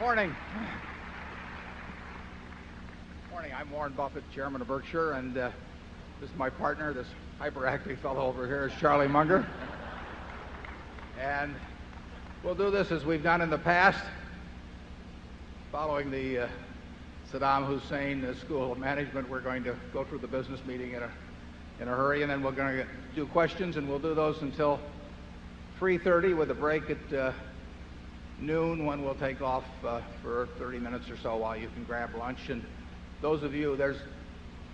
Morning. Morning. I'm Warren Buffett, Chairman of Berkshire. And, this is my partner. This hyperactive fellow over here is Charlie Munger. And we'll do this as we've done in the past. Following the Saddam Hussein School of Management, we're going to go through the business meeting in a in a hurry and then we're going to do questions and we'll do those until 3:30 with a break at noon when we'll take off for 30 minutes or so while you can grab lunch. And those of you there's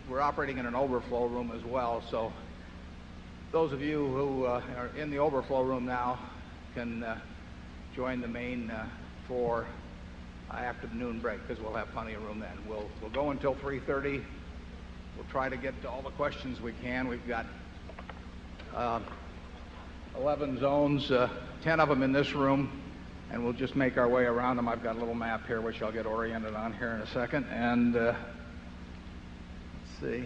we're operating in an overflow room as well. So those of you who are in the overflow room now can join the main for afternoon break because we'll have plenty of room then. We'll go until 3:30. We'll try to get to the questions we can. We've got 11 zones, 10 of them in this room, and we'll just make our way around them. I've got a little map map here, which I'll get oriented on here in a second. And let's see.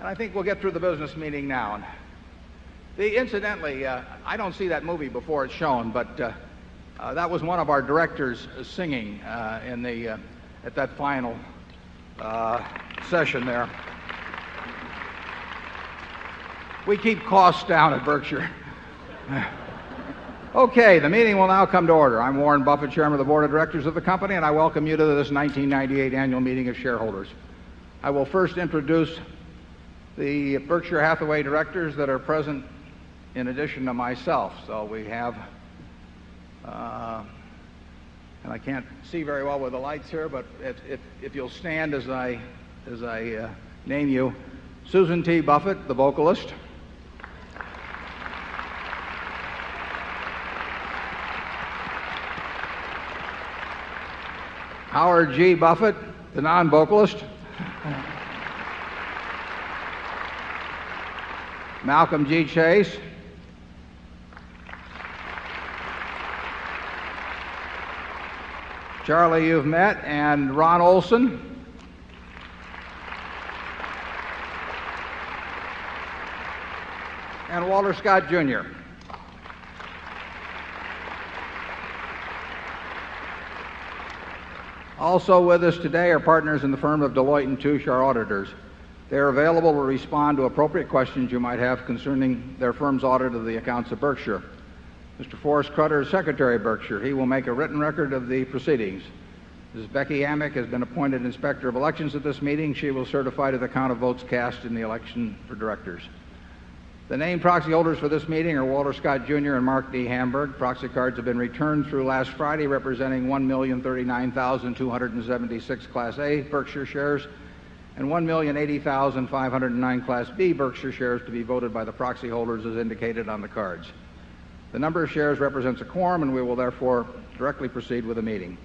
And I think we'll get through the business meeting now. The incidentally, I don't see that movie before it's shown, but, that was one of our directors singing, in the, at that final session there. We keep costs down at Berkshire. Okay. The meeting will now come to order. I'm Warren Buffett, Chairman of the Board of Directors of the company, and I welcome you to this 1998 Annual Meeting of Shareholders. I will first introduce the Berkshire Hathaway directors that are present in addition to myself. So we have and I can't see very well where the light's here, but if you'll stand as I name you, Susan T. Buffett, the vocalist. Howard G. Buffett, the nonvocalist. Malcolm G. Chase. Charlie, you've met. And Ron Olson. And Walter Scott Junior. Also with us today are partners in the firm of Deloitte and Touche, our auditors. They are available to respond to appropriate questions you might have concerning their firm's audit of the accounts of Berkshire. Mr. Forrest Carter, secretary of Berkshire, he will make a written record of the proceedings. Ms. Becky Hammack has been appointed inspector of elections at this meeting. She will certify to the count of votes cast in the election for directors. The named proxy holders for this meeting are Walter Scott Junior and Mark D. Hamburg. Proxy cards have been returned through last Friday representing 1,000,39,270 6 Class A Berkshire Shares and 1,080,509 Class B Berkshire Shares to be voted by the proxy holders as indicated on the cards. The number of shares represents a quorum and we will therefore directly proceed with the meeting.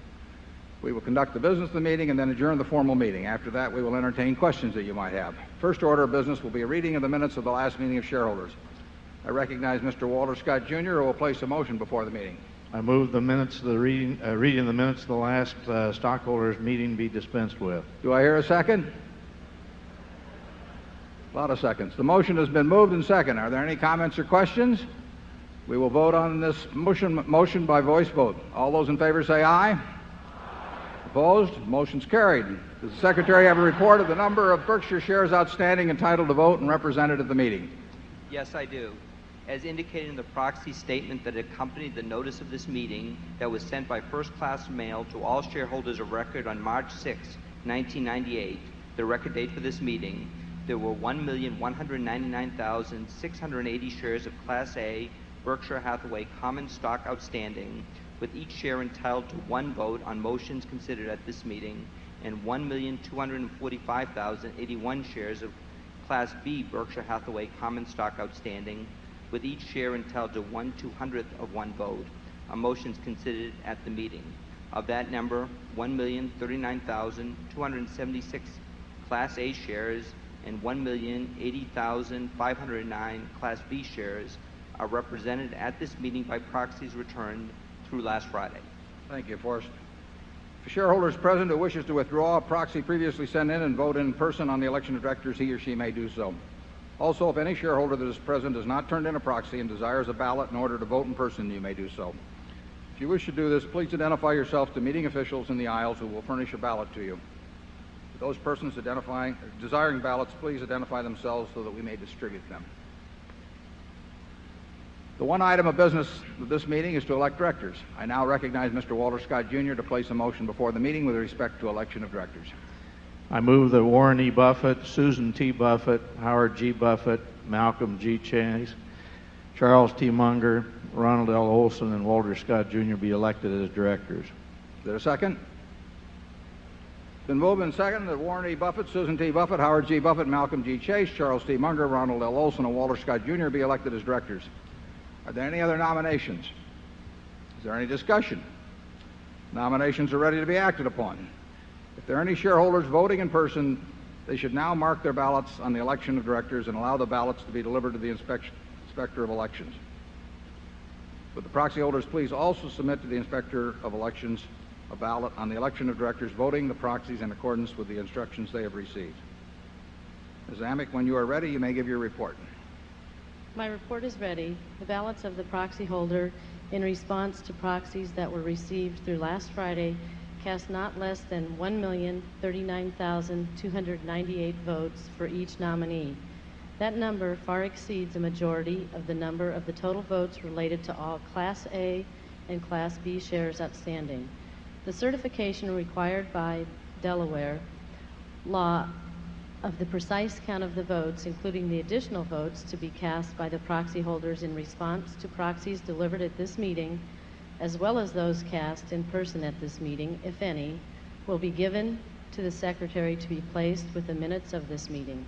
We will conduct the business of the meeting and then adjourn the formal meeting. After that, we will entertain questions that you might have. First order of business will be a reading of the minutes of the last meeting of shareholders. I recognize Mr. Walter Scott, Jr, who will place a motion before the meeting. I move the minutes of the reading reading the minutes of the last stockholders' meeting be dispensed with. Do I hear a second? Lot of seconds. The motion has been moved and seconded. Are there any comments or questions? We will vote on this motion motion by voice vote. All those in favor, say aye. Opposed? Motion's carried. Does the secretary have a report of the number of Berkshire shares outstanding entitled to vote and represented at the meeting? Yes, I do. As indicated in the proxy statement that accompanied the notice of this meeting that was sent by 1st class mail to all shareholders of record on March 6, 1998, the record date for this meeting, there were 1,199,006 180 shares of Class A Berkshire Hathaway common stock outstanding, with each share entitled to one vote on motions considered at this meeting and 1,002 145,081 shares of Class B Berkshire Hathaway common stock outstanding, with each share entailed to 1 200th of 1 vote. A motion is considered at the meeting. Of that number, 1,000,000 1,080,509 Class B Shares are represented at this meeting by proxies returned through last Friday. Thank you, Forrest. The A shareholders present who wishes to withdraw a proxy previously sent in and vote in person on the election of directors, he or she may do so. Also, if any shareholder that does not turn in a proxy and desires a ballot in order to vote in person, you may do so. If you wish to do this, please identify yourself to meeting officials in the aisles who will furnish a ballot to you. To those persons identifying desiring ballots, please identify themselves so that we may distribute them. The one item of business with this meeting is to elect directors. I now recognize Mr. Walter Scott, Jr. To place a motion before the meeting with respect to election of directors. I move that Warren E. Buffet, Susan T. Buffet, Howard G. Buffet, Malcolm G. Chang, Charles T. Munger, Ronald L. Olson, and Walter Scott, Jr. Be elected as directors. Is there a second? The move and second that Warren Buffett, Susan T. Buffet, Howard G. Buffet, Malcolm D. Chase, Charles D. Munger, Ronald L. Olson, and Walter Scott, Jr. Be elected as directors. Are there any other nominations? Is there any discussion? Nominations are ready to be acted upon. If there are any shareholders voting in person, they should now mark their ballots on the election of directors and allow the ballots to be delivered to the Inspector of Elections. Would the proxy holders please also submit to the Inspector of Elections a ballot on the election of directors voting proxies in accordance with the instructions they have received. Ms. Amick, when you are ready, you may give your report. My report is ready. The ballots of the proxy holder in response to proxies that were received through last Friday cast not less than 1,000,000,298 votes for each nominee. That number far exceeds a majority of the number of the total votes related to all Class A and Class B shares outstanding. The certification required by Delaware law of the precise count of the votes including the additional votes to be cast by the proxy holders in response to proxies delivered at this meeting as well as those cast in person at this meeting if any will be given to the Secretary to be placed with the minutes of this meeting.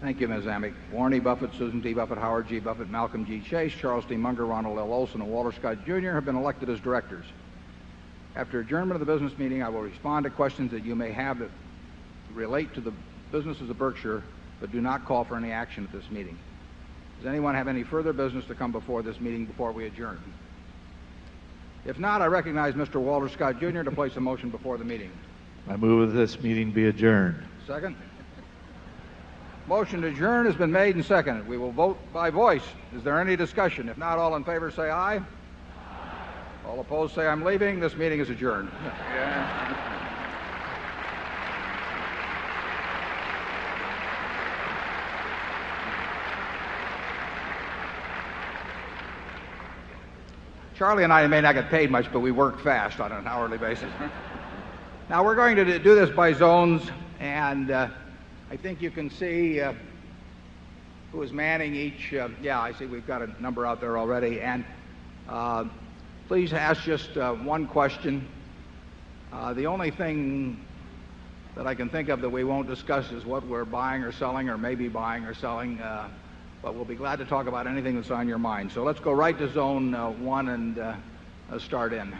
Thank you, Ms. Amiek. Warren Buffett, Susan D. Buffett, Howard G. Buffett, Malcolm G. Chase, Charles D. Munger, Ronald L. Olson, and Walter Scott, Jr. Have been elected as Directors. After adjournment of the business meeting, I will respond to questions that you may have that relate to the businesses of Berkshire, but do not call for any action at this meeting. Does anyone have any further business to come before this meeting before we adjourn? If not, I recognize Mr. Walter Scott, Jr. To place a motion before the meeting. I move that this meeting be adjourned. Second? Motion to adjourn has been made and seconded. We will vote by voice. Is there any discussion? If not, all in favor say aye. All opposed say I'm leaving. This meeting is adjourned. Charlie and I may not get paid much, but we worked fast on an hourly basis. Now, we're going to do this by zones and, I think you can see who is manning each, yeah, I see we've got a number out there already. And, please ask just one question. The only thing that I can think of that we won't discuss is what we're buying or selling or maybe buying or selling, but we'll be glad to talk about anything that's on your mind. So let's go right to zone 1 and start in.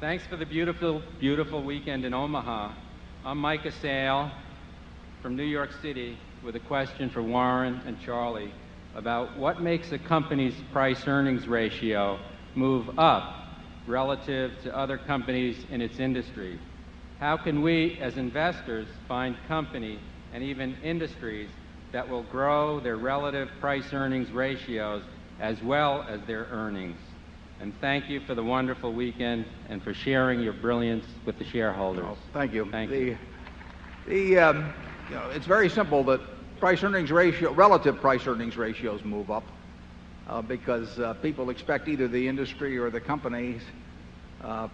Thanks for the beautiful, beautiful weekend in Omaha. I'm Mike Assail from New York City with a question for Warren and Charlie about what makes a company's price earnings ratio move up relative to other companies in its industry? How can we, as investors, find companies and even industries that will grow their relative price earnings ratios as well as their earnings. And thank you for the wonderful weekend and for sharing your brilliance with the shareholders. Thank you. The, it's very simple, but price earnings ratio relative price earnings ratios move up, because, people expect either the industry or the company's,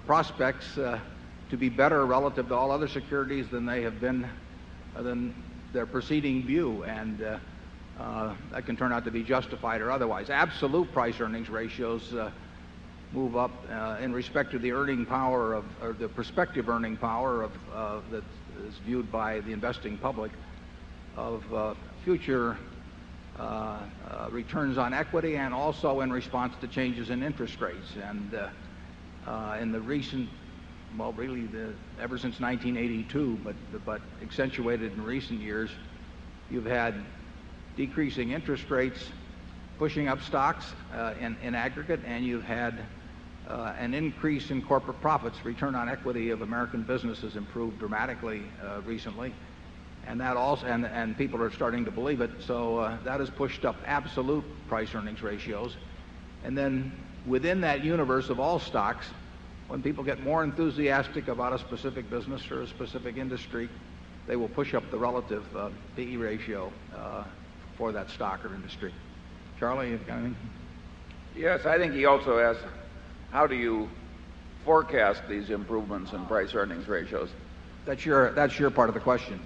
prospects to be better relative to all other securities than they have been, than their preceding view. And, that can turn out to be justified or otherwise. Absolute price earnings ratios move up earnings ratios move up in respect to the earning power of or the prospective earning power of that is viewed by the investing public of future returns on equity and also in response to changes in interest rates. And in the recent well, really ever since 1982 but accentuated in recent years, you've had decreasing interest rates pushing up stocks in in aggregate, and you've had, an increase in corporate profits. Return on equity of American businesses improved dramatically, recently. And that also and people are starting to believe it. So, that has pushed up absolute price earnings ratios. And then within that universe of all stocks, when people get more enthusiastic about a specific business or a specific industry, they will push up the relative PE ratio for that stock or industry. Charlie, you've got anything? Yes. I think he also asked, how do you forecast these improvements in price earnings ratios? That's your part of the question.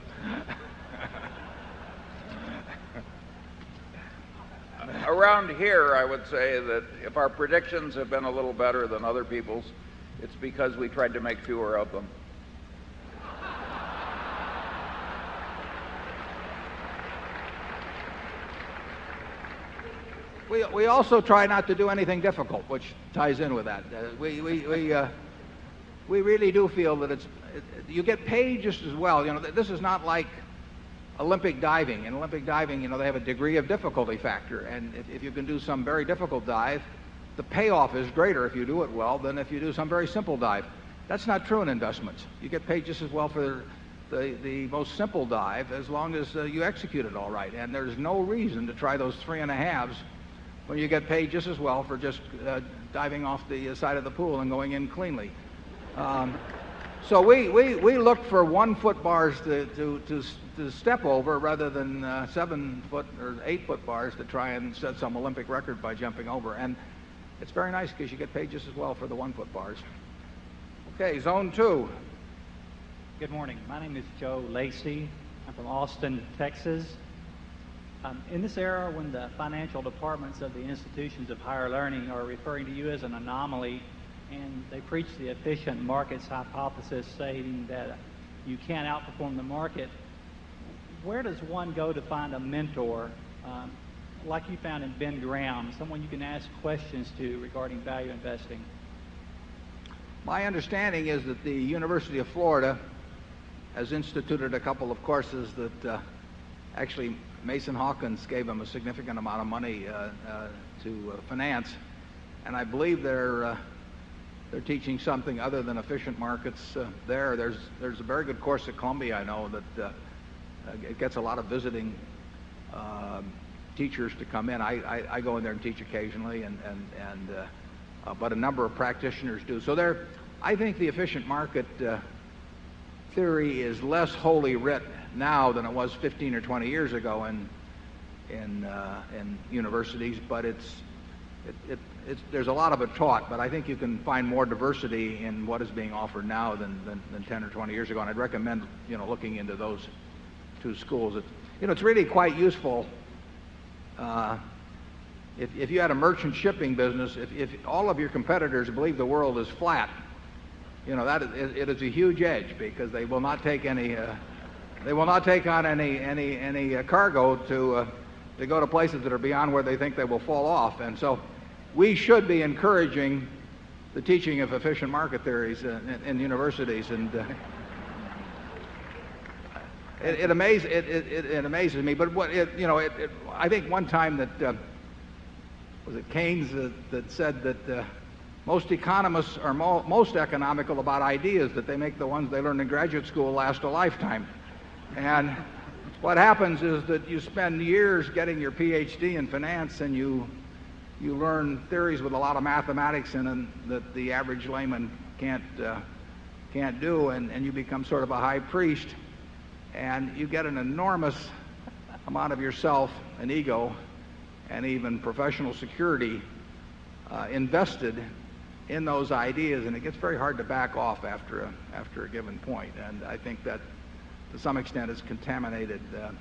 Around here, I would say that if our predictions have been a little better than We We also try not to do anything difficult, which ties in with that. We really do feel that it's you get paid just as well. This is not like Olympic diving. In Olympic diving, they have a degree of difficulty factor. And if you can do some very difficult dive, the payoff is greater if you do it well than if you do some very simple dive. That's not true in investments. You get paid just as well for the most simple dive as long as you execute it all right. And there's no reason to try those 3.5s when you get paid just as well for just diving off the side of the pool and going in cleanly. So we look for 1 foot bars to step over rather than 7 foot or 8 foot bars to try and set some Olympic record by jumping over. And it's very nice because you get paid just as well for the 1 foot bars. Okay. Zone 2. Good morning. My name is Joe Lacey. I'm from Austin, Texas. In this era, when the financial departments of the institutions of learning are referring to you as an anomaly and they preach the efficient markets hypothesis saying that you can't outperform the market, Where does one go to find a mentor, like you found in Ben Graham, someone you can ask questions to regarding value investing? My understanding is that the University of Florida has instituted a couple of courses that, actually Mason Hawkins gave them a significant amount of money, to finance. And I believe they're teaching something other than efficient markets there. There's a very good course at Columbia I know that gets a lot of visiting teachers to come in. I go in there and teach occasionally and, but a number of practitioners do. So there I think the efficient market theory is less wholly written now than it was 15 or 20 years ago in universities, but it's there's a lot of it taught, but I think you can find more diversity in what is being offered now than 10 or 20 years ago. And I'd recommend, you know, looking into those 2 schools. You know, it's really quite useful. If you had a merchant shipping business, if all of your competitors believe the world is flat, you know, that it is a huge edge because they will not take any they will not take on any cargo to go to places that are beyond where they think they will fall off. And so we should be encouraging the teaching of efficient market theories in universities. And it amazes me. But what it, you know, I think one time that was it Keynes that said that, most economists are most economical about ideas that they make the ones they learn in graduate school last a lifetime. And what happens is that you spend years getting your PhD in finance, and you learn theories with lot of mathematics and then that the average layman can't do and you become sort of a high priest and you get an enormous amount of yourself and ego and even professional security invested in those ideas. And it gets very hard to back off after a given point. And I think that to some extent has contaminated the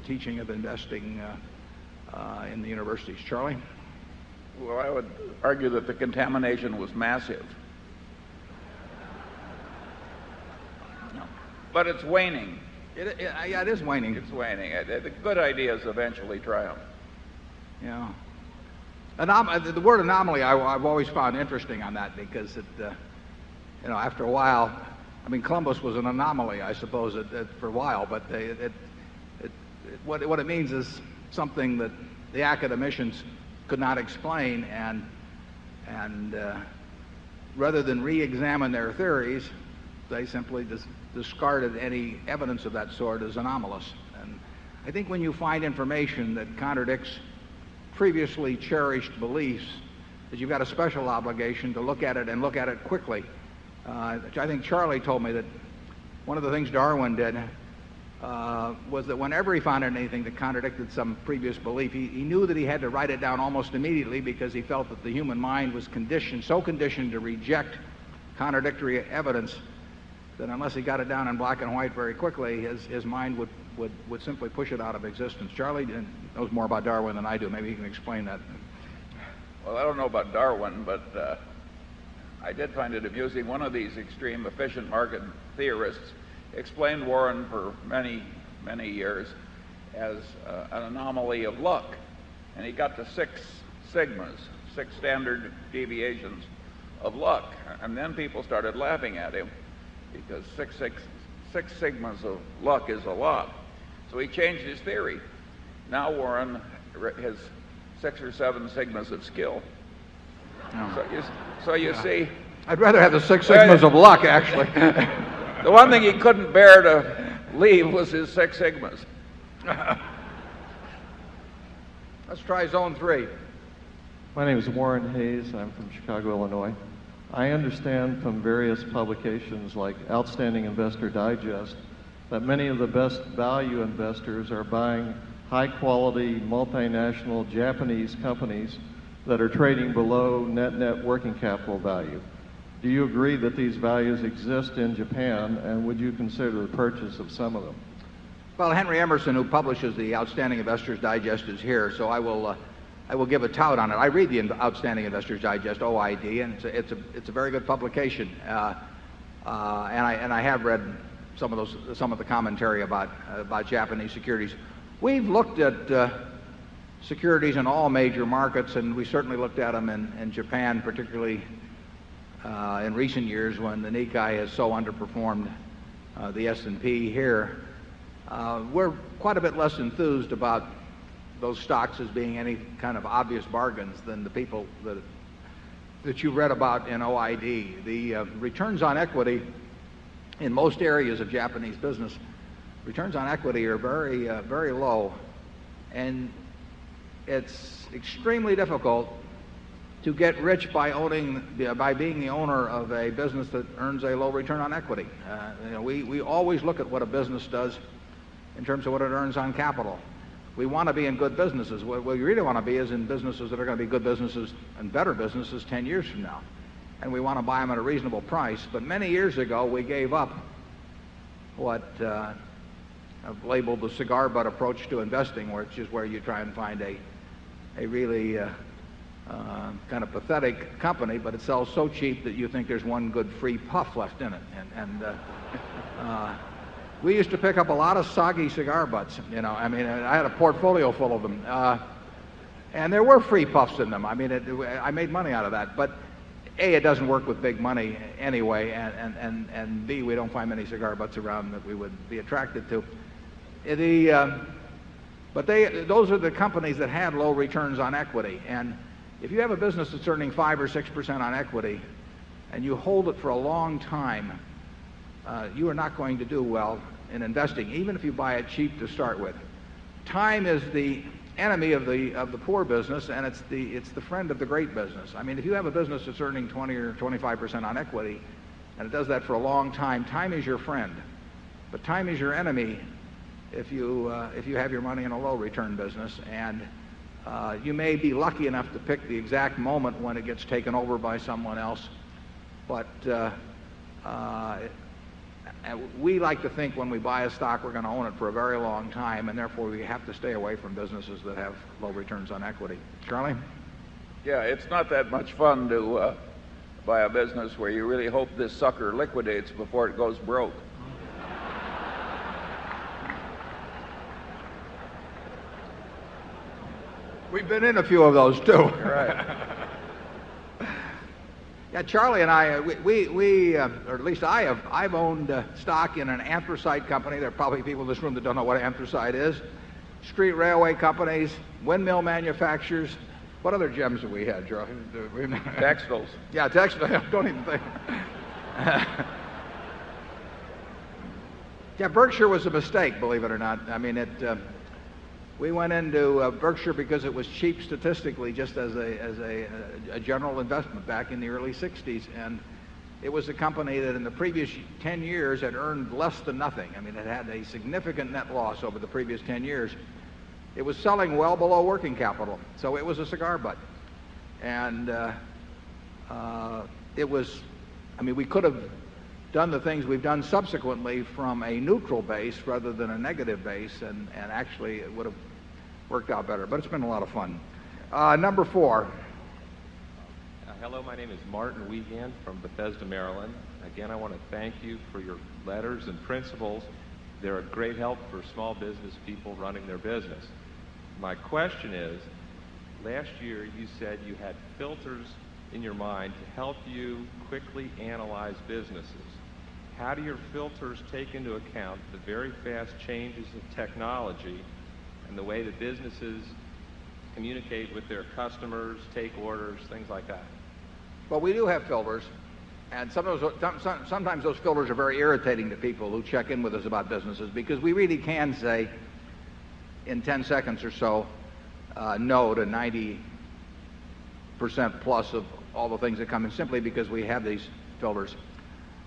teaching of investing in the universities. Charlie? Well, I would argue that the contamination was massive. But it's waning. Yeah, it is waning. It's waning. The good idea is eventually triumph. Yeah. The word anomaly, I've always found interesting on that because it, you know, after a while, I mean, Columbus was an anomaly, I suppose, for a while, but what it means is something that the academicians could not explain. And rather than re examine their theories, they simply discarded any evidence of that sort as anomalous. And I think when you find information that contradicts previously cherished beliefs, that you've got a special obligation to look at it and look at it quickly. I think Charlie told me that one of the things Darwin did, was that whenever he found anything that contradicted some previous belief, he knew that he had to write it down almost immediately because he felt that the human mind was conditioned so conditioned to reject contradictory evidence that unless he got it down in black and white very quickly, his mind would simply push it out of existence. Charlie knows more about Darwin than I do. Maybe he can explain that. Well, Well, I don't know about Darwin, but I did find it amusing. 1 of these extreme efficient market theorists explained Warren for many, many years as an anomaly of luck. And he got to 6 sigmas, 6 standard deviations of luck. And then people started laughing at him because 6 sigmas of luck is a lot. So he changed his theory. Now Warren has 6 or 7 sigmas of skill. So you see I'd rather have the 6 sigmas of luck actually. The one thing he couldn't bear to leave was his 6 sigmas. Let's try zone 3. My name is Warren Hayes. I'm from Chicago, Illinois. I understand from various publications like Outstanding Investor Digest that many of the best value investors are buying high quality, multinational Japanese companies that are trading below netnetworkingcapital value. Do you agree that these values exist in Japan and would you consider a purchase of some of them? Well, Henry Emerson, who publishes the outstanding Investors Digest, is here, so I will give a tout on it. I read the Outstanding Investors Digest OID and it's a very good publication. And I have read some of those some of the commentary about Japanese securities. We've looked at securities in all major markets, and we certainly looked at them in Japan, particularly in recent years when the Nikkei has so underperformed the S and P here. We're quite a bit less enthused about those stocks as being any kind of obvious bargains than the people that you read about in OID. The, returns on equity in most areas of Japanese business, returns on equity are very, very low. And it's extremely difficult to get rich by owning by being the owner of a business that earns low return on equity. We always look at what a business does in terms of what it earns on capital. We want to be in good businesses. What we really want to be is in businesses that are going to be good businesses and better businesses 10 years from now, and we want to buy them at a reasonable price. But many years ago, we gave up what, I've labeled the cigar butt approach to investing, which is where you try and find a really, kind of pathetic company, but it sells so cheap that you think there's one good free puff left in it. And we used to pick up a lot of soggy cigar butts, you know. I mean, I had a portfolio full of them. And there were free puffs in them. I mean, I made money out of that. But A, it doesn't work with big money anyway, and B, we don't find any cigar butts around that we would be attracted to. The But those are the companies that have low returns on equity. And if you have a business that's earning 5% or 6% on equity and you hold it for a long time, you are not going to do well in investing, even if you buy it cheap to start with. Time is the enemy of the of the poor business, and it's the it's the friend of the great business. I mean, if you have a business that's earning 20 or 25 percent on equity and it does that for a long time, time is your friend. But time is your enemy if you, if you have your money in a low return business. And, you may be lucky enough to pick the exact moment when it gets taken over by someone else. But we like to think when we buy a stock, we're going to own it for a very long time. And therefore, we have to stay away from businesses that have low returns on equity. Charlie? CHAIRMAN Yeah, it's not that much fun to buy a business where you really hope this sucker liquidates before it goes broke. We've been in a few of those too. Right. Yeah. Charlie and I, we or at least I have I've owned stock in an anthracite company. There are probably people in this room that Joe? Texfills. Yeah, Texfills. Don't even think. Yeah, Berkshire was a mistake, believe it or not. I mean, it we went into Berkshire because it was cheap statistically just as a as a general investment back in the early sixties. And it was a company that, in the previous 10 years, had earned less than nothing. I mean, it had a significant net loss over the previous 10 years. It was selling well below working capital, so it was a cigar button. And, it was I mean, we could have done the things we've done subsequently from a neutral base rather than a negative base. And actually, it would have worked out better. But it's been a lot of fun. Number 4. Hello. My name is their business. My question is, last year you said you had filters in your mind to help you quickly analyze businesses. How do your filters take into account the very fast changes in technology and the way that businesses communicate with their customers, take orders, things like that? Well, we do have filters and sometimes those filters are very irritating to people who check-in with us about businesses because we really can say in 10 seconds or so, no to 90 percent plus of all the things that come in simply because we have these filters.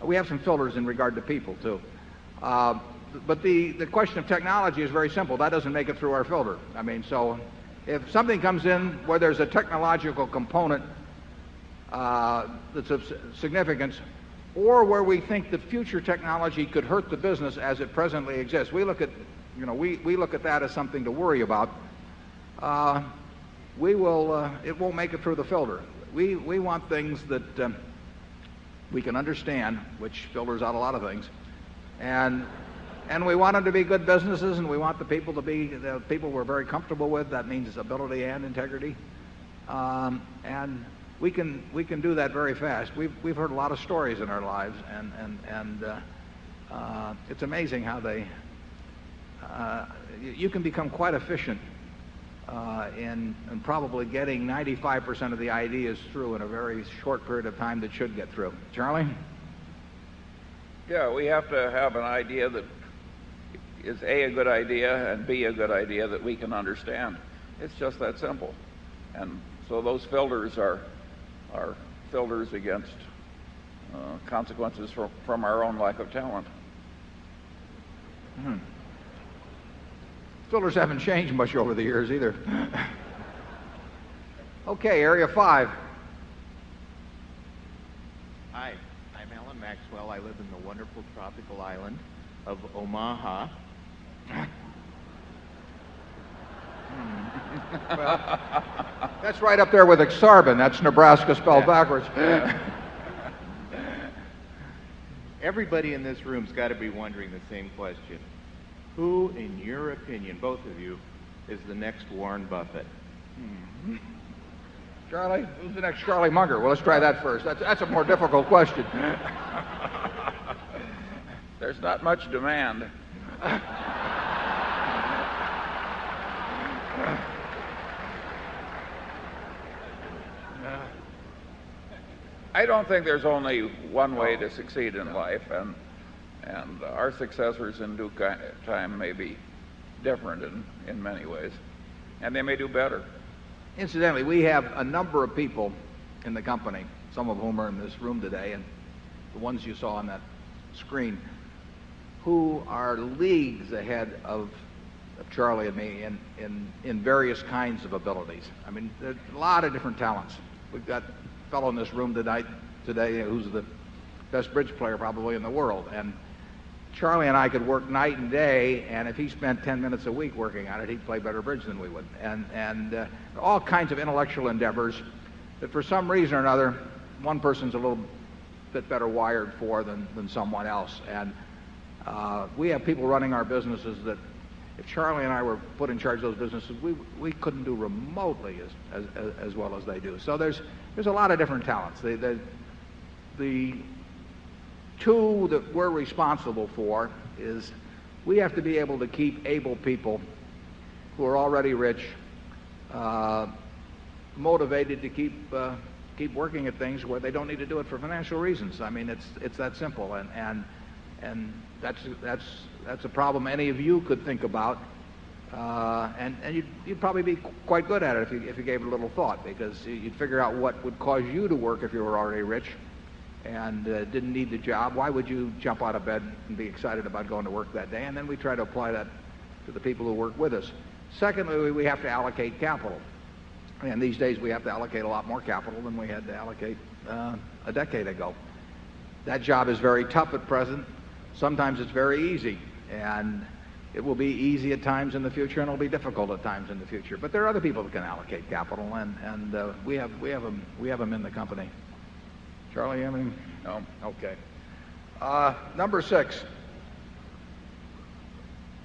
We have some filters in regard to people too. But the question of technology is very simple. That doesn't make it through our filter. I mean, so if something comes in where there's a technological component, that's of significance or where we think the future technology could hurt the business as it presently exists, we look at you know, we look at that as something to worry about. We will, it won't make it through the filter. We want things that we can understand, which filters out a lot of things. And we want them to be good businesses, and we want the people to be the people we're very comfortable with. That means ability and integrity. And we can do that very fast. We've heard a lot of stories in our lives, and it's amazing how they you can become quite efficient in probably getting 95% of the ideas through in a very short period of time that should get through. Charlie? Yeah, we have to have an idea that is, a, a good idea and b, a good idea that we can understand. It's just that simple. And so those filters are filters against consequences from our own lack of talent. Filters haven't changed much over the years either. Okay. Area 5. Hi. I'm Alan Maxwell. I live in the wonderful tropical island of Omaha. That's right up there with Exarvin. That's Nebraska spelled backwards. Everybody in this room's got to be wondering the same question. Who, in your opinion, both of you, is the next Warren Buffett? Charlie? Who's the next Charlie Munger? Well, let's try that first. That's a more difficult question. There's not much demand. I don't think there's only one way to succeed in life. And our successors in due time may be different in many ways, and they may do better. Incidentally, we have a number of people in the company, some of whom are in this room today and the ones you saw on that screen, who are leagues ahead of Charlie and me in various kinds of abilities. I mean, there's a lot of different talents. We've got a fellow in this room tonight today who's the best bridge player probably in the world. And Charlie and I could work night and day, and if he spent 10 minutes a week working on it, he'd play better bridge than we would. And and, all kinds of intellectual endeavors that for some reason or another, one person's a little bit better wired for than someone else. And, we have people running our businesses that, Charlie and I were put in charge of those businesses, we couldn't do remotely as well as they do. So there's a lot of different talents. The 2 that we're responsible for is we have to be able to keep able people who are already rich motivated to keep, keep working at things where they don't need to do it for financial reasons. I mean, it's it's that simple. And that's a problem any of you could think about. And you'd probably be quite good at it if you gave it a little thought because you'd figure out what would cause you to work if you were already rich and didn't need the job. Why would you jump out of bed and be excited about going to work that day? And then we try to apply that to the people who work with us. Secondly, we have to allocate capital. And these days, we have to allocate a lot more capital than we had to allocate, a decade ago. That job is very tough at present. Sometimes it's very easy. And it will be easy at times in the future and it'll be difficult at times in the future. But there are other people that can allocate capital and we have them in the company. Charlie, you have any? No. Okay. Number 6.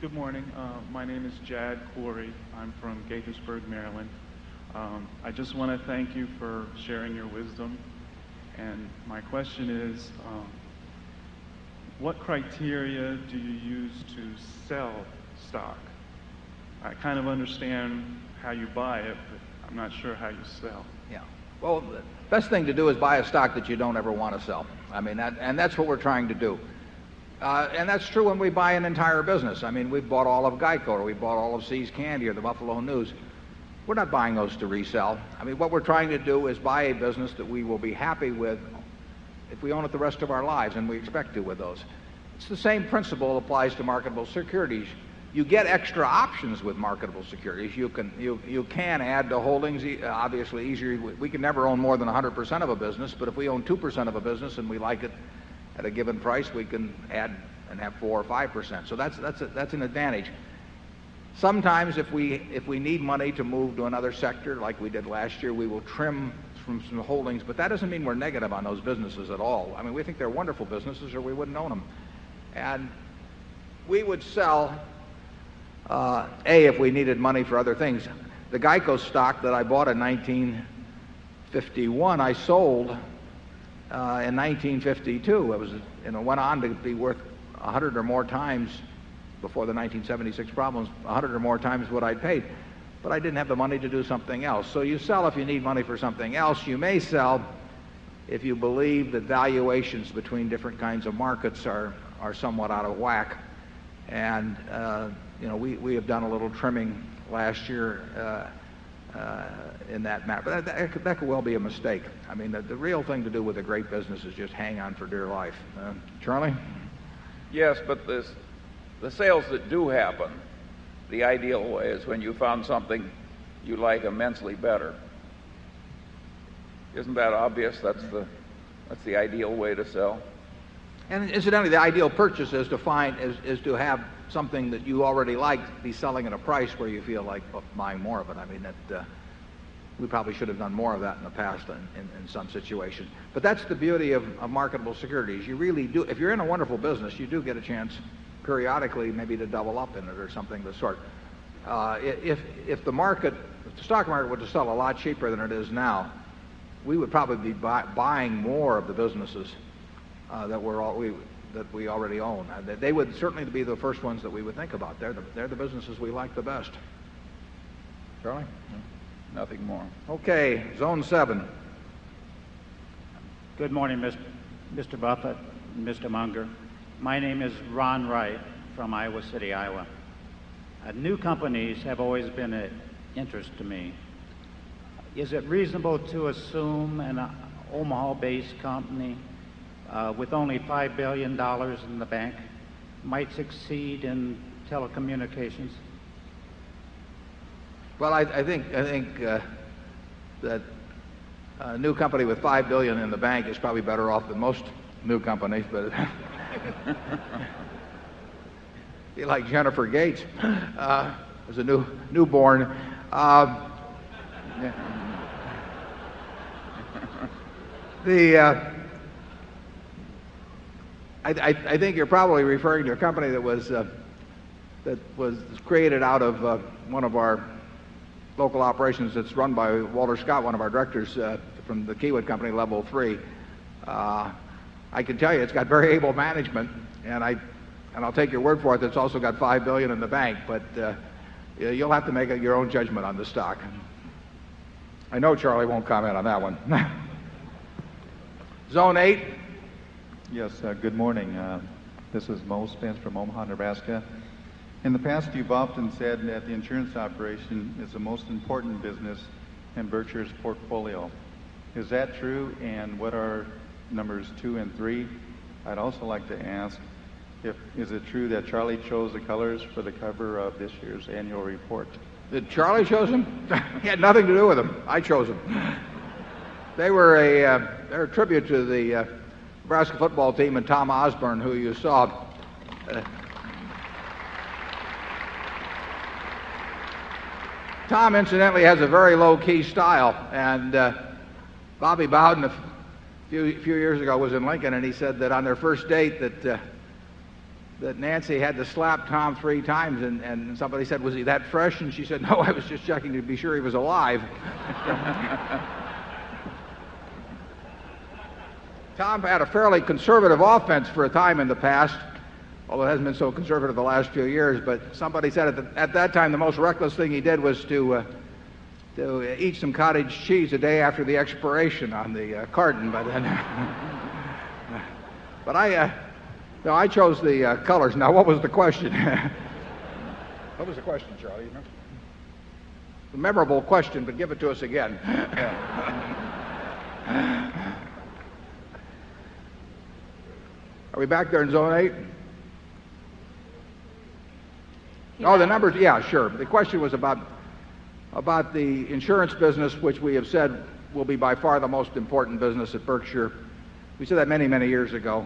Good morning. My name is Jag what criteria do you use to sell stock? I kind of understand how you buy it, but I'm not sure how you sell. Yeah. Well, the best thing to do is buy a stock that you don't ever want to sell. I mean that and that's what we're trying to do. That's true when we buy an entire business. I mean, we've bought all of GEICO or we've bought all of See's Candy or the Buffalo News. We're not buying those to resell. What we're trying to do is buy a business that we will be happy with if we own it the rest of our lives, and we expect to with those. It's the same principle applies to marketable securities. You get extra options with marketable securities. You can add to holdings, obviously easier. We can never own more than 100% of a business. But if we own 2% of a business and we like it at a given price, we can add and have 4% or 5%. So that's an advantage. Sometimes, if we need money to move to another sector, like we did last year, we will trim from some holdings, but that doesn't mean we're negative on those businesses at all. I mean, we think they're wonderful businesses or we wouldn't own them. And we would sell, a, if we needed money for other things. The GEICO stock that I bought in 19 51, I sold, in 1952. It was and it went on to be worth a 100 or more times before the 1976 problems, a 100 or more times what I paid, but I didn't have the money to do something else. So you sell if you need money for something else. You may sell if you you know, we we have done a little trimming last year, in that map. But that could well be a mistake. I mean, the real thing to do with a great business is just hang on for dear life. Charlie? Yes, but the sales that do happen, the ideal way is when you found something you like immensely better. Isn't that obvious that's the ideal way to sell? And incidentally, the ideal purchase is to find is to have something that you already like be selling at a price where you feel like buying more of it. I mean that we probably should have done more of that in the past in some situation. But that's the beauty of marketable securities. You really do if you're in a wonderful business, you do get a chance periodically maybe to double up in it or something of that sort. If if the market if the stock market were to sell a lot cheaper than it is now, we would probably be buying more of the businesses, that we're all that we already own. They would certainly be the first ones that we would think about. They're the businesses we like the best. Charlie? Nothing more. Okay. Zone 7. Good morning, mister Buffet and mister Munger. My name is Ron Wright from Iowa City, Iowa. New companies have always been an interest to me. Is it reasonable to assume an Omaha based company, with only $5,000,000,000 in the bank might succeed in telecommunications? Well, I think, that a new company with 5,000,000,000 in the bank is probably better off than most new companies, but like Jennifer Gates, was a newborn. I think you're probably referring to a company that was that was created out of, one of our local operations that's run by Walter Scott, one of our directors, from the Keywood Company, Level 3. I can tell you it's got very able management, and I and I'll take your word for it, that it's also got 5,000,000,000 in the bank. But, you'll have to make your own judgment on the stock. I know Charlie won't comment on that one. Zone 8. Yes. Good morning. This is Moe Stents from Omaha, Nebraska. In the past, you've often said that the insurance operation is the most important business in Berkshire's portfolio. Is that true? And what are numbers 2 and 3? I'd also like to ask if is it true that Charlie chose the colors for the cover of this year's annual report? Did Charlie chose them? He had nothing to do with them. I chose them. They were a they're a tribute to the Nebraska football team and Tom Osborne, who you saw. Tom, incidentally, has a very low key style. And Bobby Bowden, a few years ago, was in Lincoln and he said that on their first date that that Nancy had to slap Tom three times. And somebody said, Was he that fresh? And she said, No, I was just checking to be sure he was alive. Tom had a fairly conservative offense for a time in the past, although he hasn't been so conservative the last few years. But somebody said at that time, the most reckless thing he did was to eat some cottage cheese a day after the expiration on the carton by then. But I chose the colors. Now, what was the question? What was the question, Charlie? A memorable question, but give it to us again. Are we back there in zone 8? No, the numbers yeah, sure. The question was about the insurance business, which we have said will be by far the most important business at Berkshire. We said that many, many years ago,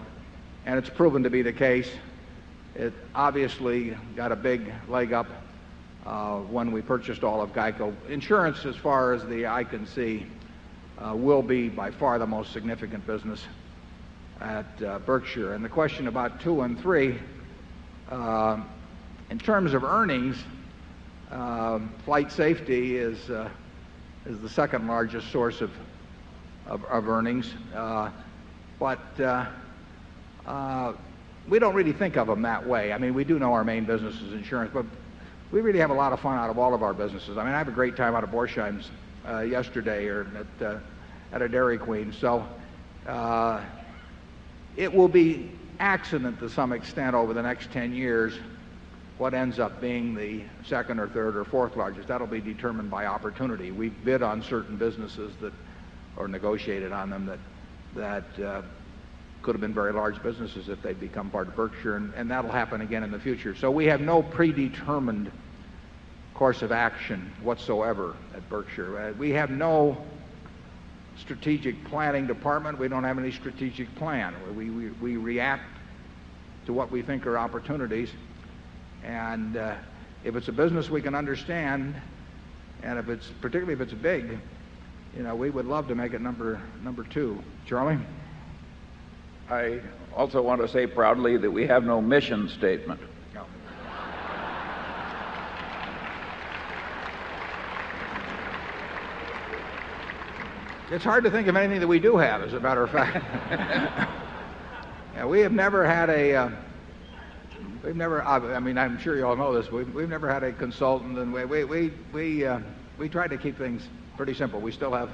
and it's proven to be the case. It obviously got a big leg up, when we purchased all of GEICO. Insurance, as far as the eye can see, will be by far the most significant business at Berkshire. And the question about 213, in terms of earnings, flight safety is the 2nd largest source of earnings. But we don't really think of them that way. I mean, we do know our main business is insurance, but we really have a lot of fun out of all of our businesses. I mean, I have a great time out of Boruchheim's yesterday or at a Dairy Queen. So it will be accident to some extent over the next 10 years what ends up being the 2nd or 3rd or 4th largest. That will be determined by opportunity. We bid on certain businesses that are negotiated on them that could have been very large business if they become part of Berkshire. And that will happen again in the future. So we have no predetermined course of action whatsoever at Berkshire. We have no strategic planning department. We don't have any strategic plan. We react to what we think are opportunities. And if it's a business we can understand, and if it's particularly if it's big, you know, we would love to make it number 2. Charlie? President Trump: I also want to say proudly that we have no mission statement. It's hard to think of anything that we do have, as a matter of fact. We have never had a we've never I mean, I'm sure you all know this. We've never had a consultant. And we try to keep things pretty simple. We still have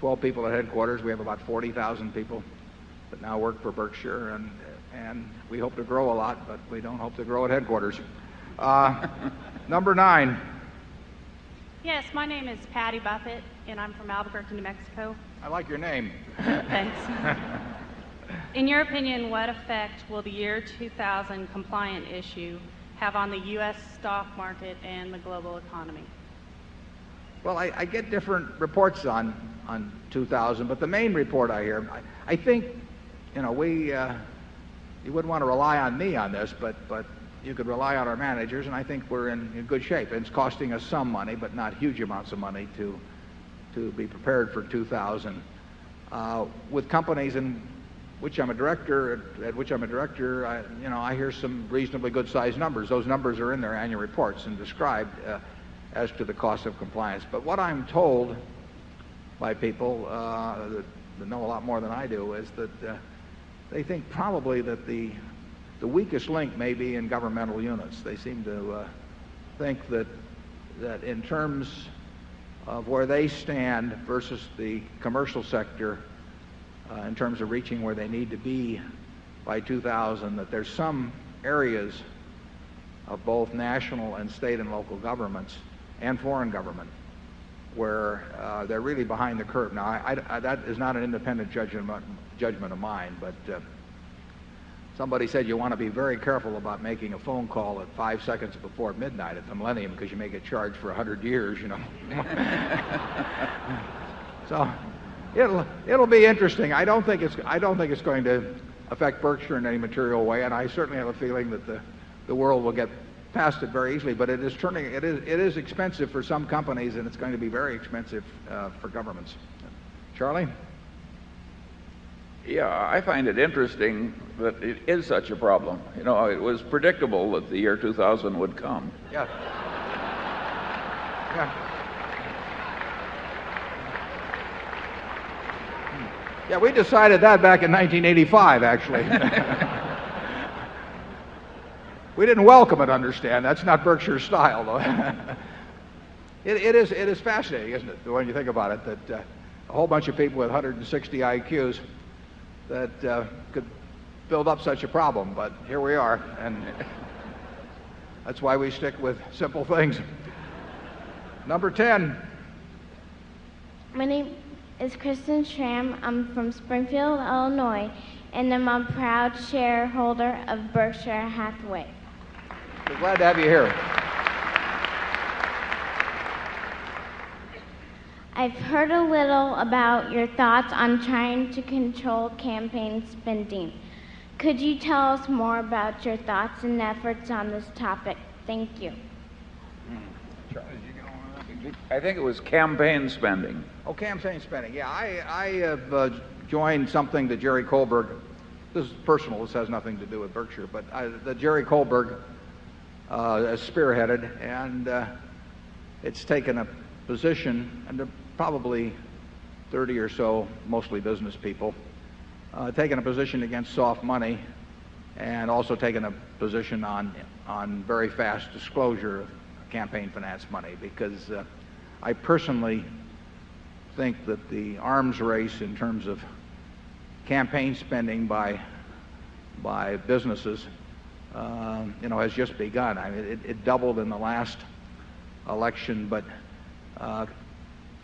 12 people at headquarters. We have about 40,000 people that now work for Berkshire. And we hope to grow a lot, but we don't hope to grow at headquarters. Number 9. Yes. My name is Patty Buffet and I'm from Albuquerque, New Mexico. I like your name. Thanks. In your opinion, what effect will the year 2000 compliant issue have on the U. S. Stock market and the global economy? Well, I get different reports on 2,000, but the main report I hear I think, you know, we you wouldn't want to rely on me on this, but you could rely on our managers. And I think we're in good shape. And it's costing us some money, but not huge amounts of money to be prepared for 2,000. With companies in which I'm a director at which I'm a director, I hear some reasonably good sized numbers. Those numbers are in their annual reports and described, as to the cost of compliance. But what I'm told by people, that know a lot more than I do is that they think probably that the weakest link may be in governmental units. Commercial sector, in terms of reaching where they need to be by 2000, that there's some areas of both national and state and local governments and foreign government where, they're really behind the curve. Now, I that is not an independent judgment of mine, but somebody said you want to be very careful about making a phone call at 5 seconds before midnight at the Millennium because you make a charge for 100 years, you know. So it'll be interesting. I don't think it's I don't think it's going to affect Berkshire in any material way. And I certainly have a feeling that the world will get past it very easily, but it is turning it is expensive for some companies and it's going to be very expensive, for governments. Charlie? Yes. I find it interesting that it is such a problem. It was predictable that the year 2000 would come. Yes. We decided that back in 1985, actually. We didn't welcome it, understand. That's not Berkshire style, though. It is fascinating, isn't it, the way you think about it, that a whole bunch of people with 160 IQs that could build up such a problem. But here we are, and that's why we stick with simple things. Number 10. My name is Kristen Schramm. I'm from Springfield, Illinois, and I'm a proud shareholder of Berkshire Hathaway. Glad to have you here. I've heard a little about your thoughts on trying to control campaign spending. Could you tell us more about your thoughts and efforts on this topic? Thank you. I think it was campaign spending. Oh, campaign spending. Yeah. I have joined something that Jerry Goldberg this is personal. This has nothing to do with Berkshire, but I the Jerry on on very fast disclosure of campaign finance money because I personally think that the arms race in terms of campaign spending by businesses has just begun. I mean, it doubled in the last election. But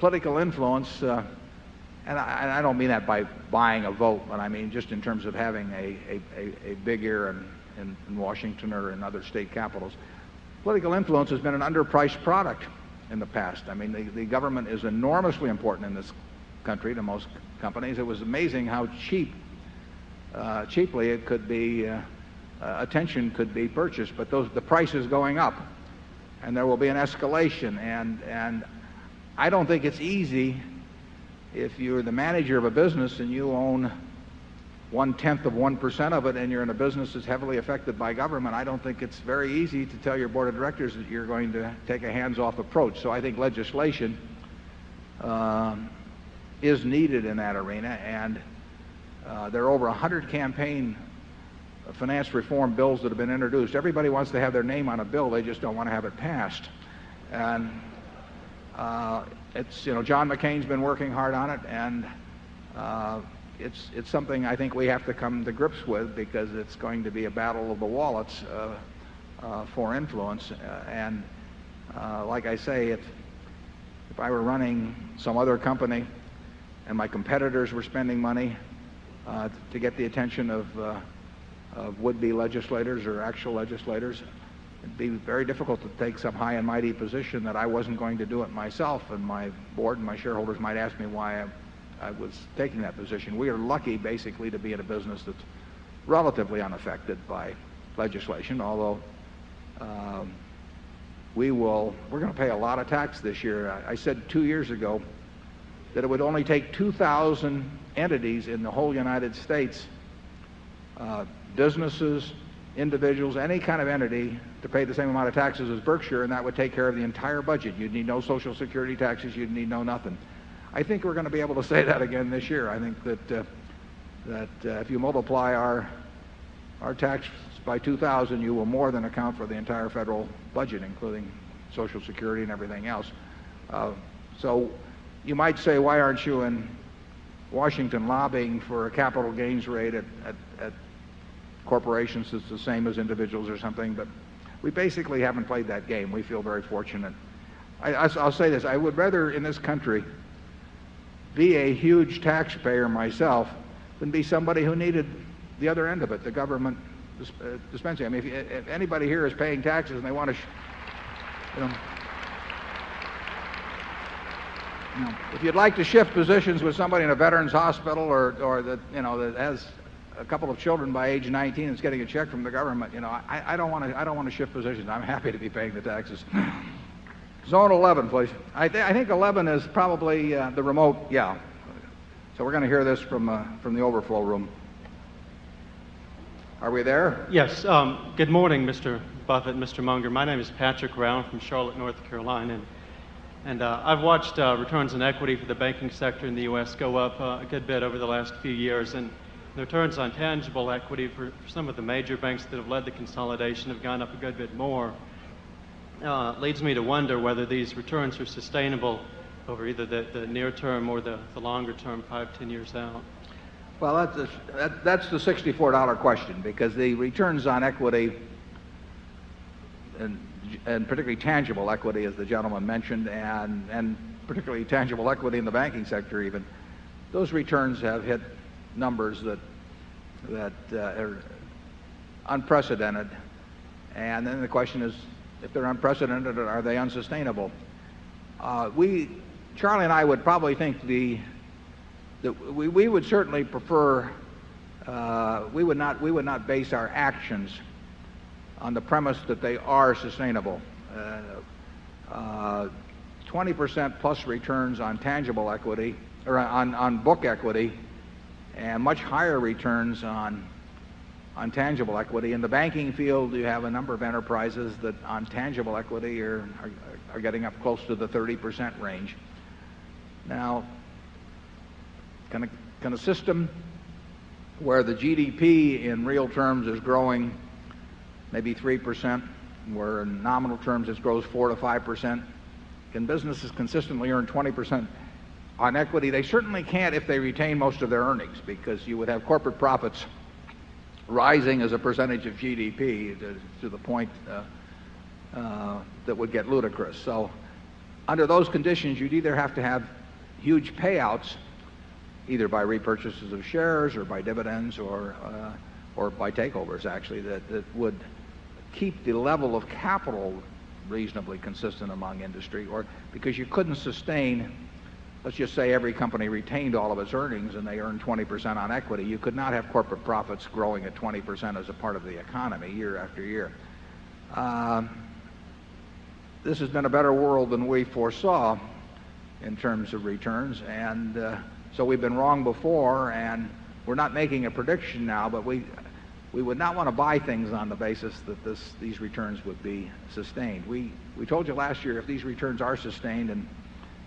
political influence and I don't mean that by buying a vote, but I mean just in terms of having a big ear in Washington or in other state capitals. Political influence has been an underpriced product in the past. I mean, the government is enormously important in this country to most companies. It was amazing how cheap, cheaply it could be attention could be purchased. But those the price is going up, and there will be an escalation. And I don't think it's easy if you're the manager of a business and you own onetenth of 1% of it and you're in a business that's heavily affected by government, I don't think it's very easy to tell your Board of Directors that you're going to take a hands off approach. So I think legislation is needed in that arena. And there are over a 100 campaign finance reform bills that have been introduced. Everybody wants to have their name on a bill. They just don't want to have it passed. And it's you know, John McCain's been working hard on it. And it's something I think we have to come to grips with because it's going to be a battle of the wallets for influence. And like I say, if I were running some other company and my competitors were spending money, to get the attention of would be legislators or actual legislators, it'd be very difficult to take some high and mighty position that I wasn't going to do it myself. And my Board and my shareholders might ask me why I was taking that position. We are lucky basically to be in a business that's relatively unaffected by legislation. Although we will we're going to pay a lot of tax this year. I said 2 years ago that it would only take 2,000 entities in the whole United States, businesses, individuals, any kind of entity to pay the same amount of taxes as Berkshire and that would take care of the entire budget. You'd need no social security taxes. You'd need no nothing. I think we're going to be able to say that again this year. I think that if you multiply our tax by 2,000 you will more than account for the entire federal budget, including Social Security and everything else. So you might say, why aren't you in Washington lobbying for a capital gains rate at corporations that's the same as individuals or something? But we basically haven't played that game. We feel very fortunate. I'll say this. I would rather in this country, government dispensing. I mean, if anybody here is paying taxes and they want If you'd like to shift positions with somebody in a veterans hospital or that, you know, that has a couple of children by age 19 and is getting check from the government. You know, I don't want to shift positions. I'm happy to be paying the taxes. Zone 11, please. I think 11 is probably the remote yeah. So we're going to hear this from the overflow room. Are we there? Yes. Good morning, Mr. Buffet and Mr. Munger. My name is Patrick Brown from Charlotte, North Carolina. And, I've watched, returns on equity for the banking sector in the U. S. Go up, a good bit over the last few years. And the turns on tangible equity for some of the major banks that have led the consolidation have gone up a good bit more, leads me to wonder whether these returns are sustainable over either the near term or the longer term, 5, 10 years out. Well, that's the $64 question because the returns on equity and particularly tangible equity, as the gentleman mentioned, and particularly tangible equity in the banking sector even, those returns have hit numbers that are unprecedented. And then the question is, if they're unprecedented, are they unsustainable? We Charlie and I would probably think we would certainly prefer we would not base our actions on the premise that they are sustainable. 20% plus returns on tangible equity or on book equity and much higher returns on tangible equity. In the banking field, you have a number of enterprises that on tangible equity are getting up close to the 30% range. Now can a system where the GDP in real terms is growing maybe 3%, where in nominal terms it grows 4% to 5% and businesses consistently earn 20% on point that would get ludicrous. So under those conditions, you'd either have to have huge payouts either by repurchases of shares or by dividends or by takeovers actually that would keep the level of capital reasonably consistent among industry or because you couldn't sustain let's just say every company retained all of its earnings and they earned 20% on equity, you could not have corporate profits growing at 20% as a part of the economy year after year. This has been a better world than we foresaw in terms of returns. And so we've been wrong before and we're not making a prediction now, but we would not want to buy things on the basis that these returns would be sustained. We told you last year if these returns are sustained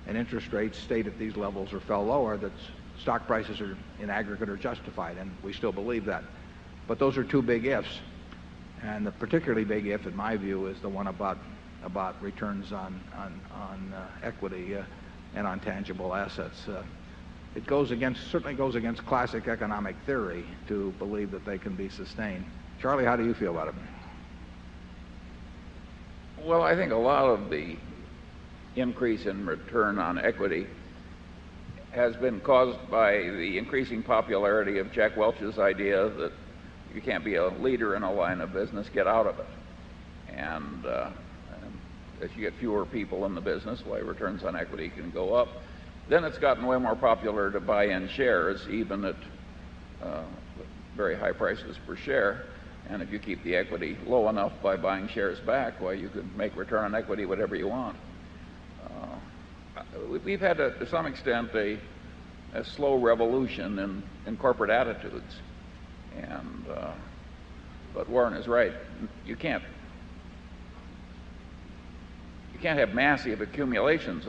and interest rates stayed at these levels or fell lower, that stock prices are in aggregate are justified, and we still believe that. But those are 2 big ifs. And the particularly big if, in my view, is the one about returns on equity and on tangible assets. It goes against certainly goes against classic economic theory to believe that they can be sustained. Charlie, how do you feel about it? Well, I think a lot of the increase in return on equity has been caused by the increasing popularity of Jack Welch's idea that you can't be a leader in a line of business, get out of it. And as you get fewer people the business, why returns on equity can go up? Then it's gotten way more popular to buy in shares even at very high prices per share. And if you keep the equity low enough by buying shares back, well, you could make return on equity whatever you want. We've had, to some extent, a slow revolution in corporate attitudes. But Warren is right. You can't have massive accumulations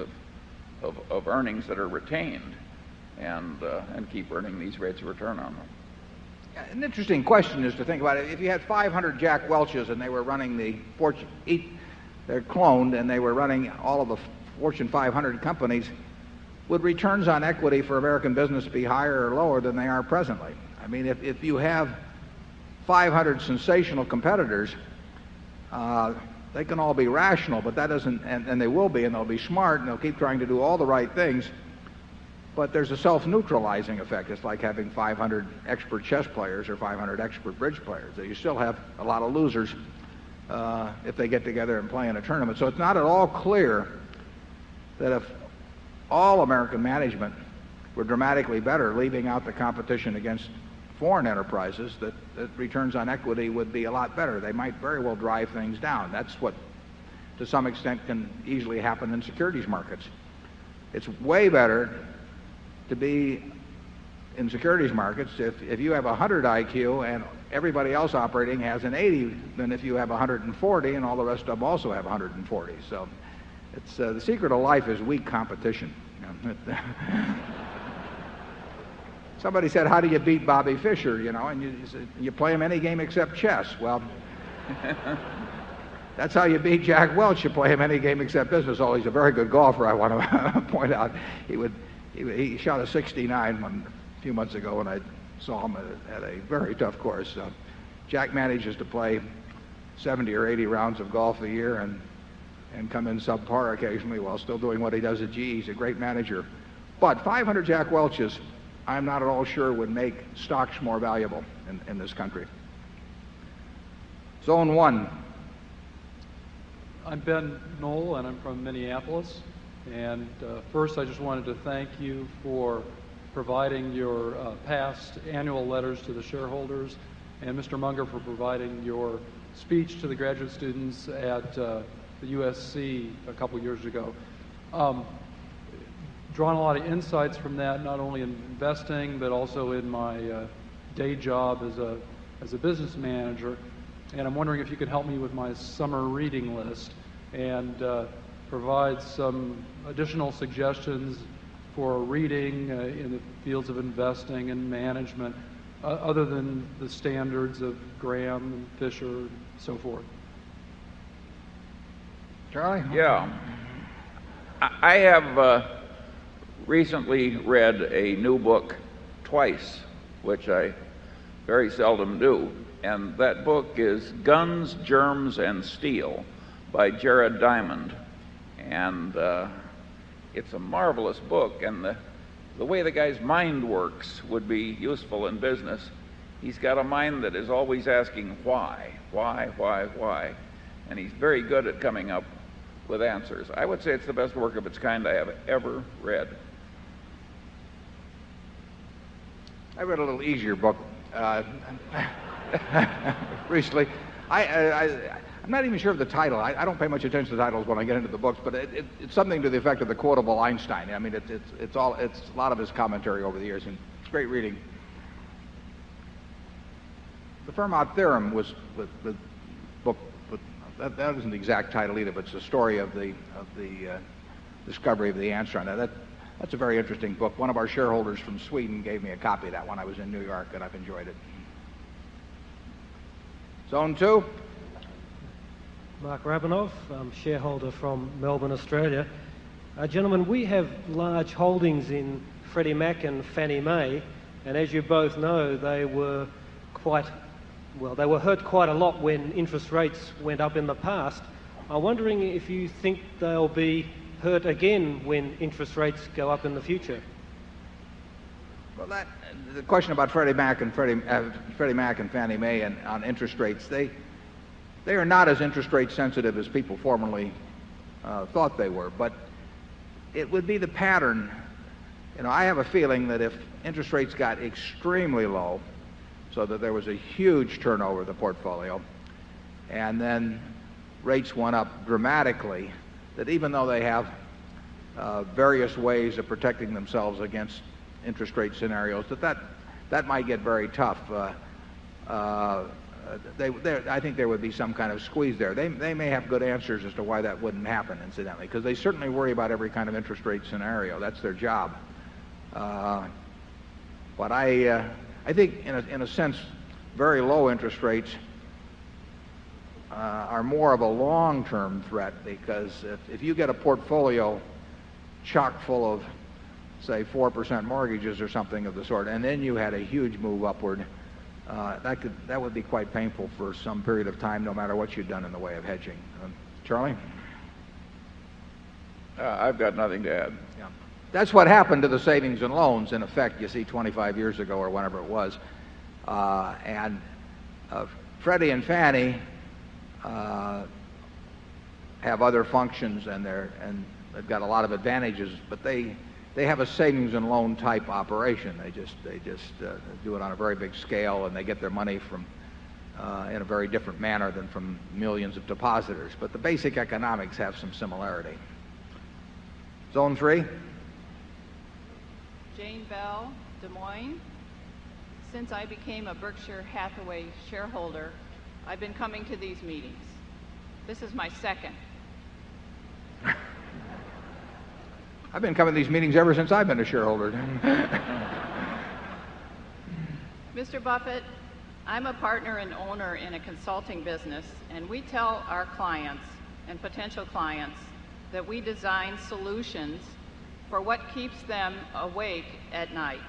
of earnings that are retained and keep earning these rates of return on them. An interesting question is to think about it. If you had 500 Jack Welch's and they were running the they're cloned and they were running all of the Fortune 500 companies, would returns on equity for American business be higher or lower than they are presently? I mean, if you have 500 sensational competitors, they can all be rational, but that doesn't and they will be, and they'll be smart, and they'll keep trying to do all the right things. But there's a self neutralizing effect. It's like having 500 expert chess players or 500 expert bridge players. You still have a lot of losers, if they get together and play in a tournament. So it's not at all clear that if all American management were dramatically better, leaving out the competition against foreign enterprises, that returns on equity would be a lot better. They might very well drive things down. That's what, to some extent, can easily happen in securities markets. It's way better to be in securities markets if you have a 100 IQ and everybody secret to life is weak competition. Somebody said, How do you beat Bobby Fischer? You know, and you play him any game except chess. Well, that's how you beat Jack Welch. You play him any game except business. Oh, he's a very good golfer, I want to point out. He would he shot a 69 a few months ago, and I saw him at a very tough course. Jack manages to play 70 or 80 rounds of golf a year and come in subpar occasionally while still doing what he does at GE. He's a great manager. But 500 Jack Welch's, I'm not at all sure, would make stocks more valuable I've drawn a lot of insights from that, not only investing, but also in my day job as a business wondering if you could help me with my summer reading list and provide some additional suggestions for reading in the fields of investing and management, other than the standards of Graham, Fisher, so forth? Charlie? Yes. I have recently read a new book twice, which I very seldom do. And that book is Guns, Germs and Steel by Jared Diamond and It's a marvelous book and the way the guy's mind works would be useful in business. He's got a mind that is always asking why, why, why, why. And he's very good at coming up with answers. I would say it's the best work of its kind I have ever read. I read a little easier book, recently. I'm not even sure of the title. I don't pay much attention to the titles when I get into the books, but it's something to the effect of the quotable Einstein. I mean, it's all it's a lot of his commentary over the years. It's great reading. The Fermat theorem was the book that wasn't the exact title either, but it's a story of of the discovery of the answer on that. That's a very interesting book. 1 of our shareholders from Sweden gave me a copy of that when I was in New York and I've enjoyed it. Zone 2. Mark Rabanov, shareholder from Melbourne, Australia. Gentlemen, we have large holdings in Freddie Mac and Fannie Mae and as you both know they were quite well they were hurt quite a lot when interest rates went up in the past. I'm wondering if you think they'll be hurt again when interest rates go up in the future? Well, that the question about Freddie Mac and Fannie Mae on interest rates, they are not as interest rate sensitive as people formerly, thought they were. But it would be the pattern. You know, I have a feeling that if interest rates got extremely low, so that there was a huge turnover of the portfolio, and then rates went up dramatically, that even though they have, various ways of protecting themselves against interest rate scenarios, that that might get very tough. I think there would be some kind of squeeze there. They may have good answers as to why that wouldn't happen incidentally because they certainly worry about every kind of worry about every kind of interest rate scenario. That's their job. But I think in a sense, very low interest rates are more of a long term threat because if you get a portfolio chock full of, say, 4% mortgages or something of the sort, and then you had a huge move upward, that could that would be quite painful for some period of time, no matter what you've done in the way of hedging. Charlie? I've got nothing to add. Yeah. That's what happened to the savings and loans, in effect, you see 25 years ago or whenever it was. And Freddie and Fannie have other functions and they're and they've got a lot of advantages, but they have a savings and loan type operation. They just do it on a very big scale and they get their money from in a very different manner than from millions of depositors. But the basic economics have some similarity. Zone 3. Jane Bell, Des Moines. Since I became a I've been coming to these meetings ever since I've been a shareholder. Mr. Buffett, I'm a partner and owner in a consulting business, and we tell our clients and potential clients that we design solutions for what keeps them awake at night.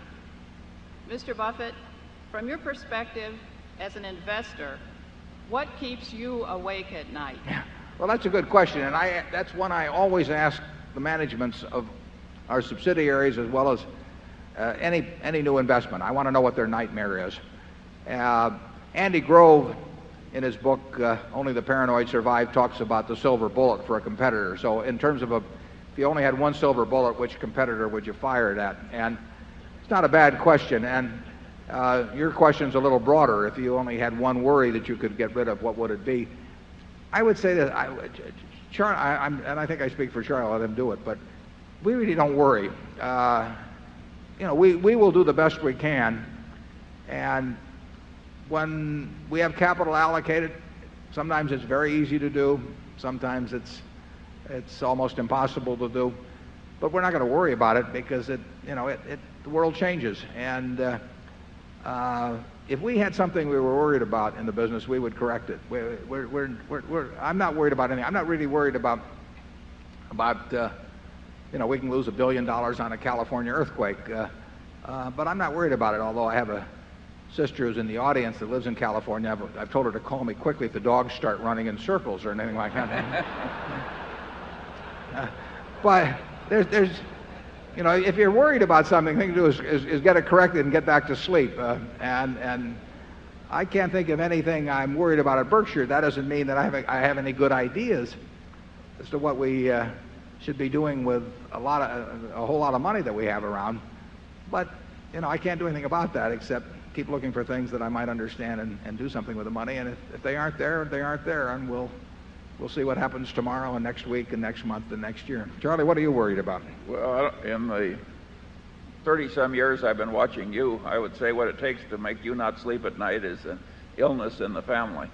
Mr. Buffett, from your perspective as an investor, what keeps you awake at night? Yeah. Well, that's a good question. And I that's one I always ask the managements of our subsidiaries as well as any new investment. I want to know what their nightmare is. Andy Grove, in his book, Only the Paranoid Survive, talks about the silver bullet for a competitor. So in terms of a if you only had one silver bullet, which competitor would you fire it at? And it's not a bad question. And, your question's a little broader. If you only had one worry that you could get rid of, what would it be? I would say that I and I think I speak for Charlie. I'll let him do it. But we really don't worry. You know, we will do the best we can. And when we have capital allocated, sometimes it's very easy to do. Sometimes it's almost impossible to do. But we're not going to worry about it because it you know, it the world changes. And, if we had something we were worried about in the business, we would correct it. We're I'm not worried about any I'm not really worried about, you know, we can lose $1,000,000,000 on a California earthquake. But I'm not worried about it, although I have a sister who's in the audience that lives in California. I've told her to call me quickly if the dogs start running in circles or anything like that. But there's you know, if you're worried about something, the thing to do is get it corrected and get back to sleep. And I can't think of anything I'm worried about at Berkshire. That doesn't mean that I have any good ideas as to what we should be doing with a lot of a whole lot of money that we have around. But, you know, I can't do anything about that except keep looking for things that I might understand and do something with the money. And if aren't there, they aren't there. And we'll see what happens tomorrow and next week and next month and next year. Charlie, what are you worried about? President Trump: Well, in the 30 some years I've been watching you, I would say what it takes to make you not sleep at night is an illness in the family.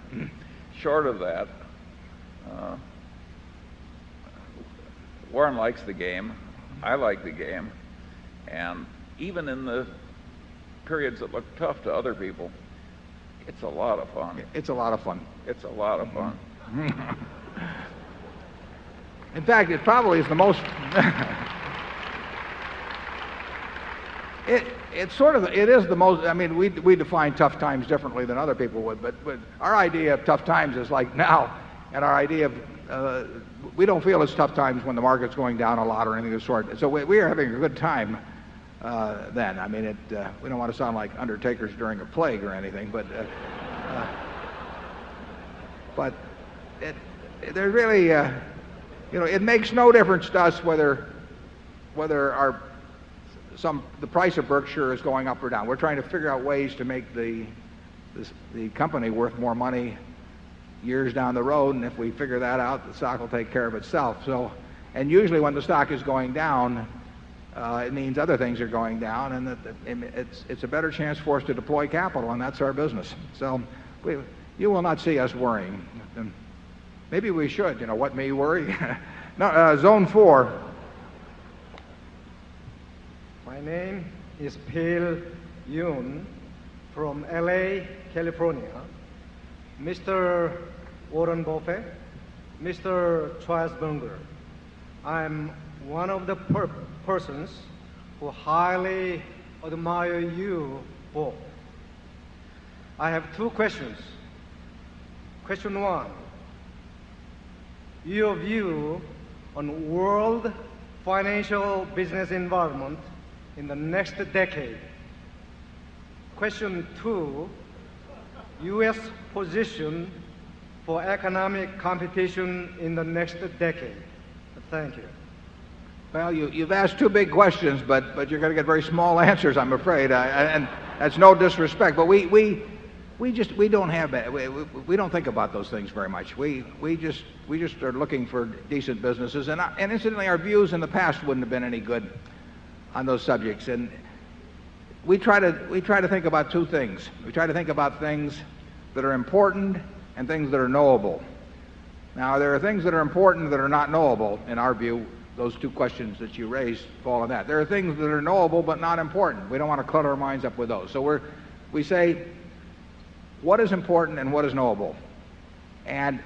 Short of that, Warren likes the game. I like the game. And even in the periods that look tough to other people, it's a lot of fun. It's a lot of fun. It's a lot of fun. In fact, it probably is the most it's sort of it is the most I mean, we define tough times differently than other people would. But our idea of tough times is like now. And our idea of we don't feel it's tough times when the market's going down a lot or anything of the sort. So we are having a good time then. I mean, it we don't want to sound like undertakers during a plague or anything, but there's really, you know, it makes no difference to us whether our some the price of Berkshire is going up or down. We're trying to figure out ways to make the company worth more money years down the road. And if we figure that out, the stock will take care of itself. So and usually, when the stock is going down, it means other things are going down and that it's a better chance for us to deploy capital, and that's our business. So we you will not see us worrying. Maybe we should. You know what may worry? No, Zone 4. My name is Bill Yoon from L. A, California. Mr. Warren Buffet, Mr. Charles Bunker, I'm one of the persons who highly admire you both. I have two questions. Question 1, your view on world financial business environment in the next decade. Question 2, U. S. Position for economic competition in the next decade. Thank you. CHAIR POWELL. Well, you've asked 2 big questions, but you're going to get very small answers, I'm afraid. And that's no disrespect. But we just we don't have we don't think about those things very much. We just are looking for decent businesses. And incidentally, our views in the past wouldn't have been any good on those subjects. And we try to think about 2 things. We try to think about things that are important and things that are knowable. Now, there are things that are important that are not knowable. In our view, those two questions that you raised fall on that. There are things that are knowable but not important. We don't want to cut our minds up with those. So we're we say, what is important and what is knowable? And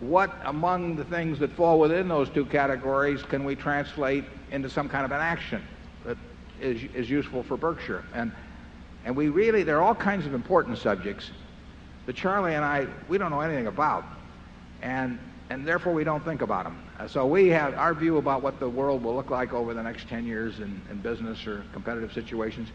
what among the things that fall within those two categories can we translate into some kind of an action that is useful for Berkshire. And we really there are all kinds of important subjects that Charlie and I we don't know anything about, and therefore we don't think about them. So we have our view about what the world will look like over the next 10 years in business or competitive situations,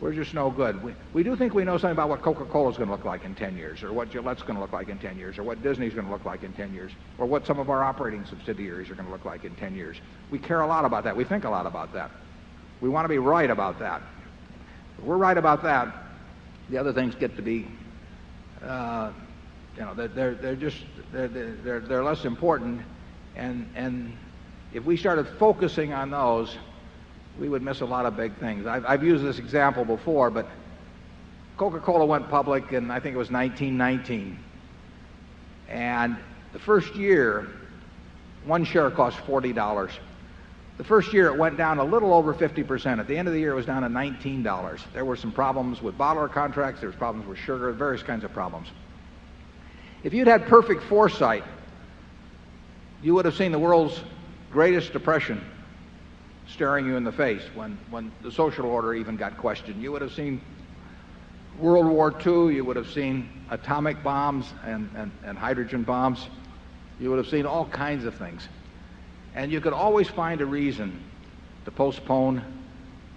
we're just no good. We do think we know something about what Coca Cola is going to look like in 10 years or what Gillette is going to look like in 10 years or what Disney is going to look like in 10 years or what some of our operating subsidiaries are going to look like in 10 years. We care a lot about that. We think a lot about that. We want to be right about that. We're right about that. The other things get to be, you know, they're just they're less important. And if we started focusing on those, we would miss a lot of big things. I've used this example before, but Coca Cola went public in, I think, it was 1919. And the 1st year, one share cost $40 The 1st year, it went down a little over 50%. At the end of the year, it was down to $19 There were some problems with bottler contracts. There was problems with sugar, various kinds of problems. If you'd had perfect foresight, you would have seen the world's greatest depression staring you in the face when the social order even got questioned. You would have seen World War II. You would have seen atomic bombs and hydrogen bombs. You would have seen all kinds of things. And you could always find a reason to postpone,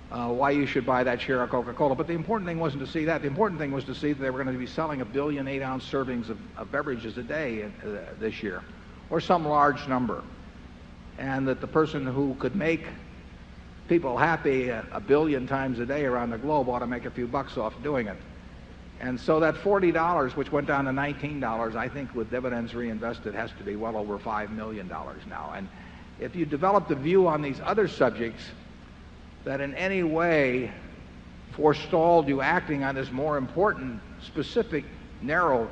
why you should buy that share But the important thing wasn't to see that. The important thing was to see that they were going to be selling a 1000000000 8 ounce servings of beverages a day this year or some large number. And that the person who could make people happy a 1000000000 times a day around the globe ought to make a few bucks off doing it. And so that $40 which went down to $19 I think with dividends reinvested, has to be well over $5,000,000 now. And if you develop the view on these other subjects that in any way forestalled you acting on this more important, specific, narrow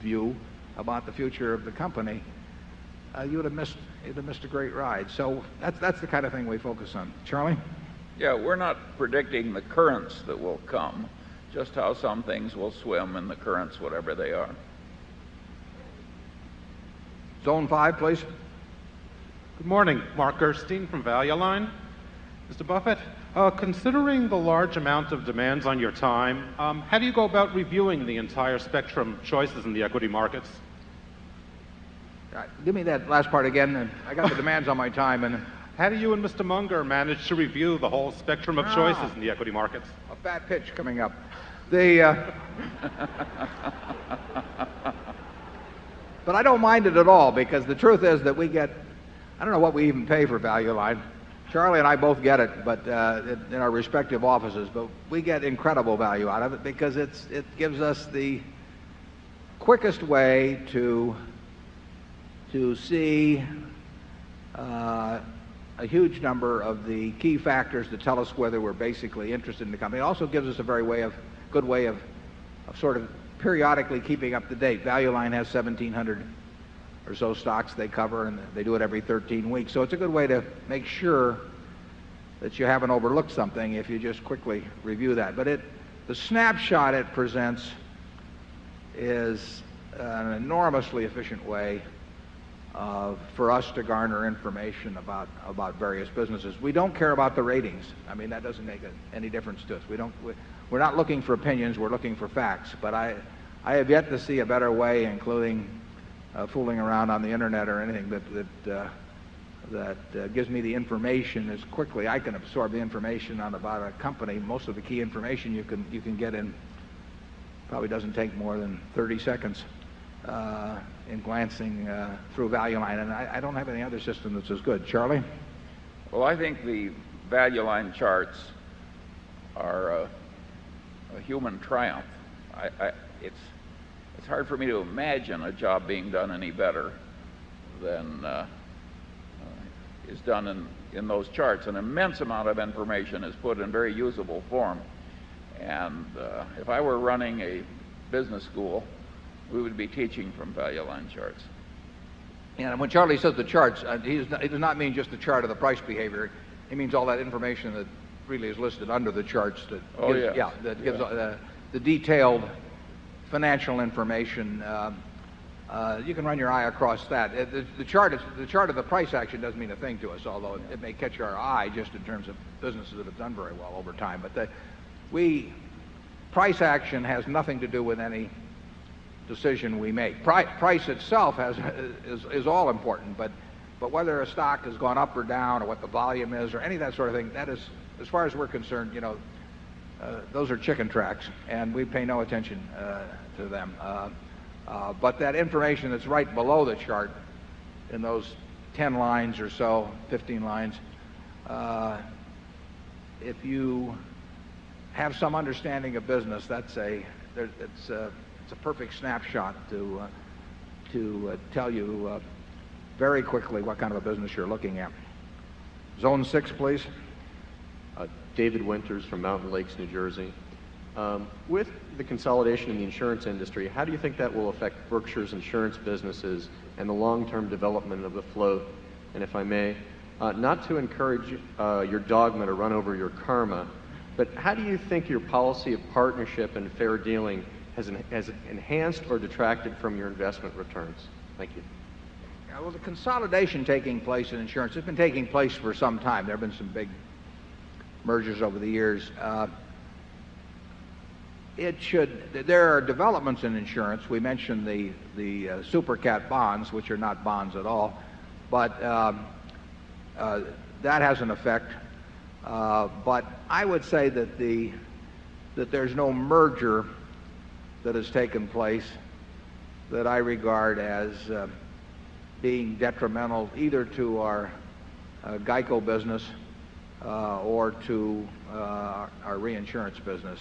view about the future of the company, you would have missed a great ride. So that's the kind of thing we focus on. Charlie? Yes. We're not predicting the currents that will come, just how some things will swim in the currents, whatever they are. Demands on your time, how do you go about reviewing the entire spectrum of choices in the equity markets? Give me that last part again. I got the demands on my time And how do you and Mr. Munger manage to review the whole spectrum of choices in the equity markets? A bad pitch coming up. The but I don't mind it at all because the truth is that we get I don't know what we even pay for value of mine. Charlie and I both get it, but in our respective offices, but we get incredible value out of it because it's it gives us the quickest way to see, a huge number of the key factors that tell us whether we're basically interested in the company. It also gives us a very way of good way of sort of periodically keeping up to date. Val U Line has 1700 or so stocks they cover and they do it every 13 weeks. So it's a good way to make sure that you haven't overlooked something if you just quickly review that. But it the snapshot it presents is an enormously efficient way, for us to garner information about various businesses. We don't care about the ratings. I mean, that doesn't make any difference to us. We don't we're not looking for opinions. We're looking for facts. But I have yet to see a better way, including fooling around on the Internet or anything that gives me the information as quickly I can absorb the information on about a company. Most of the key information you can get in probably doesn't take more than 30 seconds in glancing through Val U Line. And I don't have any system that's as good. Charlie? Well, I think the Val U Line charts are a human triumph. It's hard for me to imagine a job being done any better than is done in those charts. An immense amount of information is put in very usable form. And if I were running a business school, we would be teaching from value line charts. And when Charlie says the charts, he does not mean a chart of the price behavior. He means all that information that really is listed under the charts that gives the detailed financial information. You can run your eye across that. The chart of the price action doesn't mean a thing to us, although it may catch our eye just in terms of businesses that have done very well over time. But we price action has nothing to do with any decision we make. Price itself is all important. But whether a stock has gone up or down or what the volume is or any of that sort of thing, that is as far as we're concerned, you know, those are chicken tracks and we pay no attention to them. But that information that's right below the chart in those 10 lines or so, 15 lines, if you have some understanding of business, that's a it's a perfect snapshot to tell you very quickly what kind of a business you're looking at. Zone 6, please. With the consolidation in the Insurance industry, how do you think that will affect Berkshire's Insurance businesses and the long term development of the float? And if I may, not to encourage, your dogma to run over your karma, but how do you think your policy of partnership and fair dealing has enhanced or detracted from your investment returns? Thank you. Yeah. Well, the consolidation taking place in insurance has been taking place for some time. There have been some big mergers over the years. It should there are developments in insurance. We mentioned the super cat bonds, which are not bonds at all. But that has an effect. But I would say that the that there's no merger that has taken place that I regard as being detrimental either to our GEICO business or to our reinsurance business.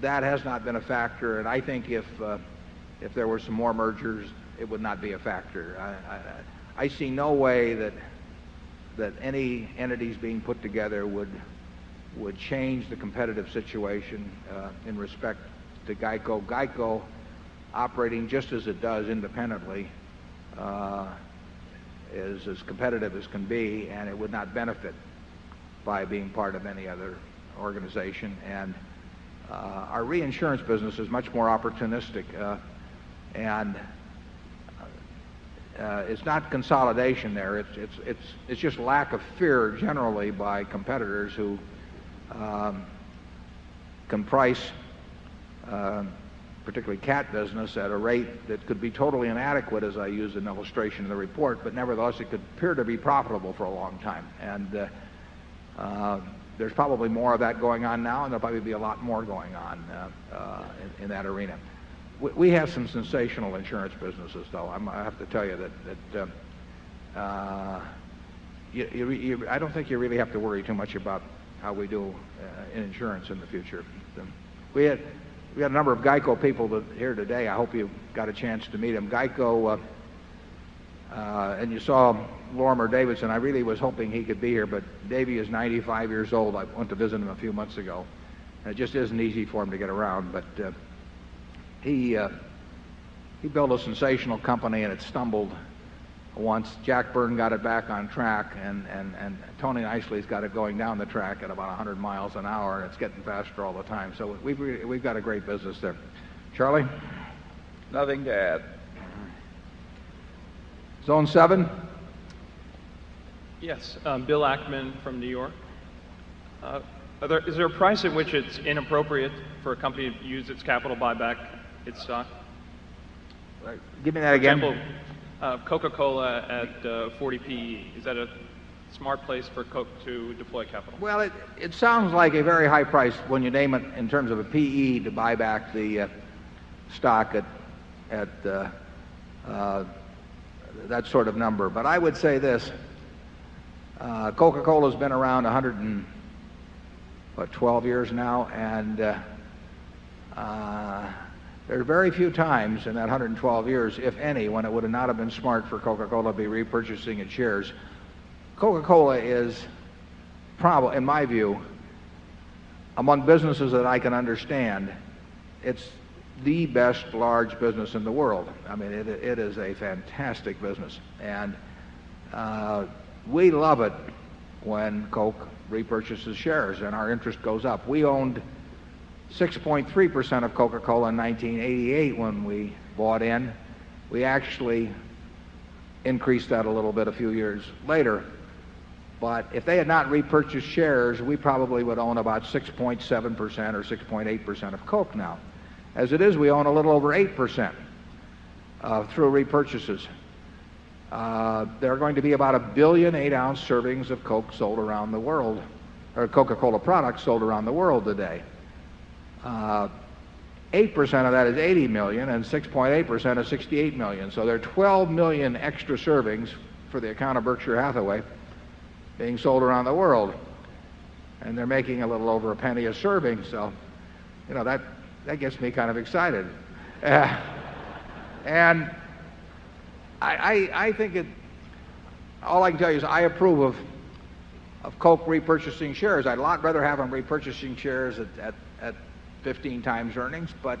That has not been a factor. And I think if there were some more mergers, it would not be a factor. I see no way that any entities being put together would change the competitive situation in respect to GEICO. GEICO operating just as it does independently is as competitive as can be, and it would not benefit by being part of any other organization. And our reinsurance business is much more opportunistic. And it's not consolidation there. It's just lack of fear generally by competitors who can price, particularly cat business at a rate that could be totally inadequate, as I used an illustration in the report. But nevertheless, it could appear to be profitable for a long time. And there's probably more of that going on now, and there'll probably be a lot more going on in that arena. We have some sensational insurance businesses though. I have to tell you that I don't think you really have to worry too much about how we do in insurance in the future. We had we have a number of GEICO people that are here today. I hope you got a chance to meet them. GEICO and you saw Lorimer Davidson. I really was hoping he could be here, but Davy is 95 years old. I went to visit him a few months ago. It just isn't easy for him to get around. But built a sensational company and it stumbled once. Jack Burton got it back on track and Tony Eisley's got it going down the track at about 100 miles an hour and it's getting faster all the time. So we've got a great business there. Charlie? Nothing to add. Zone 7. Yes. Bill Ackman from New York. Is there a price at which it's inappropriate for a company to use its capital buyback? It's stock? Right. Give me that again. And we'll, Coca Cola at, 40p. Is that a smart place for Coke to deploy capital? Well, it sounds like a very high price when you name it in terms of a PE to buy back the stock at that sort of number. But I would say this, Coca Cola has been around 100 and 12 years now. And there are very few times in that 112 years, if any, when it would have not been smart for Coca Cola to be repurchasing its shares. Coca Cola is, in my view, among businesses that I can understand, it's the best large business in the world. I mean, it is a fantastic business. And we love it when Coke repurchases shares and our interest goes up. We owned 6.3% of Coca Cola in 1988 when we bought in. We actually increased that a little bit a few years later. But if they had not repurchased shares, we probably would own about 6.7% or 6.8 percent of Coke now. As it is, we own a little over 8% through repurchases. There are going to be about a 1000000000 8 ounce servings of Coke sold around the world or Coca Cola products sold around the world today. 8% of that is 80,000,000 and 6.8% is 68,000,000. So there are 12,000,000 extra servings for the account of Berkshire Hathaway being sold around the world. And they're making a little over a penny a serving. So you that gets me kind of excited. And I think it all I can tell you is I approve of Coke repurchasing shares. I'd lot rather have them repurchasing shares at 15 times earnings. But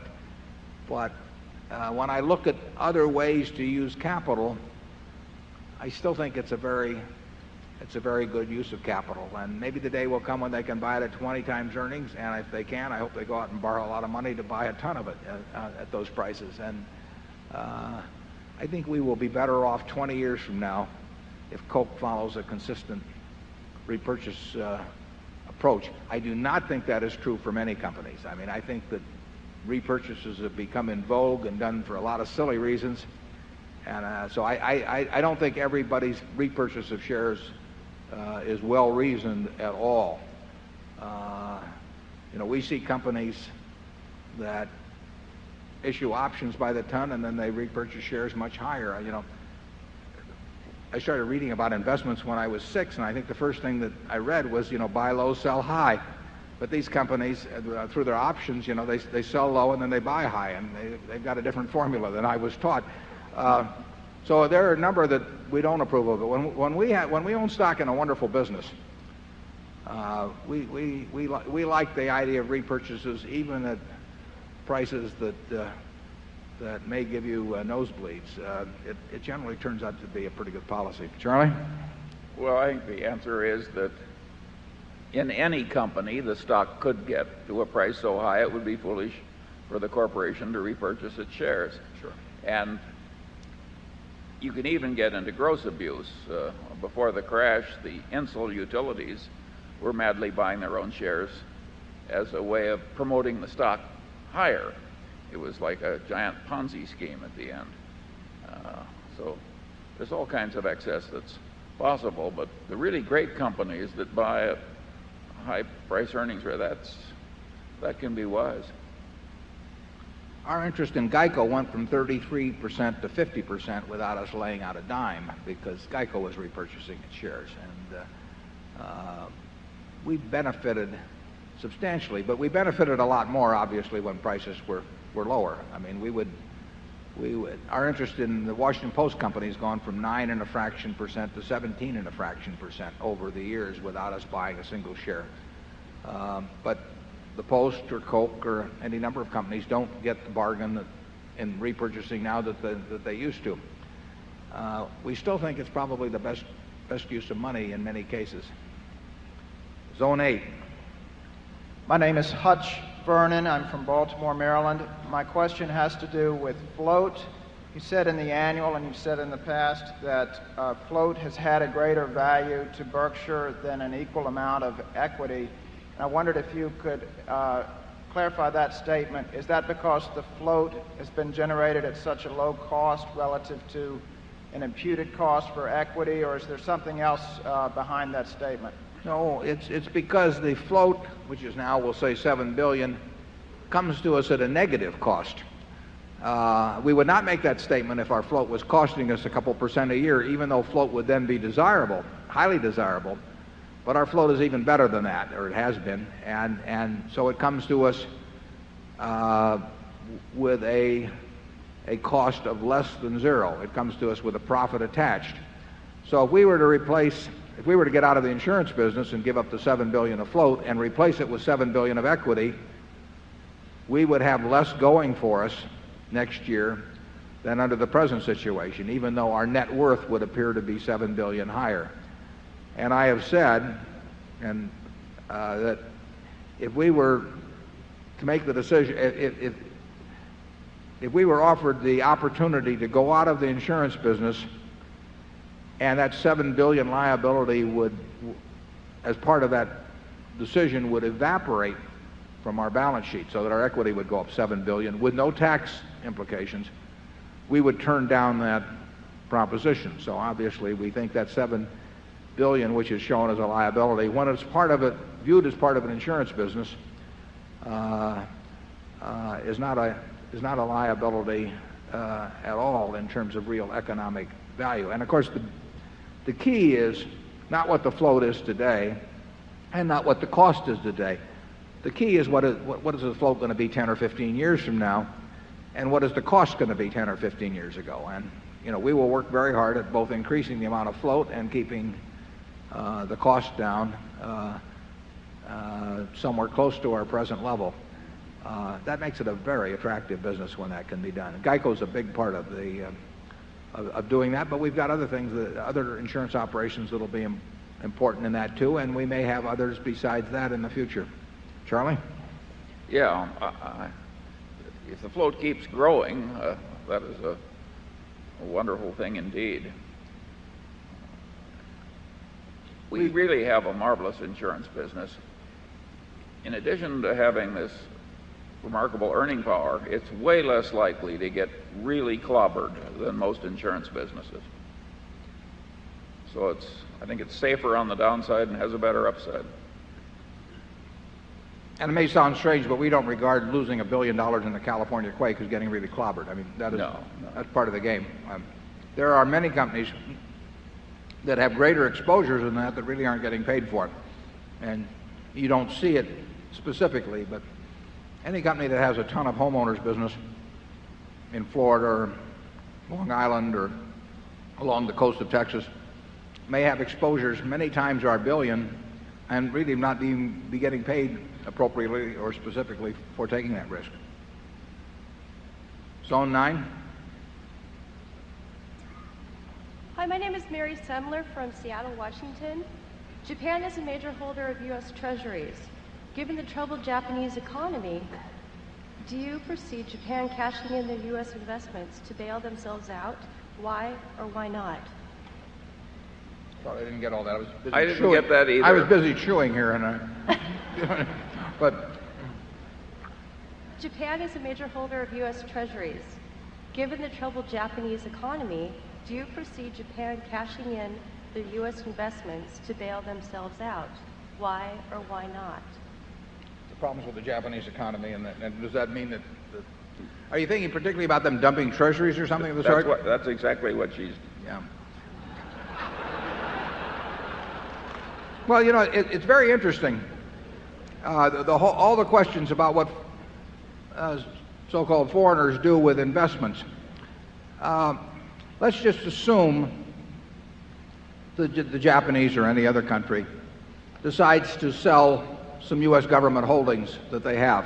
when I look at other ways to use capital, I still think it's a very good use of capital. And maybe the day will come when they can buy it at 20 times earnings. And if they can, I hope they go out and borrow a lot of money to buy a ton of it at those prices? And I think we will be better off 20 years from now if Coke follows a consistent repurchase approach. I do not think that is true for many companies. I mean, I think that repurchases have become in vogue and done for a lot of silly reasons. And so I don't think everybody's repurchase of shares is well reasoned at all. We see companies that issue options by the ton and then they repurchase shares much higher. You know, I started reading about investments when I was 6, and I think the first thing that I read was, you know, buy low, sell high. But these companies, through their options, you know, they sell low and then they buy high. And they've got a different formula than I was taught. So there are a number that we don't approve of. But when we own stock in a wonderful business, we like the idea of repurchases even at prices that may give you nosebleeds. It generally turns out to be a pretty good policy. Charlie? Well, I think the answer is that in any company, the stock could get to a price so high, it would be foolish for the corporation to repurchase its shares. And you can even get into gross abuse. Before the crash, the insol utilities were madly buying their own shares as a way of promoting the stock higher. It was like a giant Ponzi scheme at the end. So there's all kinds of excess that's possible. But the really great companies that buy at high price earnings where that can be wise. Our interest in GEICO went from 33% to 50% without us laying out a dime because GEICO was repurchasing its shares. And we benefited substantially, but we benefited a lot more obviously when prices were lower. I mean, we would our interest in the Washington Post Company has gone from 9.5 percent to 17.5 percent over the years without us buying a single share. But the bargain in repurchasing now that they used to. We still think it's probably the best use of money in many cases. Zone 8. My name is Hutch Vernon. I'm from Baltimore, Maryland. My question has to do with float. You said in the annual and you've said in the past that, float has had a greater value to Berkshire than an equal amount of equity. And I wondered if you could, clarify that statement. Is that because the float has been generated at such a low cost relative to an imputed cost for equity? Or is there something else, behind that statement? MR. No, it's because the float, which is now, we'll say, 7,000,000,000 dollars comes to us at a negative cost. We would not make that statement if our float was costing us a couple percent a year, even though float would then be desirable highly desirable. 0. It comes to us with a profit attached. So if we were to replace, a cost of less than 0. It comes to us with a profit attached. So if we were to replace if we were to get out of the insurance business and give up the 7,000,000,000 of float and replace it with 7,000,000,000 of equity, we would have less going for us next year than under the present situation, even though our net worth would appear to be 7,000,000,000 higher. And I have said and, that if we were to make the decision if we were offered the opportunity to go out of the insurance business and that 7,000,000,000 liability would as part of that decision would evaporate from our balance sheet so that our equity would go up $7,000,000,000 with no tax implications, we would turn down that proposition. So obviously, we think that 7,000,000,000 which is shown as a liability when it's part of it viewed as part of an insurance business, is not a liability at all in terms of real economic value. And of course, the key is not what the float is today and not what the cost is today. The key is what is the float going to be 10 or 15 years from now and what is the cost going to be 10 or 15 years ago. And, you know, we will work very hard at both increasing the amount of float and keeping, the cost down somewhere close to our present level, that makes it a very attractive business when that can be done. And GEICO is a big part of the of doing that, but we've got other things that other insurance operations that will be important in that too. And we may have others besides that in the future. Charlie? Yes. If the float keeps growing, that is a wonderful thing indeed. We really have a marvelous insurance business. In addition to having this remarkable earning power, it's way less likely to get really clobbered than most insurance businesses. So it's I think it's safer on the downside and has a better upside. And it may sound strange, but we don't regard losing $1,000,000,000 the California quake as getting really clobbered. I mean, that is No. That's part of the game. There are many companies that have greater exposures than that that really aren't getting paid for it. And you don't see it specifically, but any company that has a ton of homeowners business in Florida or Long Island or along the coast of Texas may have exposures many times our billion and really not be be getting paid appropriately or specifically for taking that risk. Zone 9. Hi. My name is Mary Semler from Seattle, Washington. Japan is a major holder I didn't get all that. I was busy chewing. I was busy chewing here, and I but Japan is a major holder of US treasuries. Given the troubled Japanese economy, do you foresee Japan cashing in the US investments to bail themselves out? Why or why not? The problems with the Japanese economy. And does that mean that are you thinking particularly about them dumping treasuries or something of this sort? CHAIRMAN That's exactly what she's yeah. Well, you know, it's very interesting, the all the questions about what so called foreigners do with investments. Let's just assume the Japanese or any other country decides to sell some U. S. Government holdings that they have,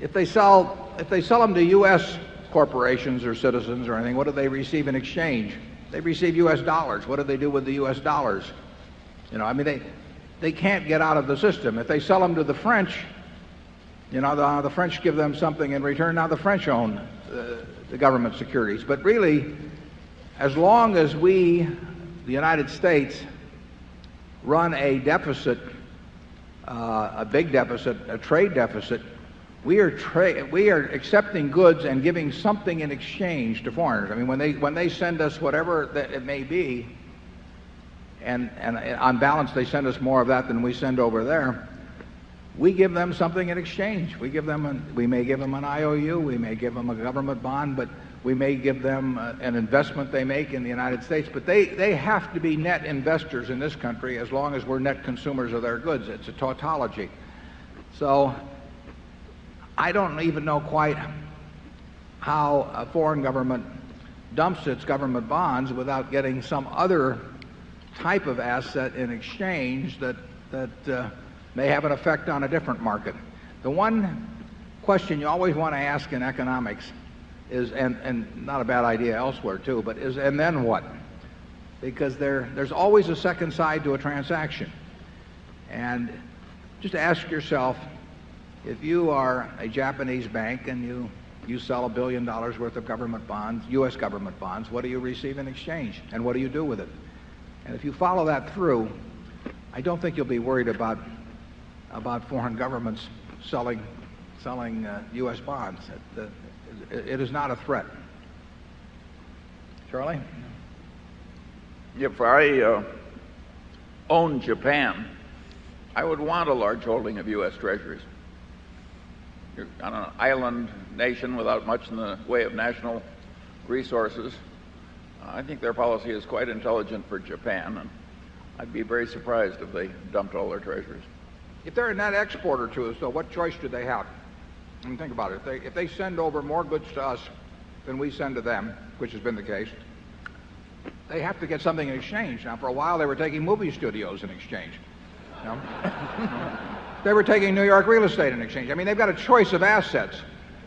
if they sell if they sell them to U. S. Corporations or citizens or anything, what do they receive in exchange? They receive U. S. Dollars. What do they do with the U. S. Dollars? You know, I mean, they can't get out of the system. If they sell them to the French, you know, the French give them something in return. Now, the French own the government securities. But really, as long as we, the United States, run a deficit, a big deficit, a trade deficit, we are and on balance, they send us more of that than we send over there, and on balance, they send us more of that than we send over there, we give them something in exchange. We give them an we may give them an IOU. We may give them a government bond, but we may give them an investment they make in the United States. But they have to be net investors in this country as long as we're net consumers of their goods. It's a tautology. So I don't even know quite how a foreign government dumps its government bonds without getting some other type of asset in exchange that that, may have an effect on a different market. The one question you always want to ask in economics is and not a bad idea elsewhere too, but is and then what? Because there's always a second side to a transaction. And just ask yourself, if you are a Japanese bank and you sell $1,000,000,000 worth of government bonds U. S. Government bonds, what do you receive in exchange and what do you do with it? And if you follow that through, I don't think you'll be worried about foreign governments selling U. S. Bonds. It is not a threat. Charlie? If I own Japan, I would want a large holding of U. S. Treasuries. On an island nation without much in the way of national resources, I think their policy is quite intelligent for Japan. And I'd be very surprised if they dump all their treasuries. If they're a net exporter to us, though, what choice do they have? And think about it. If they send over more goods to us than we send to them, which has been the case, they have to get something in exchange. Now, for a while, they were taking movie studios in exchange. Were taking New York real estate in exchange. I mean, they've got a choice of assets.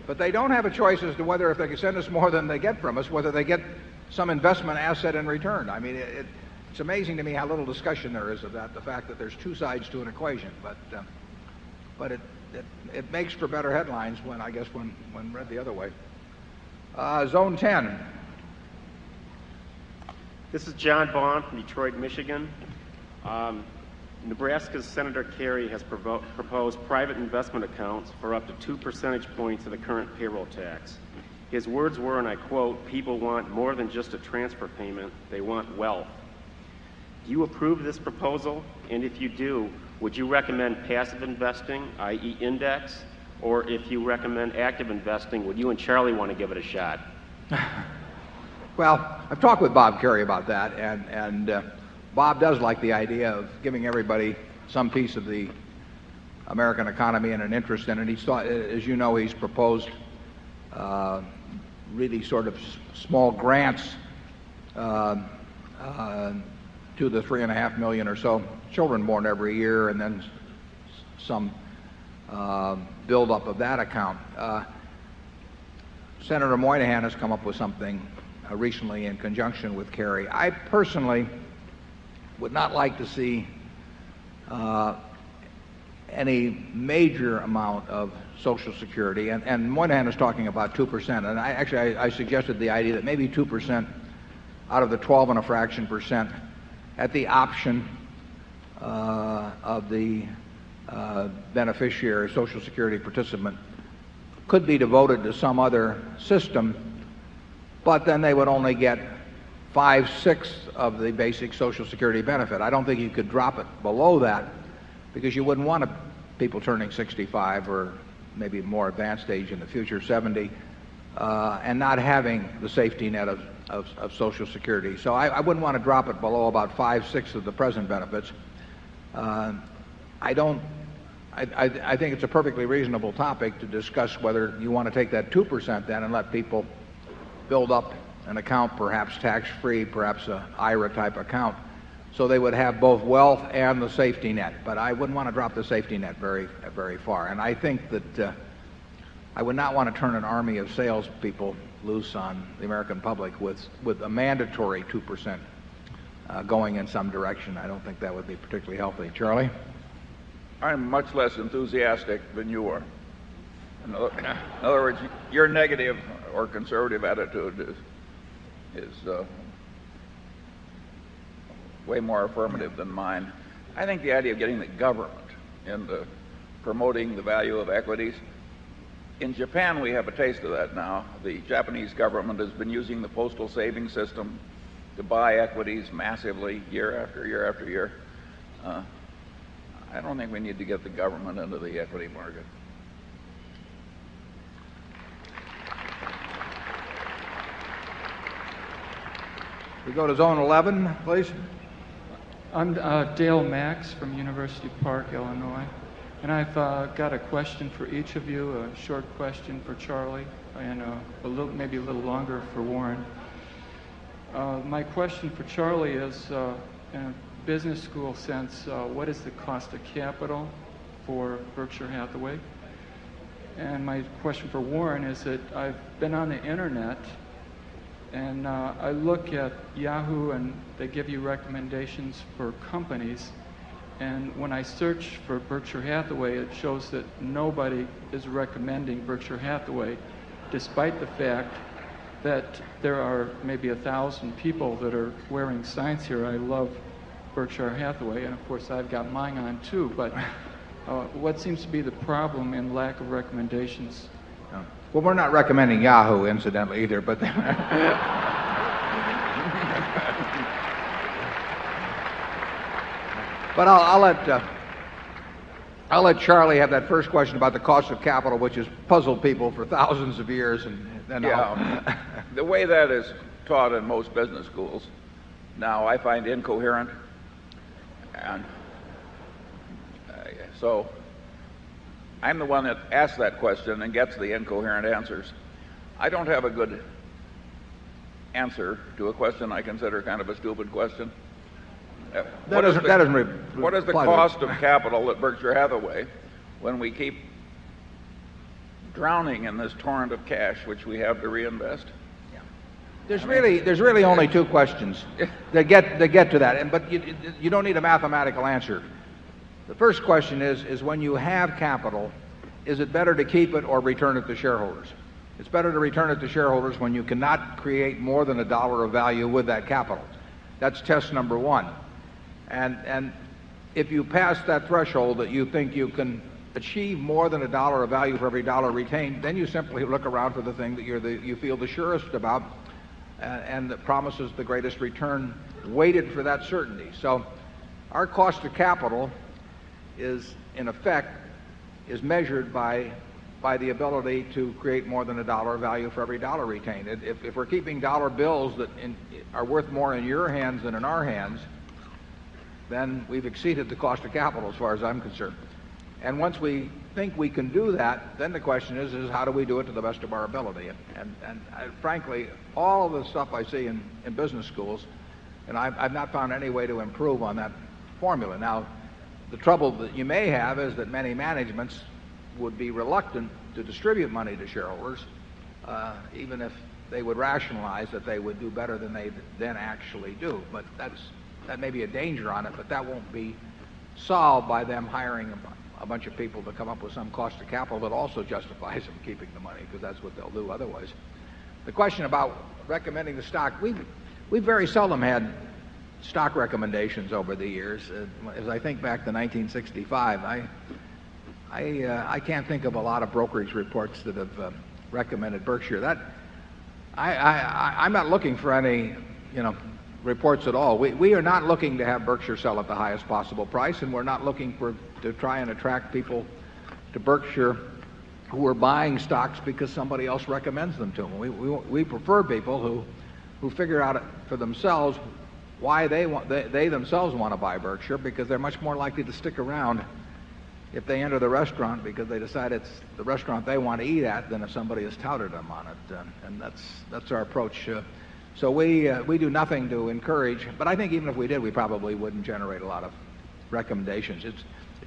But they don't have a choice as to whether, if they can send us more than they get from us, whether they get some investment asset in return. I mean, it it's amazing to me how little discussion there is about the fact that there's two sides to an equation. But, but it makes for better headlines when, I guess, when read the other way. Zone 10. This is John Bond from Detroit, Michigan. Nebraska Senator Kerry has provoked proposed private investment accounts for up to 2 percentage points of the current payroll tax. His words were, and I quote, would you recommend passive investing, I. E. Index? Or if you recommend active investing, would you and Charlie want to give it a shot? Well, I've talked with Bob Kerrey about that. And and, Bob does like the idea of giving everybody some piece of the American economy and an interest in it. And he saw as you know, he's proposed, really sort of small grants 2 to 3,500,000 or so, children born every year and then some buildup of that account. Senator Moynihan has come up with something recently in conjunction with Kerry. I personally would not like to see any major amount of Social Security. And one hand is talking about 2%. And actually, I suggested the idea that maybe 2% out of the 12 and a fraction percent at the option of the beneficiary Social Security participant could be devoted to some other system, but then they would only get five 6ths of the basic Social Security benefit. I don't think you could drop it below that because you wouldn't want people turning 65 or maybe more advanced age in the future, 70, and not having the safety net of Social Security. So I wouldn't want to drop it below about 5, 6 of the present benefits. I don't I think it's a perfectly reasonable topic to discuss whether you want to take that 2% then and let people build up an account perhaps tax free, perhaps a IRA type account so they would have both wealth and the safety net. But I wouldn't want to drop the safety net very, very far. And I think that, I would not want to turn an army of salespeople loose on the American public with with a mandatory 2% going in some direction. I don't think that would be particularly healthy. Charlie? CHAIRMAN I'm much less enthusiastic than you are. In other words, your negative or conservative attitude is way more affirmative than mine. I think the idea of getting the government and promoting the value of equities In Japan, we have a taste of that now. The Japanese government has been using the postal savings system to buy equities massively year after year after year. I don't think we need to get the government under the equity market. We go to Zone 11, please. I'm, Dale Max from University Park, Illinois. And I've, got a question for each of you, a in a business school sense, what is the cost of capital for Berkshire Hathaway? And my question for Warren is that I've been on the Internet and, I look at Yahoo! And they give you recommendations for companies. And when I search for Berkshire Hathaway, it shows that nobody is recommending Berkshire Hathaway despite the fact that there are maybe a 1,000 people that are wearing signs here. I love Berkshire Hathaway, and of course, I've got mine on too. But what seems to be the problem in lack of recommendations? Well, we're not recommending Yahoo incidentally either, But I'll let Charlie have that first question about the cost of capital, which has puzzled people for 1000 of years and then I'll CHIEF. The way that is taught in most business schools now I find incoherent. And so I'm the one that asks that question and gets the incoherent answers. I don't have a good answer to a question I consider kind of a stupid question. What is the cost of capital at Berkshire Hathaway when we keep drowning in this torrent of cash which we have to reinvest? Yeah. There's really only 2 questions that get to that. But you don't need a mathematical answer. The first question is, is when you have capital, is it better to keep it or return it to shareholders? It's better to return it to shareholders when you cannot create more than a dollar of value with that capital. That's test number 1. And if you pass that threshold that you think you can achieve more than a dollar of value for every dollar retained, then you simply look around for the thing that you're the you feel the surest about and that promises the greatest return, waited for that certainty. So our cost of capital is, in effect, is measured by the ability to create more than a dollar value for every dollar retained. If we're keeping dollar bills that are worth more in your hands than in our hands, then we've exceeded the cost of capital as far as I'm concerned. And once we say, I'm not going to say that, but I'm not going to say that. I'm not going to say that, but I'm not going to say that, but I'm going to say that, and I've not found any way to improve on that formula. Now the trouble that you may have is that many managements would be reluctant to distribute money to that won't be solved by them hiring a bunch of people to come up with some cost of capital, but also justifies them keeping the money because that's what they'll do otherwise. Question about recommending the stock. We very seldom had stock recommendations over the years. As I think back to 1965, I can't think of a lot of brokerage reports that have recommended Berkshire. That I'm not looking for any, you know, reports at all. We are not looking to have Berkshire sell at the highest possible price and we're not looking for to try and attract people to Berkshire who are buying stocks because somebody else recommends them to them. We prefer people who figure out for themselves why they want they themselves want to buy Berkshire because they're much more likely to stick around if they enter the restaurant because they decide it's the restaurant they want to eat at than if somebody has touted them on it. And that's our approach. So we do nothing to encourage, but I think even if we did, we probably wouldn't generate a lot of recommendations. It's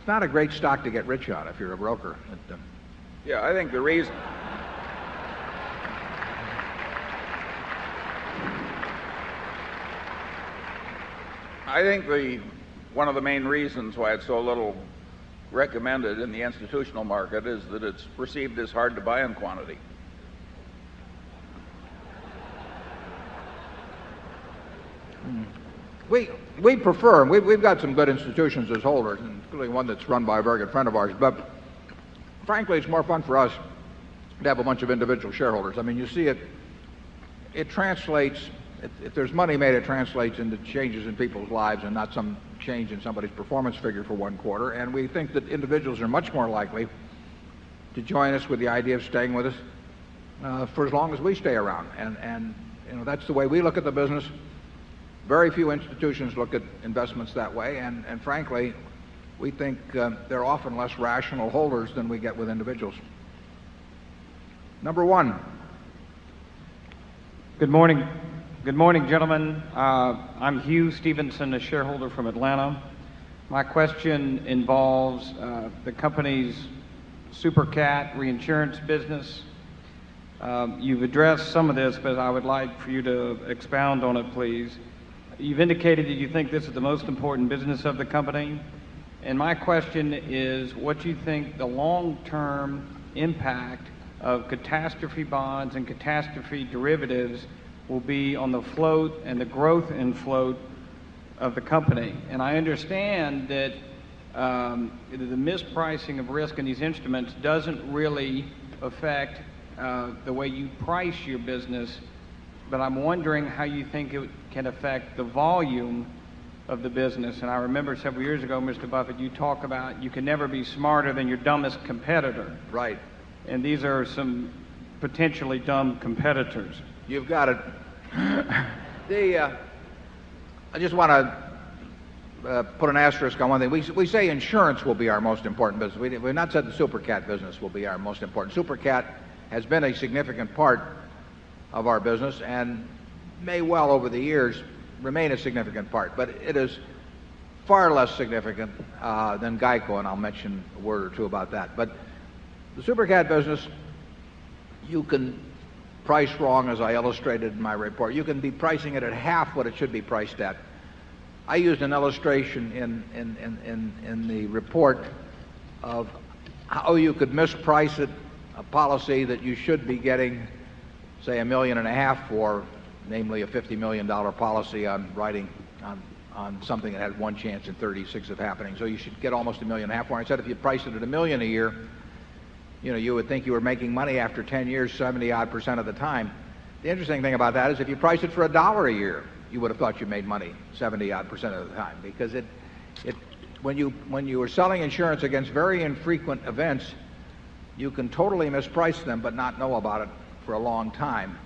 not a great stock to get rich on if you're a broker. I think the one of the main reasons why it's so little recommended in the institutional market is that it's perceived as hard to buy in quantity. We prefer and we've got some good institutions as holders, including one that's run by a very good friend of ours. But frankly, it's more fun for us to have a bunch of individual shareholders. I mean, you see it it translates if there's money made, it translates into changes in people's lives and not some change in somebody's performance figure for 1 quarter. And we think that individuals are much more likely to join us with the idea of staying with us, for as long as we stay around. And that's the way we look at the business. Very few institutions look at investments that way. And frankly, we think they're often less rational holders than we get with individuals. Number 1. Good morning. Good morning, gentlemen. I'm Hugh Stevenson, a shareholder from Atlanta. My question involves the company's Super Cat Reinsurance Business. You've addressed some of this, but I would like for you to expound on it, please. You've indicated that you think this is the most important business of the company. And my question is what you think the long term impact of catastrophe bonds and catastrophe derivatives will be on the float and the growth in float of the company. And I understand that the mispricing of risk in these instruments doesn't really affect the way you price your business, but I'm wondering how you think it can affect the volume of the business. And I remember several years ago, Mr. Buffet, you talk about you can never be smarter than your dumbest competitor. Right. And these are some potentially dumb competitors. You've got it. The I just want to put an asterisk on one thing. We say insurance will be our most important business. We've not said the Super Cat business will be our most important. Super Cat has been a significant part of our business and may well, over the years, remain a significant part. But it is far less significant, than GEICO, and I'll mention a word or 2 about that. But the super cat business, you can price wrong as I illustrated in my report. You can be pricing it at half what it should be priced at. I used an illustration in the report of how you could misprice it, a policy that you should be getting, say, 1,500,000 or namely a $50,000,000 policy on writing on something that has one chance in 36 of happening. So you should get almost 1,500,000. I said if you price it at 1,000,000 a year, you know, you would think you were making money after 10 years 70 odd percent of the time. The interesting thing about that is if you price it for a dollar a year, you would have thought you made money 70 odd percent of the time because it when you are selling insurance against very infrequent events, you can totally misprice them but not know about it for a long time.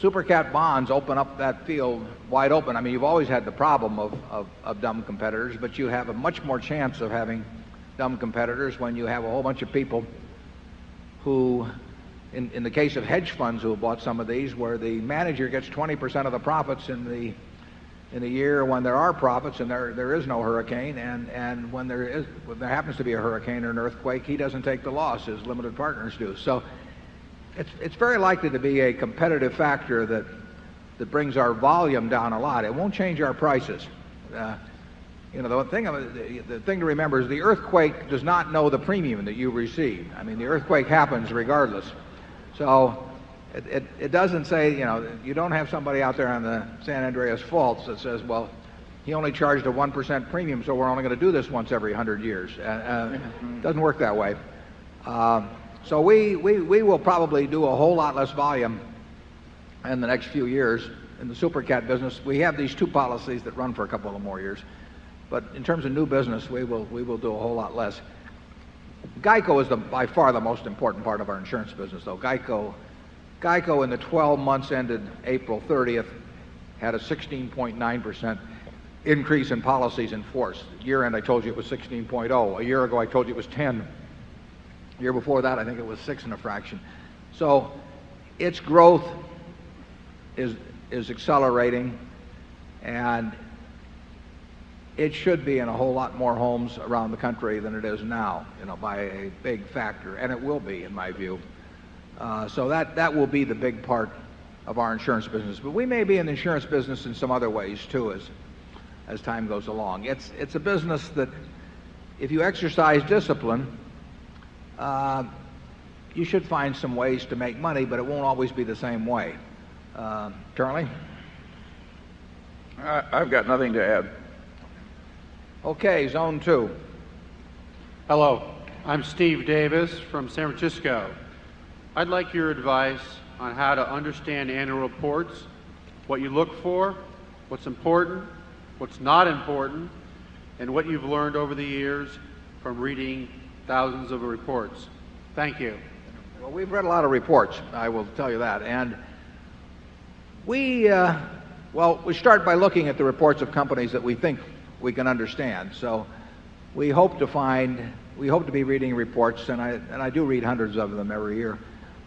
Supercat bonds open up that field wide open. I mean, you've always had the problem of dumb competitors, but you have a much more chance of having dumb competitors when you have a whole bunch of people who, in the case of hedge funds, who have bought some of these where the manager gets 20% of the profits in the year when there are profits and there is no hurricane. And when there is there happens to be a hurricane or an earthquake, he doesn't take the loss as limited partners do. So it's very likely to be a competitive factor that brings our volume down a lot. It won't change our prices. You know, the thing the thing to remember is the earthquake does not know the premium that you receive. I mean, the earthquake happens regardless. So it doesn't say, Andreas Fault that says, well, he only charged a 1% premium, so we're only going to do this once every one says, well, he only charged a 1% premium, so we're only going to do this once every 100 years. It doesn't work that way. So we will probably do a whole lot less volume in the next few years in the super cat business. We have these two policies that run for a couple of more years. But in terms of new business, we will we will do a whole lot less. GEICO is the by far the most important part of our insurance business. So GEICO in the 12 months ended April 30th had a 16.9% increase in policies in force. Year end, I told you it was 16.0. A year ago, I told you it was 10. Year before that, I think it was 6 and a fraction. So its growth is accelerating and it should be in a whole lot more homes around the country than it is now, you know, by a big factor, and it will be in my view. So that that will be the big part of our insurance business. But we may be in the insurance business in some other ways too as as time goes along. It's it's a business that if you exercise discipline, you should find some ways to make money, but it won't always be the same way. Charlie? I've got nothing to add. Okay. Zone 2. Hello. I'm Steve Davis from San Francisco. I'd like your advice on how to understand annual reports, what you look for, what's important, what's not important, and what you've learned over the years from reading thousands of reports. Thank you. Well, we've read a lot of reports, I will tell you that. And we, well, we start by looking at the reports of companies that we think we can understand. So we hope to find we hope to be reading reports, and I and I do read hundreds of them every year.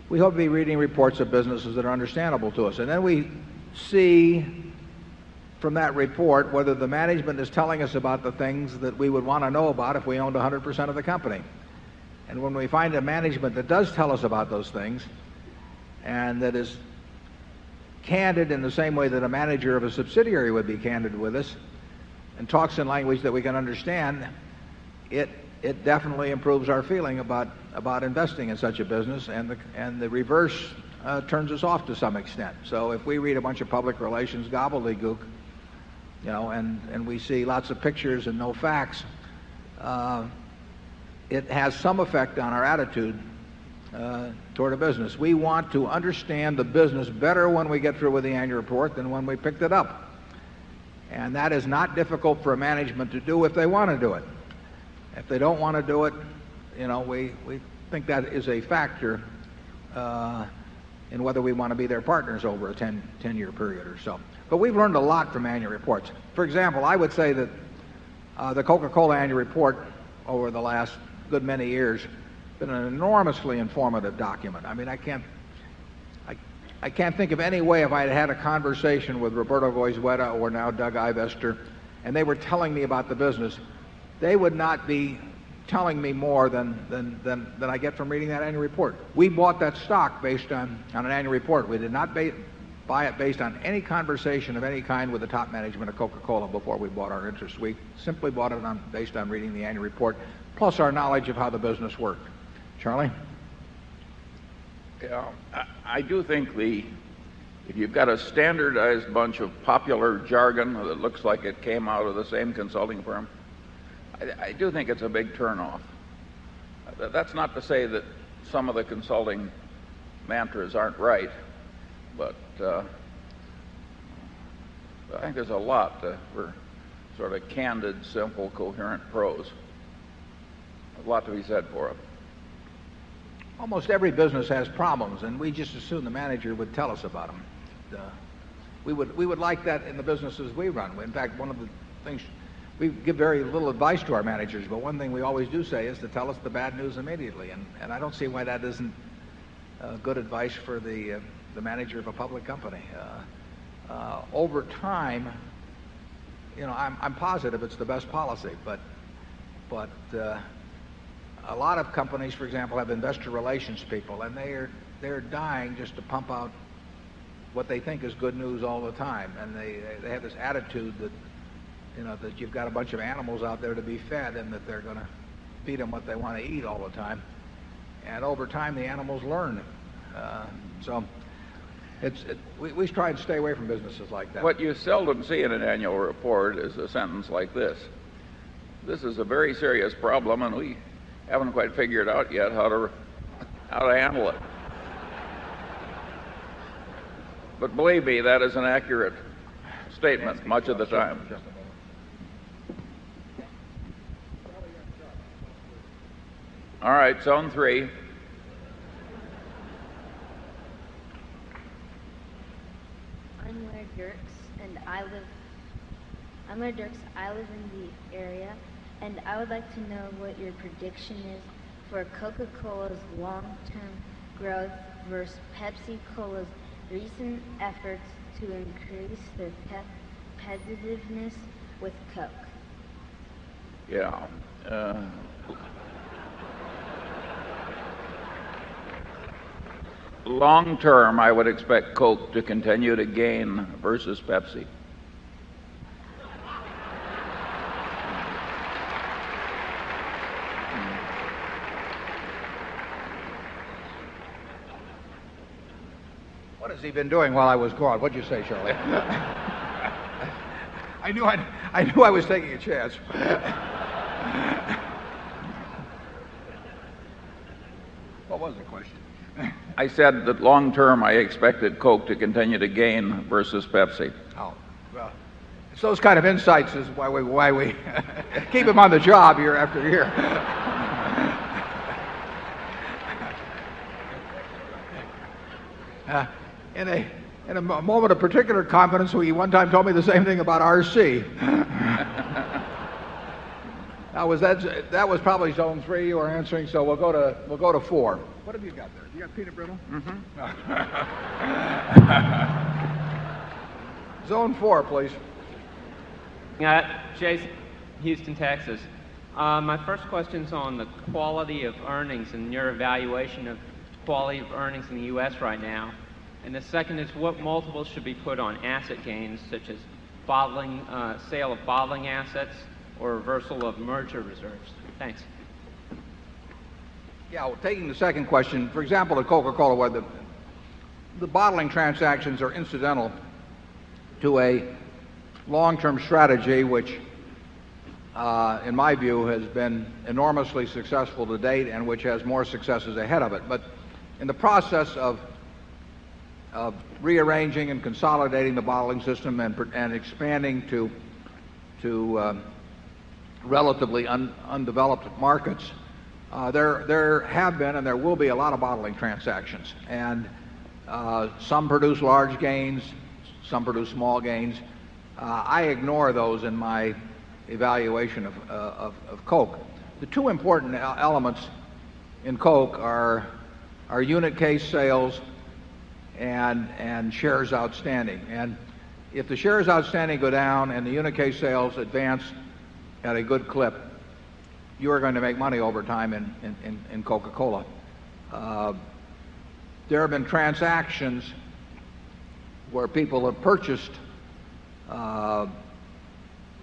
We hope to be reading reports of businesses that are understandable to us. And then we see from that report whether the management is telling us about the things that we would want to know about if we owned a 100% of the company. And when we find a management that does tell us about those things and that is candid in the same way that a manager of a subsidiary would be candid with us and talks in language that we can understand, it definitely improves our feeling about about investing in such a business. And the and the reverse turns us off to some extent. So if we read a bunch of public relations gobbledygook, you know, and we see lots of pictures and no facts, it has some effect on our attitude toward a business. We want to understand the business better when we get through with the annual report than when we picked it up. And that is not difficult for a management to do if they want to do it. If they don't want to do it, you know, we think that is a factor, in whether we want to be their partners over a 10 year period or so. But we've learned a lot from annual reports. For example, I would say that, the Coca Cola annual report over the last good many years has been an enormously informative document. I mean, I can't think of any way if I'd had a conversation with Roberto Boisweta or now Doug Ivester and they were telling me about the business, they would not be telling me more than I get from reading that annual report. We bought that stock based on an annual report. We did not buy it based on any conversation of any kind with the top management of Coca Cola before we bought our interest. We simply bought it based on reading the annual report, plus our knowledge of how the business work. Charlie? CHAIRMAN POWELL. I do think the if you've got a standardized bunch of popular jargon that looks like it came out of the same consulting firm, I do think it's a big turnoff. That's not to say that some of the consulting mantras aren't right, but I think there's a lot for sort of candid, simple, coherent prose. A lot to be said for him. Almost every business has problems, and we just assume the manager would tell us about them. We would like that in the businesses we run. In fact, one of the things we give very little advice to our managers, but one thing we always do say is to tell us the bad news immediately. And I don't see why that isn't good advice for the manager of a public company. Over time, you know, I'm positive it's the best policy. But a lot of companies, for example, have investor relations people and they are dying just to pump out what they think is good news all the time. And they have this attitude that, you know, that you've got a bunch of animals out there to be fed and that they're going to feed them what they want to eat all the time. And over time, the animals learn. So it's we try and stay away from businesses like that. What you seldom see in an annual report is a sentence like this, this is a very serious problem, and we haven't quite figured out yet how to how to handle it. But believe me, that is an accurate statement much of the time. All right. Zone 3. Continue to gain versus Pepsi. What has he been doing while I was gone? What did you say, Shirley? I knew I was taking a chance. What was the question? THE PRESIDENT. I said that long term I expected Coke to continue to gain versus Pepsi. Well, those kind of insights is why we keep them on the job year after year. In a moment of particular confidence, we one time told me the same thing about RC. Now, was that that was probably Zone 3 you are answering, so we'll go to we'll go to 4. QUESTION: What have you got there? Do you have Peter brittle? MR. Zone 4, please. Jason, Texas. My first question is on the quality of earnings and your evaluation of quality of earnings in the US right now. And the second is, what multiples should be put on asset gains such as bottling, sale of bottling assets or reversal of merger reserves? Thanks. Yeah. Well, taking the second question, for example, the Coca Cola weather, the bottling transactions are incidental to a long term strategy which, in my view, has been enormously successful to date and which has more successes ahead of it. But in the process of rearranging and consolidating the bottling system and expanding to to relatively undeveloped markets, there have been and there will be a lot of bottling transactions. And some produce large gains, some produce small gains. I ignore those in my evaluation of Coke. The 2 important elements in Coke are our unit case sales and shares outstanding. And if the shares outstanding go down and the unit case sales advance at a good clip, you are going to make money over time in in in Coca Cola. There have been transactions where people have purchased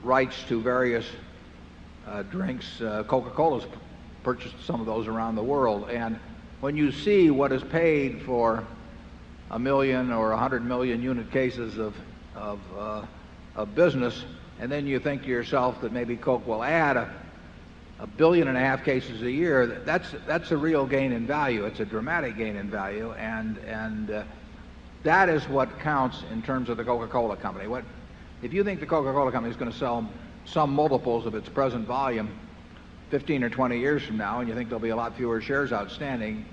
rights to various drinks, Coca Cola has purchased some of those around the world. And when you see what is paid for a million or a 100,000,000 unit cases of business and then you think to yourself that maybe Coke will add a 1,000,000,000 and a half cases a year, that's a real gain in value. It's a dramatic gain in value. And that is what counts in terms of the Coca Cola Company. What if you think the Coca Cola Company is going to sell some multiples of its present volume 15 or 20 years from now and you think there'll be a lot fewer shares outstanding,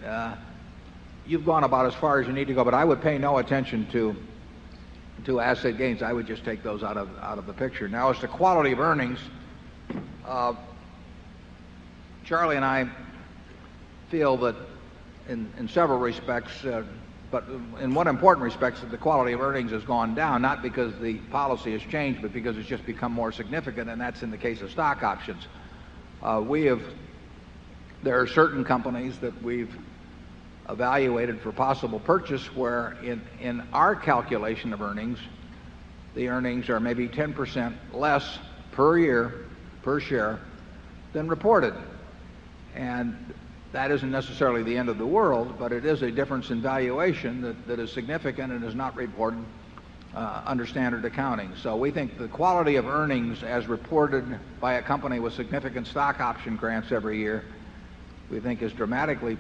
you've gone about as far as you need to go, but I would pay no attention to asset gains. I would just take those out of the picture. Now it's the quality of earnings. Charlie and I feel that in several respects, but in one important respects, the quality of earnings has gone down not because the policy has changed, but because it's just become more significant, and that's in the case of stock options. We have there are certain companies that we've evaluated for possible purchase where in our calculation of earnings, the earnings are maybe 10% less per year, per share than reported. And that isn't necessarily the end of the world, but it is a difference in valuation that is significant and is not reported under standard accounting. So we think the quality of earnings as reported by a company with significant stock option grants every year, we think is dramatically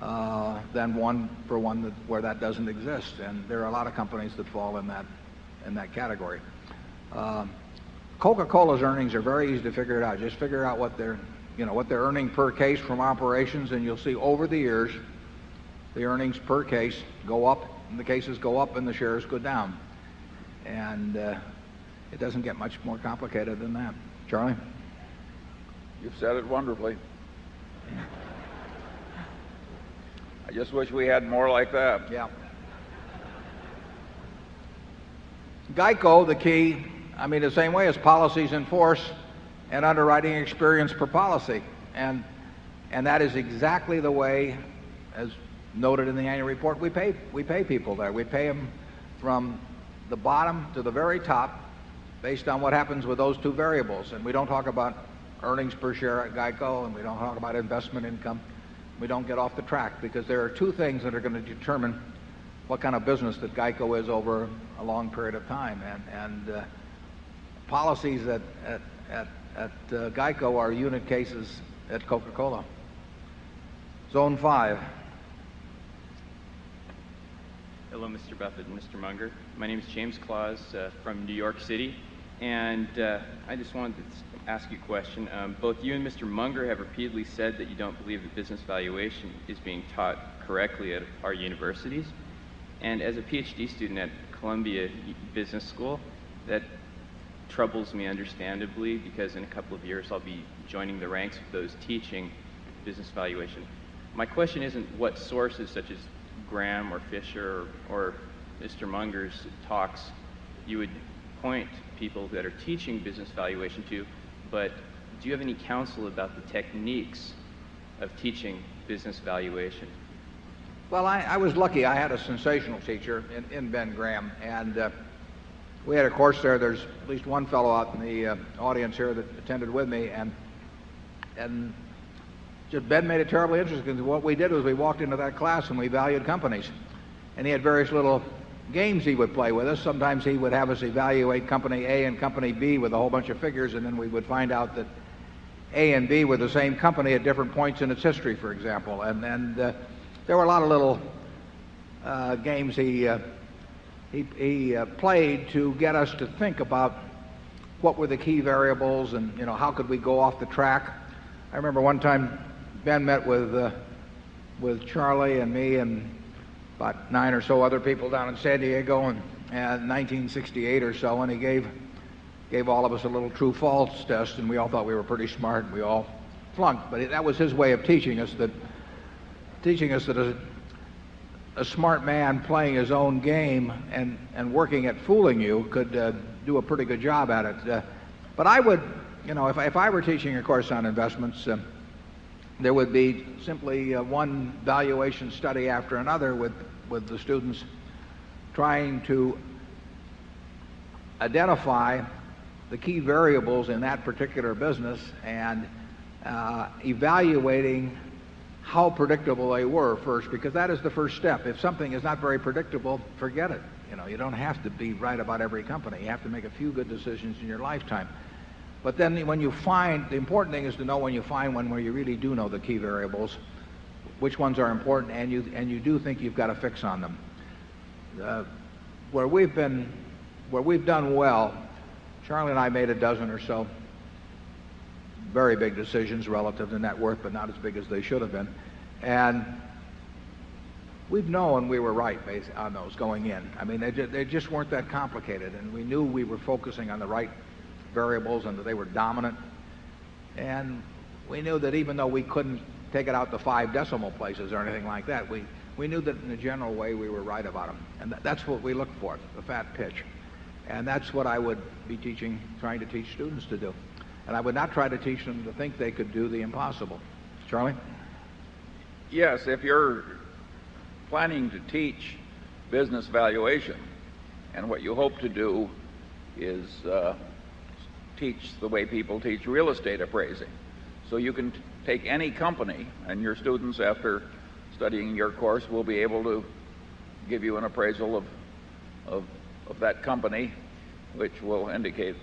poor, than one for one where that doesn't exist. And there are a lot of companies that fall in that category. Coca Cola's earnings are very easy to figure out. Just figure out what they're earning per case from operations. And you'll see over the years, the earnings per case go up and the cases go up and the shares go down. And it doesn't get much more complicated than that. Charlie? You've said it wonderfully. I just wish we had more like that. Yeah. GEICO, the key, I mean, the same way as policies in force and underwriting experience per policy. And that is exactly the way, as noted in the annual report, we pay people there. We pay them from the bottom to the very top based on what happens with those two variables. And we don't talk about earnings per share at GEICO, and we don't talk about investment income. We don't get off the track because there are 2 things that are going to determine what kind of business that GEICO is over a long Hello, mister Buffet and mister Munger. My name is James Claus, from New York City. And, I just wanted to ask you a question. Both you and Mr. Munger have repeatedly said that you don't believe that business valuation is being taught correctly at our universities. And as a PhD student at Columbia Business School, that troubles me understandably because a couple of years I'll be joining the ranks of those teaching business valuation. My question isn't what sources such as Graham or Fisher or Mr. Munger's talks you would point people that are teaching business valuation to, But do you have any counsel about the techniques of teaching business valuation? Well, I I was lucky. I had a sensational teacher in in Ben Graham. And, we had a course there. There's at least 1 fellow out in the, audience here that attended with me. And and Ben made a terrible interest because what we did was we walked into that class and we valued companies. And he had various little games he would play with us. Sometimes he would have us company at different points in its history, for example. And then, there were a lot of little, games he he played to get us to think about what were the key variables and, you know, how could we go off the track. I remember one time Ben met with with Charlie and me and about 9 or so other people down in San Diego in 1968 or so. And he gave gave all of us a little true false test. And we all thought we were pretty smart. We all flunked. But that was his way of teaching us that teaching us that a smart man playing his own game and and working at fooling you could, do a pretty good job at it. But I would, you know, if I were teaching a course on investments, there would be simply, one valuation study after another with the students trying to identify the key variables in that particular business and, evaluating how predictable they were first because that is the first step. If something is not very predictable, forget it. You know, you don't have to be right about every company. You have to make a few good decisions in your lifetime. But then when you find the important thing is to know when you find one where you really do know the key variables, which ones are important and you do think you've got a fix on them. Where we've been where we've done well, Charlie and I made a dozen or so very big decisions relative to net worth, but not as big as they should have been. And we've known we were right based on those going in. I mean, they just weren't that complicated. And we knew we were focusing on the right variables and that they were dominant. And we knew that even though we couldn't take it out to 5 decimal places or anything like that, we knew that in a general way, we were right about them. And that's what we look for, the fat pitch. And that's what I would be teaching trying to teach students to do. And I would not try to teach them to think they could do the impossible. Charlie? What you hope to do is, teach the way people teach real estate appraising. So you can take any company and your students, after studying your course, will be able to give you an appraisal of that company, which will indicate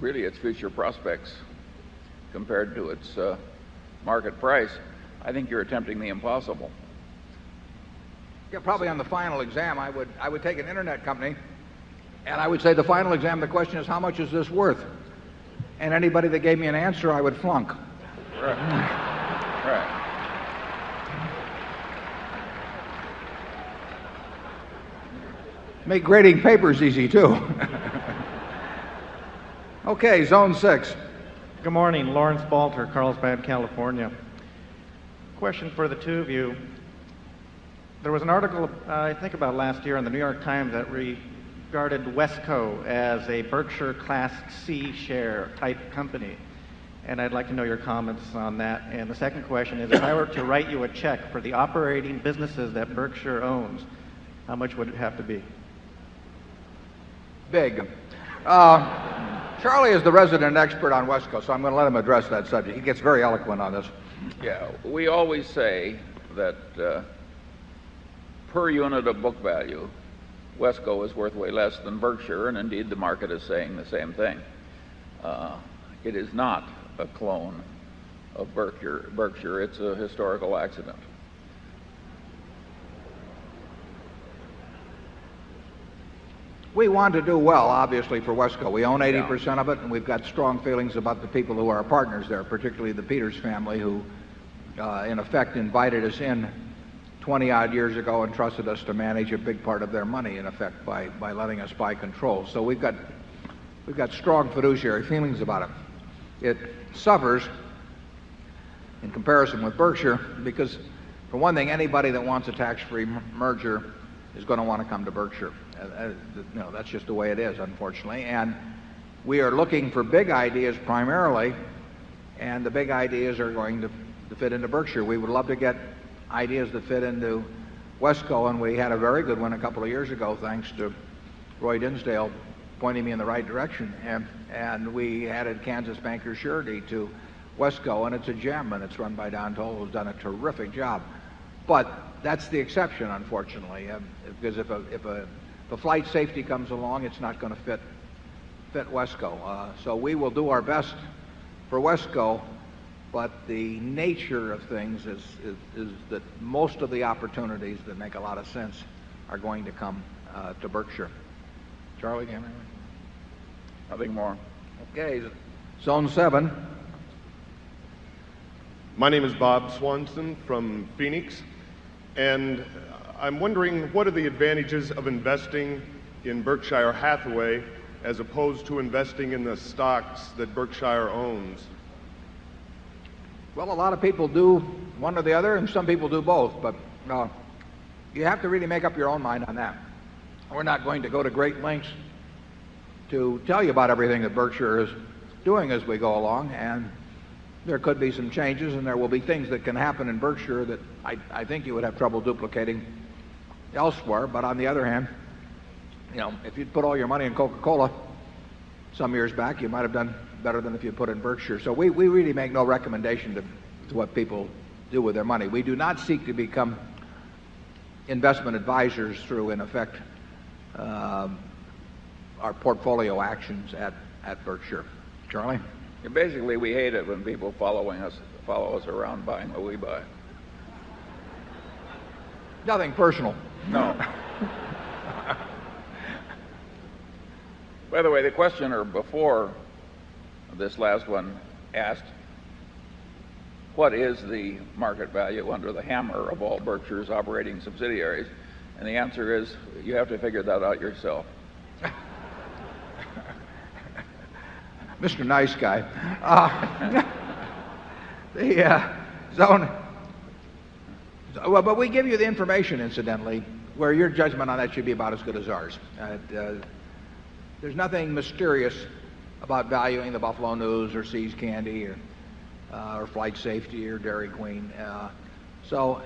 really its future prospects compared to its market price, I think you're attempting the impossible. And anybody that gave me an answer, I would flunk. Make grading papers easy too. Okay. Zone 6. Good morning. Lawrence Balter, Carlsbad, California. Question for the 2 of you. There was an article, I think about last year on the New York Times that regarded Wesco as a Berkshire class C Share type company. And I'd like to know your comments on that. And the second question is, if I were to write you a check for the operating businesses that Berkshire owns, how much would it have to be? Big. Charlie is the resident expert on West Coast, so I'm going to let him address that subject. He gets very eloquent on this. Yes. We always say that per unit of book value, Westco is worth way less than Berkshire. And indeed the market is saying the same thing. It is not a clone of Berkshire. It's a historical accident. We want to do well, obviously, for WESCO. We own 80% of it, and we've got strong feelings about the people who are our partners there, particularly the Peters family who, in effect, invited us in 20 odd years ago and trusted us to manage a big part of their money, in effect, by letting us buy control. So we've got we've got strong fiduciary feelings about it. One thing, anybody for one thing, anybody that wants a tax free merger is going to want to come to Berkshire. No, that's just the way it is, unfortunately. And we are looking for big ideas primarily, and the big ideas are going to fit into Berkshire. We would love to get ideas that fit into Wesco. And we had a very good one a couple of years ago, thanks to Roy Dinsdale pointing me in the right direction. And and we added Kansas Bankers Surety to WESCO. And it's a gem. And it's run by Don Toll, who's done a terrific job. But that's the exception, unfortunately. Because if a if a flight safety comes along, it's not going to fit fit WESCO. So we will do our best for WESCO. But the nature of things is that most of the opportunities that make a lot of sense are going to come, to Berkshire. Charlie, can you hear me? Nothing more. Okay. Zone 7. My name is Bob Swanson from Phoenix. And I'm wondering what are the advantages of investing in Berkshire Hathaway as opposed to investing in the stocks that Berkshire owns? Well, a lot of people do one or the other, and some people do both. But, you have to really make up your own mind on that. We're not going to go to great lengths to tell you about everything that Berkshire is doing as we go along. And there could be some changes and there will be things that can happen in Berkshire that I I think you would have trouble duplicating elsewhere. But on the other hand, you know, if you'd put all your money in Coca Cola some years back, you might have done better than if you put in Berkshire. So we we really make no recommendation to what people do with their money. We do not seek to become investment advisors through, in effect, our portfolio actions at Berkshire. Charlie? CHAIRMAN BARRETT. And basically, we hate it when people following us follow us around buying what we buy. Nothing personal. No. By the way, the questioner before this last one asked, what is the market value under the hammer of all Berkshire's operating subsidiaries? And the answer is you have to figure that out yourself. Mr. Nice Guy. But we give you the information incidentally where your judgment on that should be about as good as ours. There's nothing mysterious about valuing the Buffalo News or See's Candy or FlightSafety or Dairy Queen. So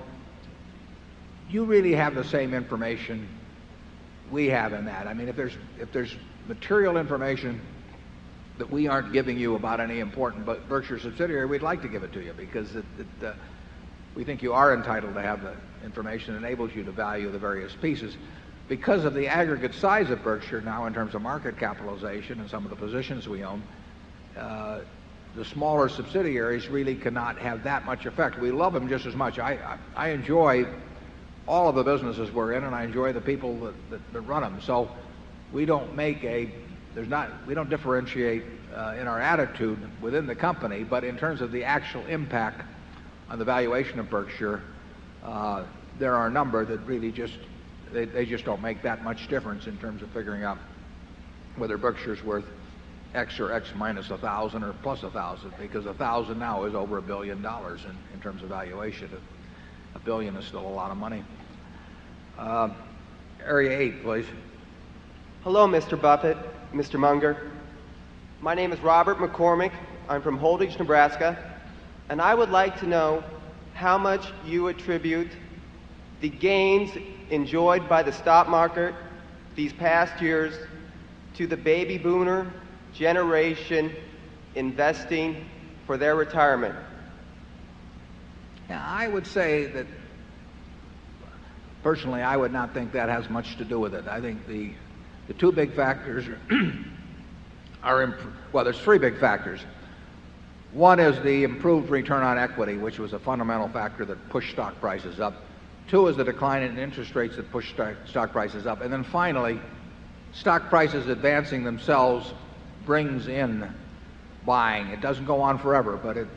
you really have the same information we have in that. I mean, if there's material information that we aren't giving you about any important Berkshire subsidiary, we'd like to give it to you because it it, we think you are entitled to have the information that enables you value the various pieces. Because of the aggregate size of Berkshire now in terms of market capitalization and some of the positions we own, the smaller subsidiaries really cannot have that much effect. We love them just as much. I enjoy all of the businesses we're in, and I enjoy the people that run them. So we don't make a there's not we don't differentiate, in our attitude within the company. But in terms of the actual impact on the valuation of Berkshire, there are a number that really just they just don't make that much difference in terms of figuring out whether Berkshire's worth X or X minus 1,000 or plus 1,000 because 1,000 now is over $1,000,000,000 in terms of valuation. A billion is still a lot of money. Area 8, please. Hello, Mr. Buffett, mister Munger. My name is Robert McCormick. I'm from Holdings, Nebraska. And I would like to know how much you attribute the gains enjoyed by the stock market these past years to the baby booner generation investing for their retirement? Yeah. I would say that, personally, I would not think that has much to do with it. I think the 2 big factors are well, there's 3 big factors. One is the improved return on equity, which was a fundamental factor that pushed stock prices up. 2 is the decline in interest rates that pushed stock prices up. And then finally, stock prices advancing themselves brings in buying. It doesn't go on forever, but it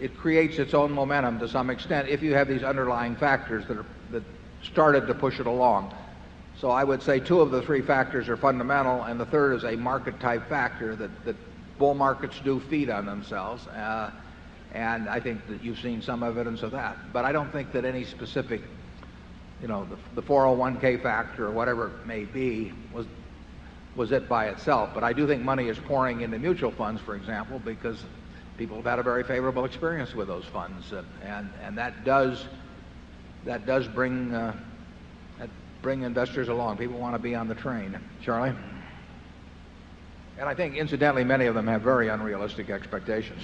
it creates its own momentum to some extent if you have these underlying factors that are that started to push it along. So I would say 2 of the 3 factors are fundamental, and the third is a market type factor that that bull markets do feed on themselves. And I think that you've seen some evidence of that. But I don't think that any specific you know, the 401 factor or whatever it may be was it by itself. But I do think money is pouring into mutual funds, for example, because people have had a very favorable experience with those funds. And that does bring investors along. People want to be on the train, Charlie. And I think incidentally, many of them have very unrealistic expectations.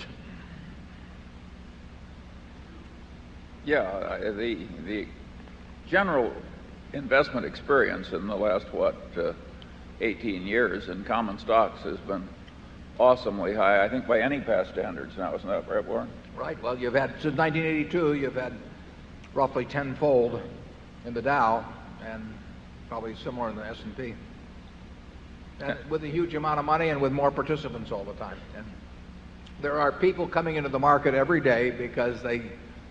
Yeah. The general investment experience in the last, what, 18 years in common stocks has been awesomely high, I think, by any past standards now. Isn't that right, Warren? Right. Well, you've had since 1982, you've had roughly tenfold in the Dow and probably similar in the S and P. With a huge amount of money and with more participants all the time. There are people coming into the market every day because they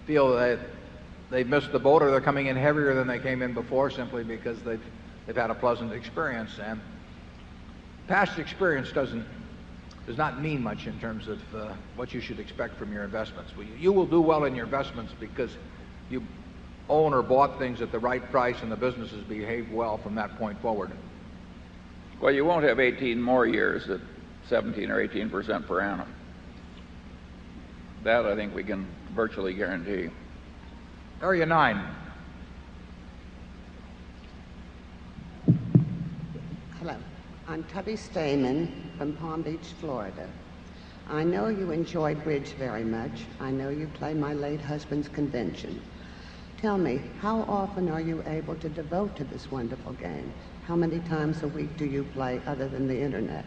feel that they've missed the boat or they're coming in heavier than they came in before simply because they had a pleasant experience. And past experience doesn't does not mean much in terms of, what you should expect from your investments. You will do well in your investments because you own or bought things at the right price and the businesses behave well from that point forward. Well, you won't have 18 more years at 17% or 18% per annum. That I think we can virtually guarantee. I'm Tubby Stayman from Palm Beach, Florida. I know you enjoy Bridge very much. I know you play my late husband's convention. Tell me, how often are you able to devote to this wonderful game? How many times a week do you play other than the Internet?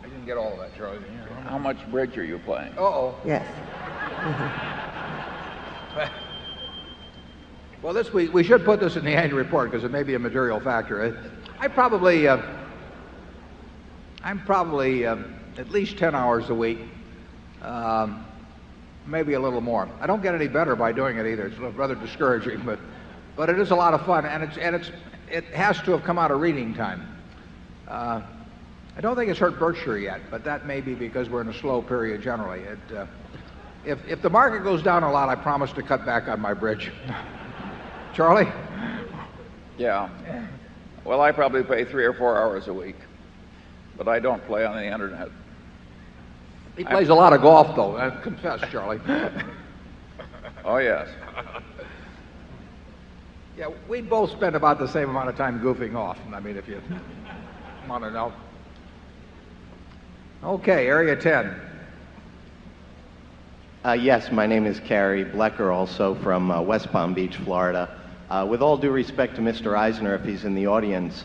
I didn't get all of that, Charlie. How much bridge are you playing? Uh-oh. Yes. Well, this week we should put this in the annual report because it may be a material factor. I probably I'm probably, at least 10 hours a week, maybe a little more. I don't get any better by doing it either. It's rather discouraging. But it is a lot of fun. And it's and it's it has to have come out of reading time. I don't think it's hurt Berkshire yet, but that may be because we're in a slow period generally. If the market goes down a lot, I promise to cut back on my bridge. Charlie? CHAIRMAN POWELL. Yeah. Well, I probably play 3 or 4 hours a week, but I don't play on the Internet. He plays a lot of golf, though. I confess, Charlie. Oh, yes. Yeah, we both spend about the same amount of time goofing off. And I mean, if you want to know. With all due respect to mister Eisner, if he's in the audience,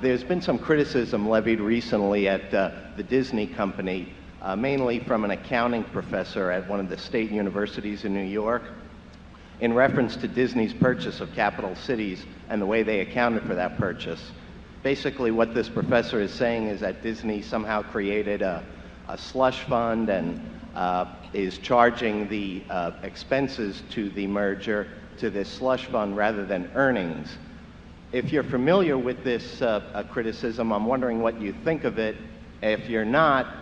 there's been some criticism levied recently at the Disney Company, mainly from an accounting professor at one of the state universities in New York, in reference to Disney's purchase of capital cities and the way they accounted for that purchase. Basically, what this professor is saying is that Disney somehow created a a slush fund and, is charging the expenses to the merger to this slush fund rather than earnings. If you're familiar with this criticism, I'm wondering what you think of it. If you're not,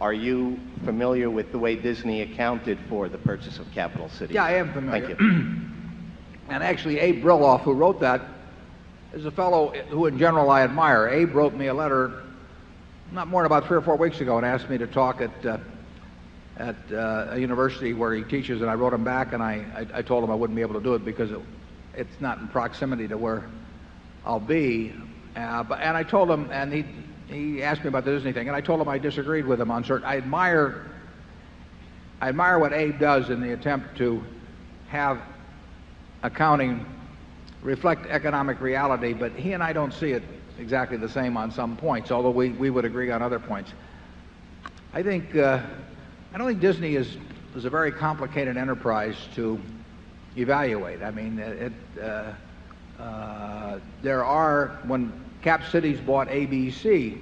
are you familiar with the way Disney accounted for the purchase of Capital City? Yes. I am familiar. Thank you. And actually, Abe Riloff, who wrote that, is a fellow who, in general, I admire. Abe wrote me a letter not more than about 3 or 4 weeks ago and asked me to talk at, at a university where he teaches, and I wrote him back and I told him I wouldn't be able to do it because it's not in anything. And I told him I disagreed with him on certain. I admire I admire what Abe does in the attempt to have accounting reflect economic reality, but he and I don't see it exactly the same on some points, although we would agree on other points. I don't think Disney is a very complicated enterprise to evaluate. I mean, there are when Cap Cities bought ABC,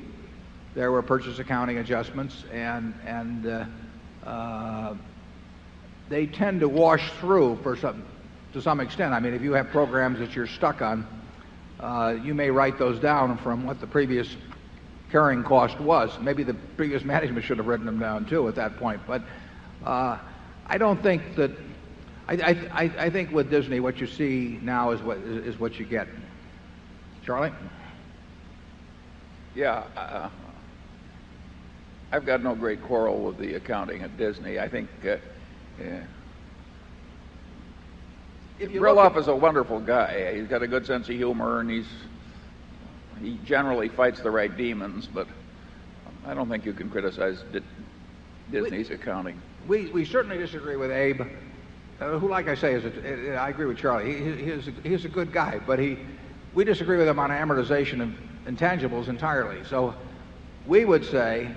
there were purchase accounting adjustments and they tend to wash through for some to some extent. I mean, if you have programs that you're stuck on, you may write those down from what the previous carrying cost was. Maybe the biggest management should have written them down too at that point. But, I don't think that I think with Disney, what you see now is what you get. Charlie? Yes. I've got no great quarrel with the accounting at Disney. I think Riloff is a wonderful guy. He's got a good sense of humor and he generally fights the right demons, but I don't think you can criticize Disney's accounting. We certainly disagree with Abe, who, Disney is charging whatever it may be, we would say that if Disney is charging whatever it may be, we would say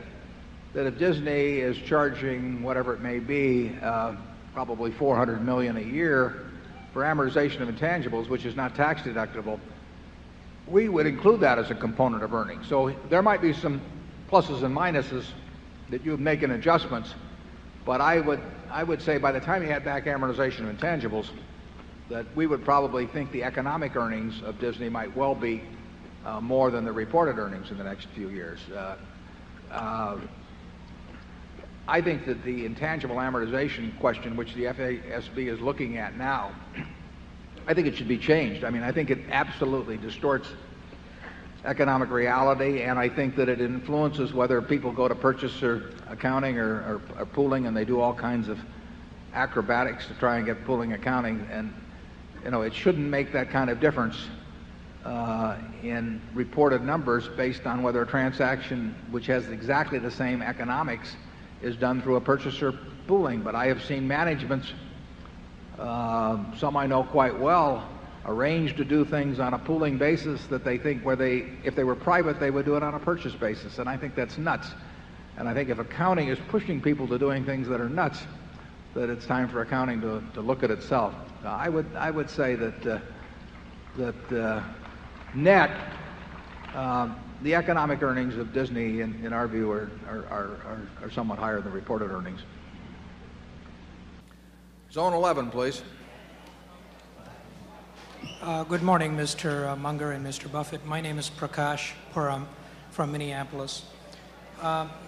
that if Disney is charging whatever it may be, we would say that if we would say that if Disney is charging whatever it may be, probably $400,000,000 a year for amortization of intangibles, which is not tax deductible, we would include that as a component of earnings. So there might be some pluses and minuses that you make in adjustments. But I would I would say by the time you add back amortization of intangibles, that we would probably think the economic earnings of Disney might well be, more than the reported earnings in the next few years. I think that the I think that the intangible amortization question which the FASB is looking at now, I think it should be changed. I mean, I think it absolutely distorts economic reality. And I think that it influences whether people go to purchase accounting or pooling and they do all kinds of acrobatics to try and get pooling accounting. And, you know, it shouldn't make that kind of difference, in reported numbers based on whether a transaction which has exactly the same I have seen managements, some I know quite well, arrange to do things on a pooling basis that they think where they if they were private, they would do it on a purchase basis. And I think that's nuts. And I think if accounting is pushing people to doing things that are nuts, that it's time for accounting to look at itself. I would say that net, the economic earnings of Disney in our view are somewhat higher than reported earnings. Zone 11, please. Good morning, Mr. Munger and Mr. Buffet. My name is Prakash Puram from Minneapolis.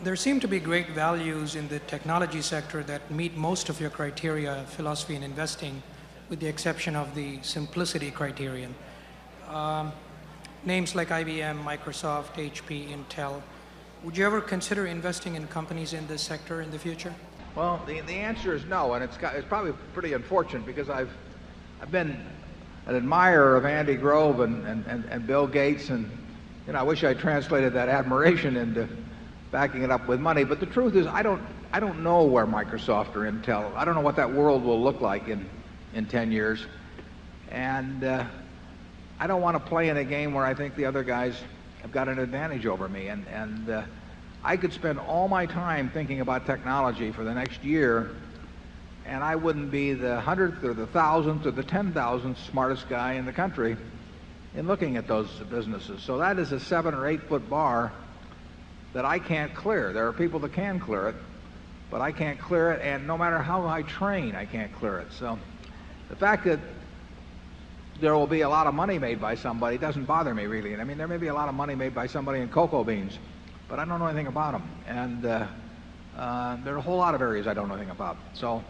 There seem to be great values in the technology sector that meet most of your criteria, philosophy and investing with the exception of the simplicity criterion. Names like IBM, Microsoft, HP, Intel, would you ever consider investing in companies in this sector in the future? Well, the the answer is no. And it's got it's probably pretty unfortunate because I've I've been an admirer of Andy Grove and and and Bill Gates. And, you know, I wish I translated that admiration into backing it up with money. But the truth is, I don't I don't know where Microsoft or Intel. I don't know what that world will look like in in 10 years. And, I don't want to play in a game where I think the other guys have got an advantage over me. And and, I could spend all my time thinking about technology for the next year, and I wouldn't be the 100th or the 1000th or the 10000th smartest guy in the country in looking at those businesses. So that is a 7 or 8 foot bar that I can't clear. There are people that can clear it, but I can't clear it. And no matter how I train, I can't clear it. So the fact that there will be a lot of money made by somebody doesn't bother me I mean, there may be a lot of money made by somebody in cocoa beans, but I don't know anything about them. And, there are a whole lot of areas I don't know anything about. So,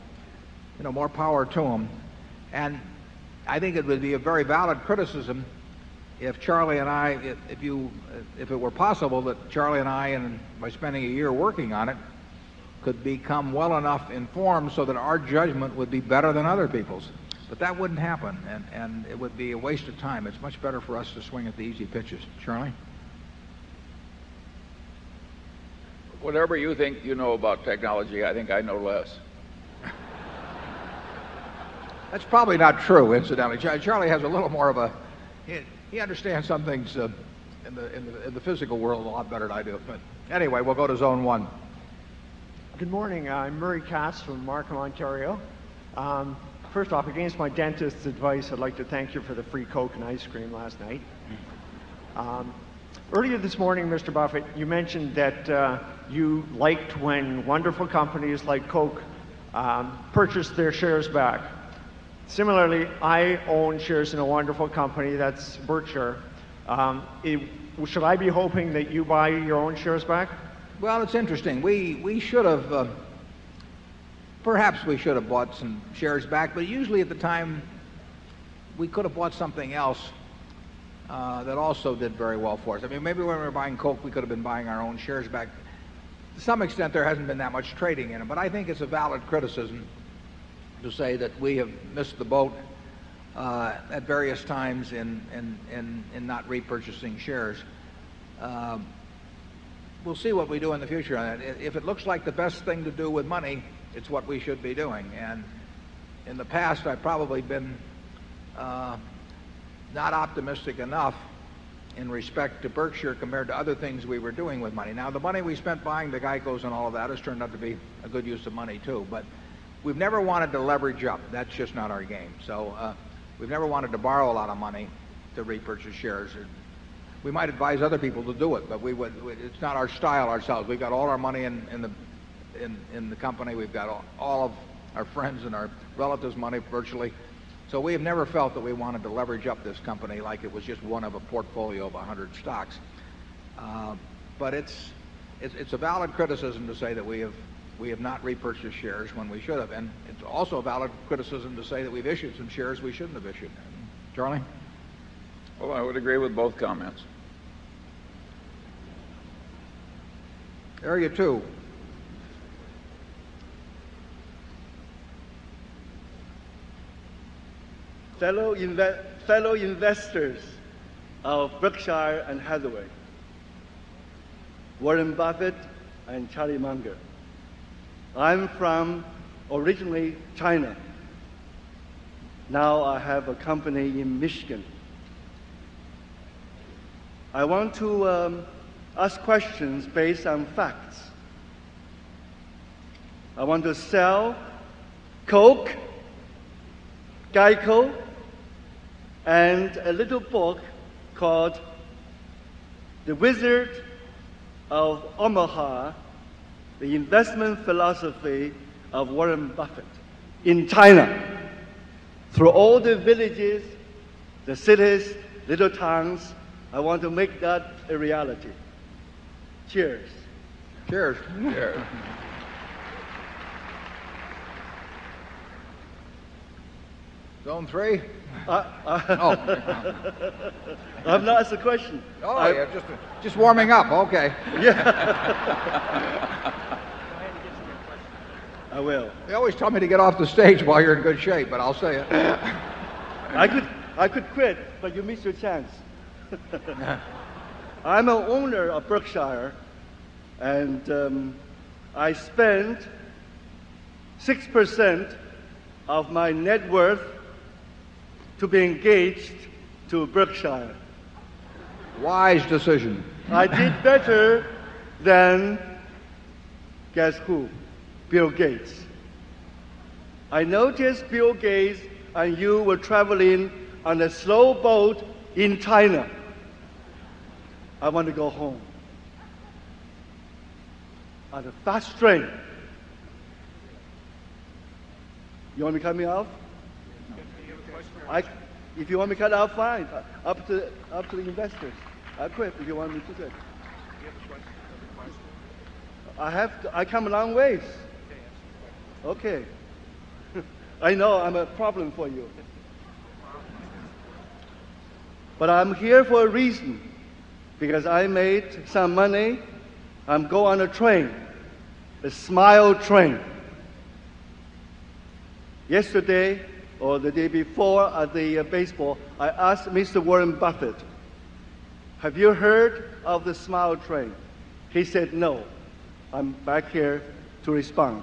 you know, more power to them. And I think it would be a very valid criticism if Charlie and I if you if it were possible that Charlie and I, and by spending a year working on it, could become well enough informed so that our judgment would be better than other people's. But that wouldn't happen, and it would be a waste of time. It's much better for us to swing at the easy pitches. Charlie? Whatever you think you know about technology, I think I know less. That's probably not true incidentally. Charlie has a little more of a he understands some things in the physical world a lot better than I do. But anyway, we'll go to zone 1. First off, against my dentist's advice, I'd like to thank you for the free Coke and ice cream. First off, against my dentist's advice, I'd like to thank you for the free Coke and ice cream last night. Earlier this morning, Mr. Buffett, you mentioned that you liked when wonderful companies like Coke purchased their shares back. Similarly, I own shares in a wonderful company that's Berkshire. Should I be hoping that you buy your own shares back? Well, it's interesting. We should have perhaps we should have bought some shares back, but usually at the time we could have bought something else, that also did very well for us. I mean, maybe when we were buying Coke, we could have been buying our own shares To some extent, there hasn't been that much trading in it. But I think it's a valid criticism to say that we have missed the boat, at various times in not repurchasing shares. We'll see what we do in the future. Future. If it looks like the best thing to do with money, it's what we should be doing. And in the past, I've probably been not optimistic enough in respect to Berkshire compared to other things we were doing with money. Now the money we spent buying the GEICO's and all of that has turned out to be a good use of money too. But we've never wanted to leverage up. That's just not our game. So we've never wanted to borrow a lot of money to repurchase shares. We might advise other people to do it, but we would it's not our style ourselves. We've got all our money in the company. We've got all of our friends and our relatives' money virtually. So we have never felt that we wanted to leverage up this company like it was just one of a portfolio of 100 stocks. But it's it's a valid criticism to say that we have we have not repurchased shares when we should have. And it's also a valid criticism to say that we've issued some shares we shouldn't have issued. Charlie? Well, I would agree with both comments. Area 2. Fellow investors of Berkshire and Hathaway, Warren Buffett and Charlie Munger. I'm from originally China. Now, I have a company in Michigan. I want to ask questions based on facts. I want to sell Coke, GEICO and a little book called The Wizard of Omaha, investment philosophy of Warren Buffett in China. Through all the villages, the the cities, little towns, I want to make that a reality. Cheers. Zone 3. I've not asked the question. Oh, yeah. Just warming up. Okay. Go ahead and get some more questions. I will. They always tell me to get off the stage while you're in good shape, but I'll say it. I could quit, but you miss your chance. I'm the owner of Berkshire and I spend 6% of my net worth to be engaged to Brookshire. Wise decision. I did better than guess who? Bill Gates. I noticed Bill Gates and you were traveling on a slow boat in China. I want to go home. I have a fast train. You want me cut me off? If you want me cut it off, fine. Up to the investors. I quit if you want me to say. I have to I come a long ways. Okay. I know I'm a problem for you. But I'm here for a reason because I made some money. I'm going on a train, a smile train. Yesterday or the day before at the baseball, I asked Mr. Warren Buffett, have you heard of the Smile Train? He said, no. I'm back here to respond.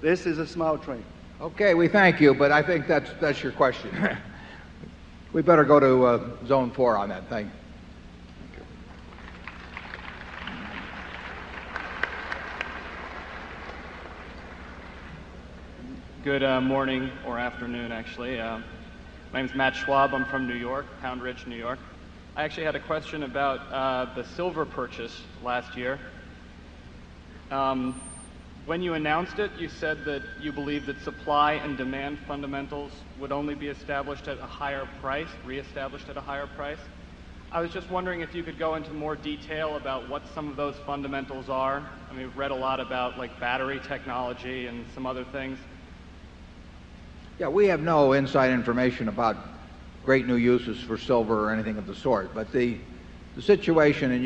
This is a small train. Okay. We thank you, but I think that's your question. We better go to zone 4 on that. Thank you. Good morning or afternoon actually. My name is Matt Schwab. I'm from New York, Pound Ridge, New York. I actually had a question about, the silver purchase last year. When you announced it, you said that you believe that supply and demand fundamentals would only be established at a higher price, reestablished at a higher price. I was just wondering if you could go into more detail about what some of those fundamentals are. I mean, we've read a lot about like battery technology and some other things. Yeah. We have no inside information about great new uses for silver or anything of the sort. But the situation and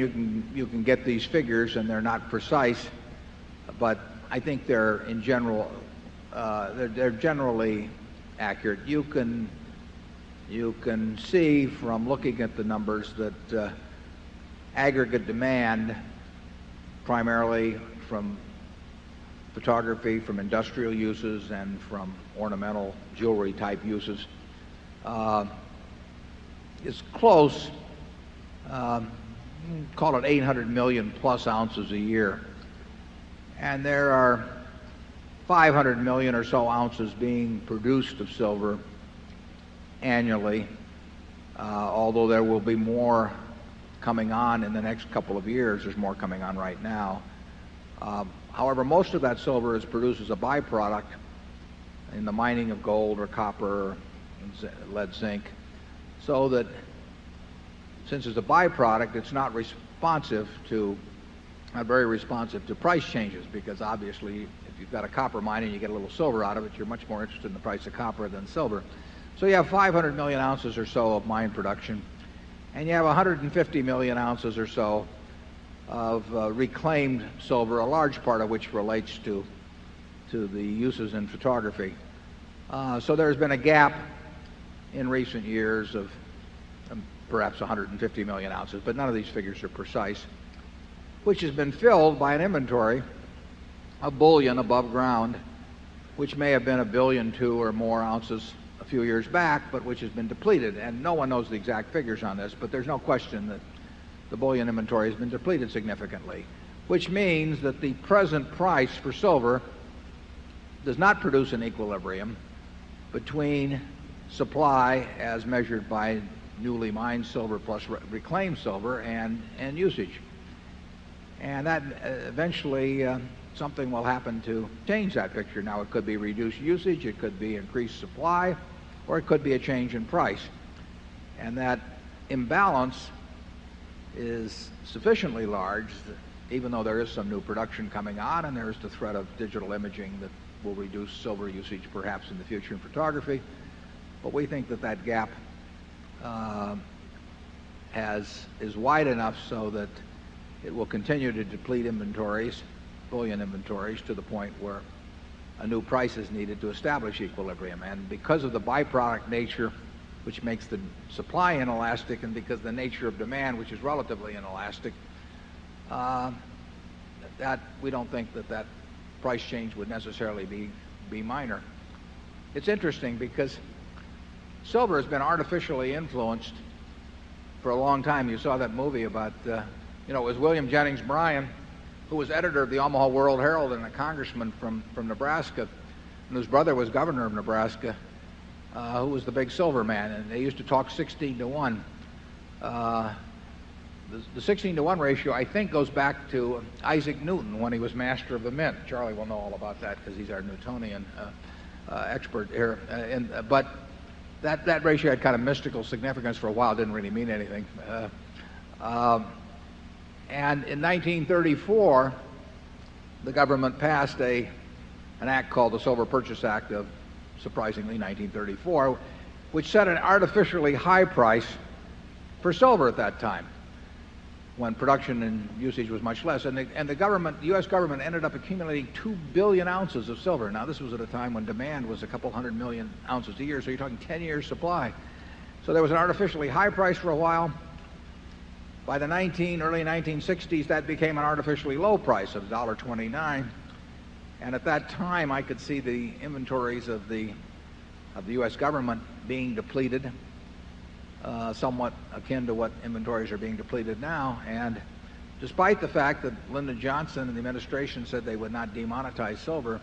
you can get these figures and they're not precise, but I think they're, in general, they're generally accurate. You can see from looking at the numbers that aggregate demand primarily from photography, from industrial uses and from ornamental jewelry type uses It's close, call it 800,000,000 plus ounces a year. And there are 500,000,000 or so ounces being produced of silver annually, Although there will be more coming on in the next couple of years, there's more coming on right now. However, most of that silver is produced as a byproduct in the mining of gold or copper and lead zinc. So that since it's a byproduct, it's not responsive to very responsive to price changes because obviously if you've got a copper mine and you get a little silver out of it, you're much more interested in the price of copper than silver. So you have 500,000,000 ounces or so of mine production and you have 150,000,000 ounces or so of reclaimed silver, a large part of which relates to the uses in photography. So there has been a gap in recent years of perhaps 150,000,000 ounces, but none of these figures are precise, which has been filled by an inventory of bullion above ground, which may have been 1,200,000,000 or more ounces a few years back, but which has been depleted. And no one knows the exact figures on this, but there's no question that the bullion inventory has been depleted significantly, which means that the present price for silver does not produce an equilibrium between supply as measured by newly mined silver plus reclaimed silver and usage. And that eventually something will happen to change that picture. Now it could be reduced usage, it could be increased supply or it could be a change in price. And that imbalance is sufficiently large even though there is some new production coming on and there is the threat of digital imaging that will reduce silver usage perhaps in the future in photography. But we think that, that gap is wide enough so that it will continue to deplete inventories, bullion inventories to the point where a new price is needed to establish equilibrium. And because of the byproduct nature, which makes the supply inelastic and because the nature of demand, which is relatively inelastic, that we don't think that, that price change would necessarily be you know, it was William Jennings Bryan, who was editor of the Omaha World Herald and a congressman from Nebraska, and his brother was governor of Nebraska, who was the big silver man. And they used to talk 16 to 1. The 16 to 1 ratio, I think, goes back to Isaac Newton when he was master of the Mint. Charlie will know all about that because he's our Newtonian, expert here. And but that that ratio had kind of mystical significance for a while. It didn't really mean anything. And in 1934, the government passed a an act called the Silver Purchase Act of surprisingly 1934, which set an artificially high price for silver at that time when production and usage was much less. And the and the government, the US government ended up accumulating 1,000,000,000 ounces of silver. Now this was at a time when demand was a couple 100,000,000 ounces a year, so you're talking 10 years supply. So there was an artificially high price for a while. By the 19, early 19 sixties, that became an artificially low price of $1.29. And at that time, I could see the inventories of the U. S. Government being depleted, somewhat akin to what inventories are being depleted now. And despite the fact that Lyndon Johnson and the administration said they would not demonetize silver,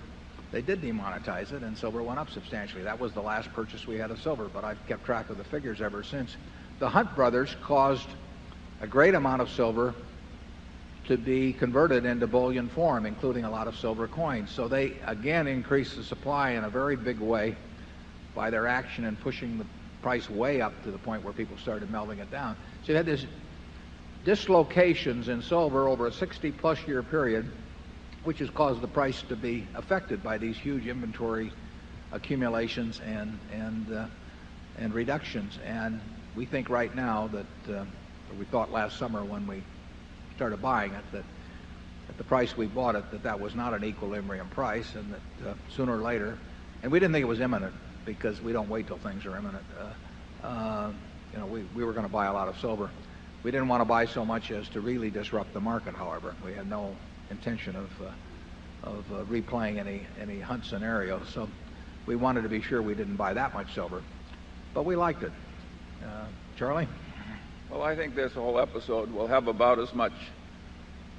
they did demonetize it and silver went up substantially. That was the last purchase we had of silver. But I've kept track of the figures ever since. The Hunt Brothers caused a great amount of silver to be converted into bullion form, including a lot of silver coins. So they again increased the supply in a very big way by their action in pushing the price way up to the point where people started melding it down. So you had this dislocations in silver over a 60 plus year period, which has caused the price to be affected by these huge inventory accumulations and reductions. And we think right now that we thought last summer when we started buying it that at the price we bought it, that was not an equilibrium price and that sooner or later and we didn't think it was imminent because we don't wait till things are imminent. We were going to buy a lot of silver. We didn't want to buy so much as to really disrupt the market, however. We had no intention of replaying any hunt scenario. So we wanted to be sure we didn't buy that much silver. But we liked it. Charlie? Well, I think this whole episode will have about as much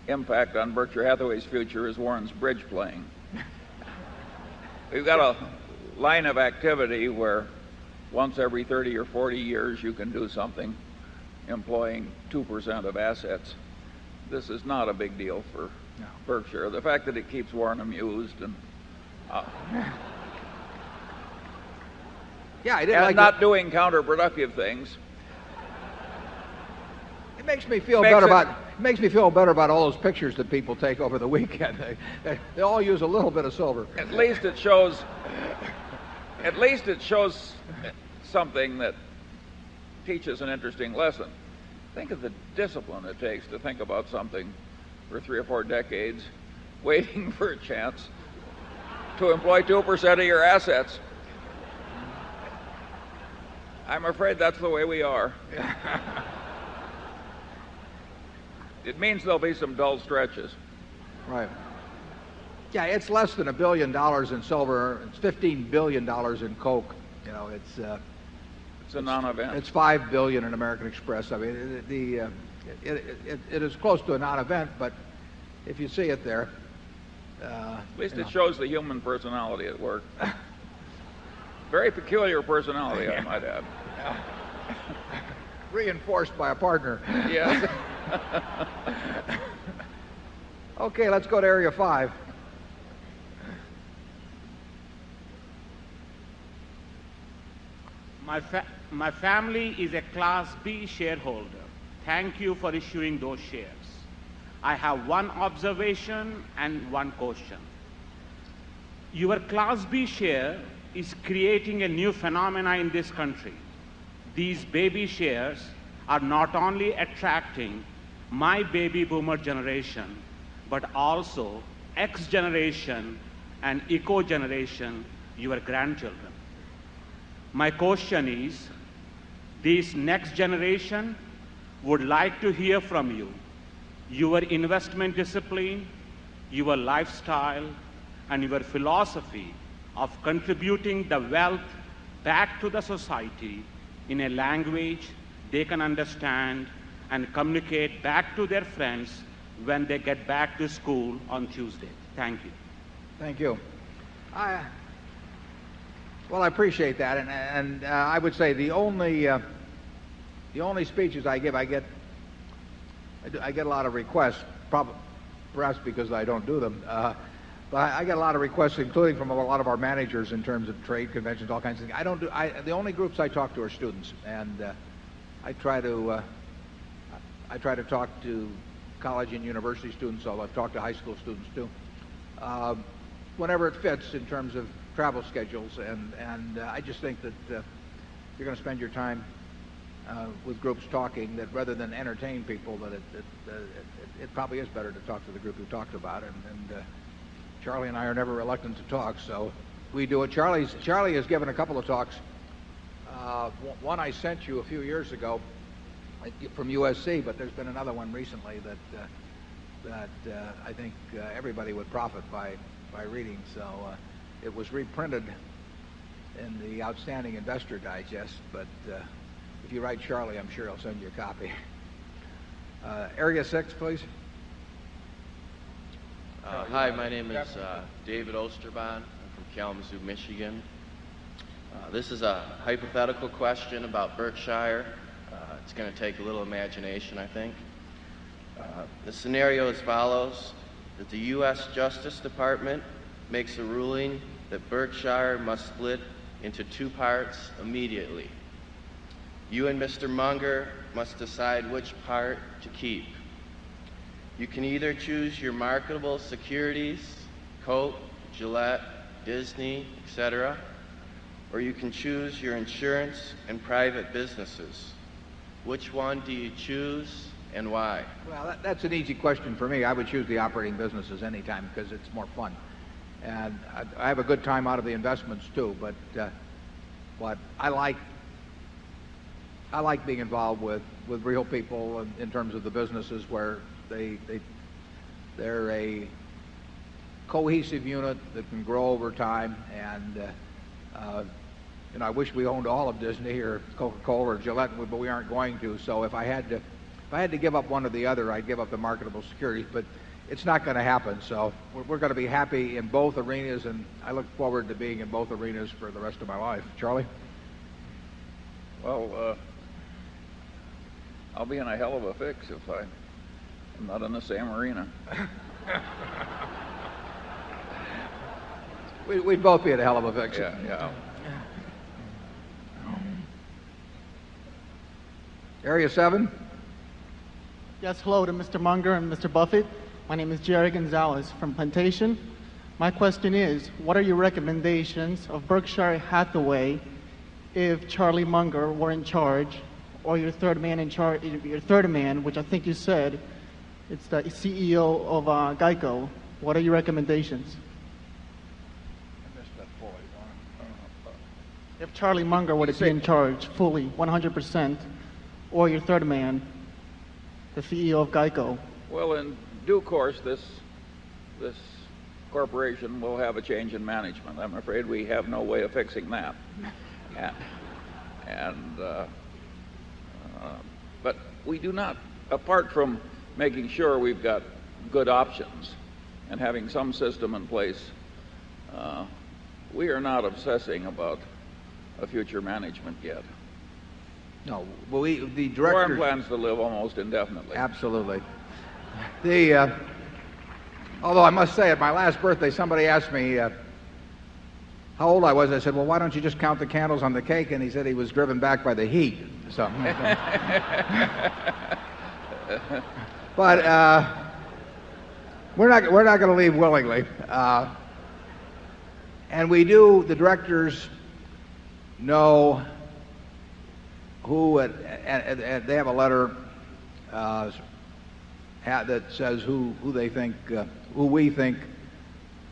impact on Berkshire Hathaway's future as Warren's bridge playing. We've got a line of activity where once every 30 or 40 years, you can do something, employing 2 of assets. This is not a big deal for Berkshire. The fact that it keeps Warren amused and Yeah, it is like- And not doing counterproductive things. It makes me feel better about all pictures that people take over the weekend. They all use a little bit of silver. At least it shows at least it shows something that teaches an interesting lesson. Think of the discipline it takes to think about something for 3 or 4 decades, waiting for a chance to employ 2% of your assets. I'm afraid that's the way we are. It means there'll be some dull stretches. Right. Yeah. It's less than $1,000,000,000 in silver. It's $15,000,000,000 in coke. You know, it's, It's a non event. It's 5,000,000,000 in American Express. I mean, the it is close to a non event, but if you see it there, At least it shows the human personality at work. Very peculiar personality, I might add. Reinforced by a partner. Okay, let's go to area 5. My family is a class B shareholder. Thank you for issuing those shares. Have one observation and one question. Your class B share is creating a new phenomena in this country. These baby shares are not only attracting my baby boomer generation but also ex generation and eco generation your grandchildren. My question is, this next generation would like to hear from you your investment discipline, your lifestyle and your philosophy of contributing the wealth back to the society in a language they can understand and communicate back to their friends when they get back to school on Tuesday? Thank you. Thank you. Well, I appreciate that. And I would say the only the only speeches I give, I get I get a lot of requests, probably perhaps because I don't do them. But I get a lot of requests, including from a lot of our managers in terms of trade conventions, all kinds of things. I don't do I the only groups I talk to are students. And I try to I try to talk to college and university students, although I've talked to high school students too, whenever fits in terms of travel schedules. And I just think that, you're going to spend your time, with groups talking that rather than entertain people, that it probably is better to talk to the group we talked about. And, Charlie and I are never reluctant to talk. So we do it. Charlie has given a couple of talks. One I sent you a few years ago from USC, but there's been another one recently that, that, I think, everybody would profit by reading. So it was reprinted in the outstanding investor digest. But if you write Charlie, I'm sure I'll send you a copy. Area 6, please. Hi. My name is David Osterbaum from Kalamazoo, Michigan. This is a hypothetical question about Berkshire. It's going to take a little imagination, I think. The scenario as follows, that the US Justice Department makes a ruling that Berkshire must split into 2 parts immediately. You and mister Munger must decide which part to keep. You can either choose your marketable securities, Coke, Gillette, Disney, etcetera, or you can choose your insurance and private businesses. Businesses. Which one do you choose and why? Well, that's an easy question for me. I would choose the operating businesses anytime because it's more fun. And I have a good time out of the investments too. But, what I like I like being involved with real people in terms of the businesses where they're a cohesive unit that can grow over time. And I wish we owned all of Disney or Coca Cola or Gillette, but we aren't going to. So if I had to if I had to give up one or the other, I'd give up the marketable securities. But it's not going to happen. So we're going to be happy in both arenas. And I look forward to being in both arenas for the rest of my life. Charlie? Well, I'll be in a hell of a fix if I am not in the same arena. We'd both be at a hell of a fix. Yeah. Yeah. Area 7? Yes. Hello to Mr. Munger and Mr. Buffet. My name is Jerry Gonzalez from Plantation. My question is, what are your recommendations of Berkshire Hathaway if Charlie Munger were in charge or your 3rd man in charge your 3rd man, which I think you said, it's the CEO of GEICO, what are your recommendations? If Charlie Munger would have stayed in charge fully, 100%, or your 3rd man, the CEO of GEICO. Well, in due course, this corporation will have a change in management. I'm afraid we have no way of fixing that. And but we do not apart from making sure we've got good options and having some system in place, we are not obsessing about a future management yet. No. Well, we the Director here The farm plans to live almost indefinitely. Absolutely. The although I must say, at my last birthday, somebody asked me how old I was. And I said, well, why don't you just count the candles on the cake? And he said he was driven back by the heat. So but we're not going to leave willingly. And we do the directors know who they have a letter that says who they think who we think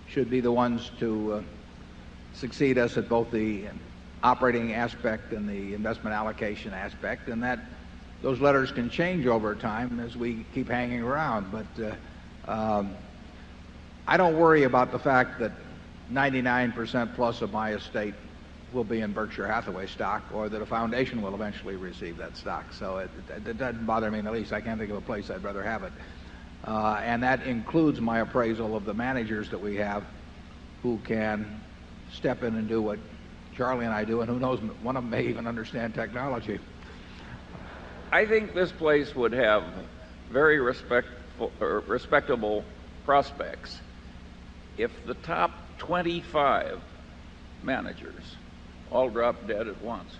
should be the ones to succeed us at both the operating aspect and the investment allocation aspect. And that those letters can change over time as we keep hanging around. But I don't worry about the fact that 99% plus of my estate will be in Berkshire Hathaway stock or that a foundation will And that includes my appraisal of the managers that we have who can step in and do what Charlie and I do. And who knows, one of them may even understand technology. I think this place would have very respectable prospects if the top 25 managers all drop dead at once?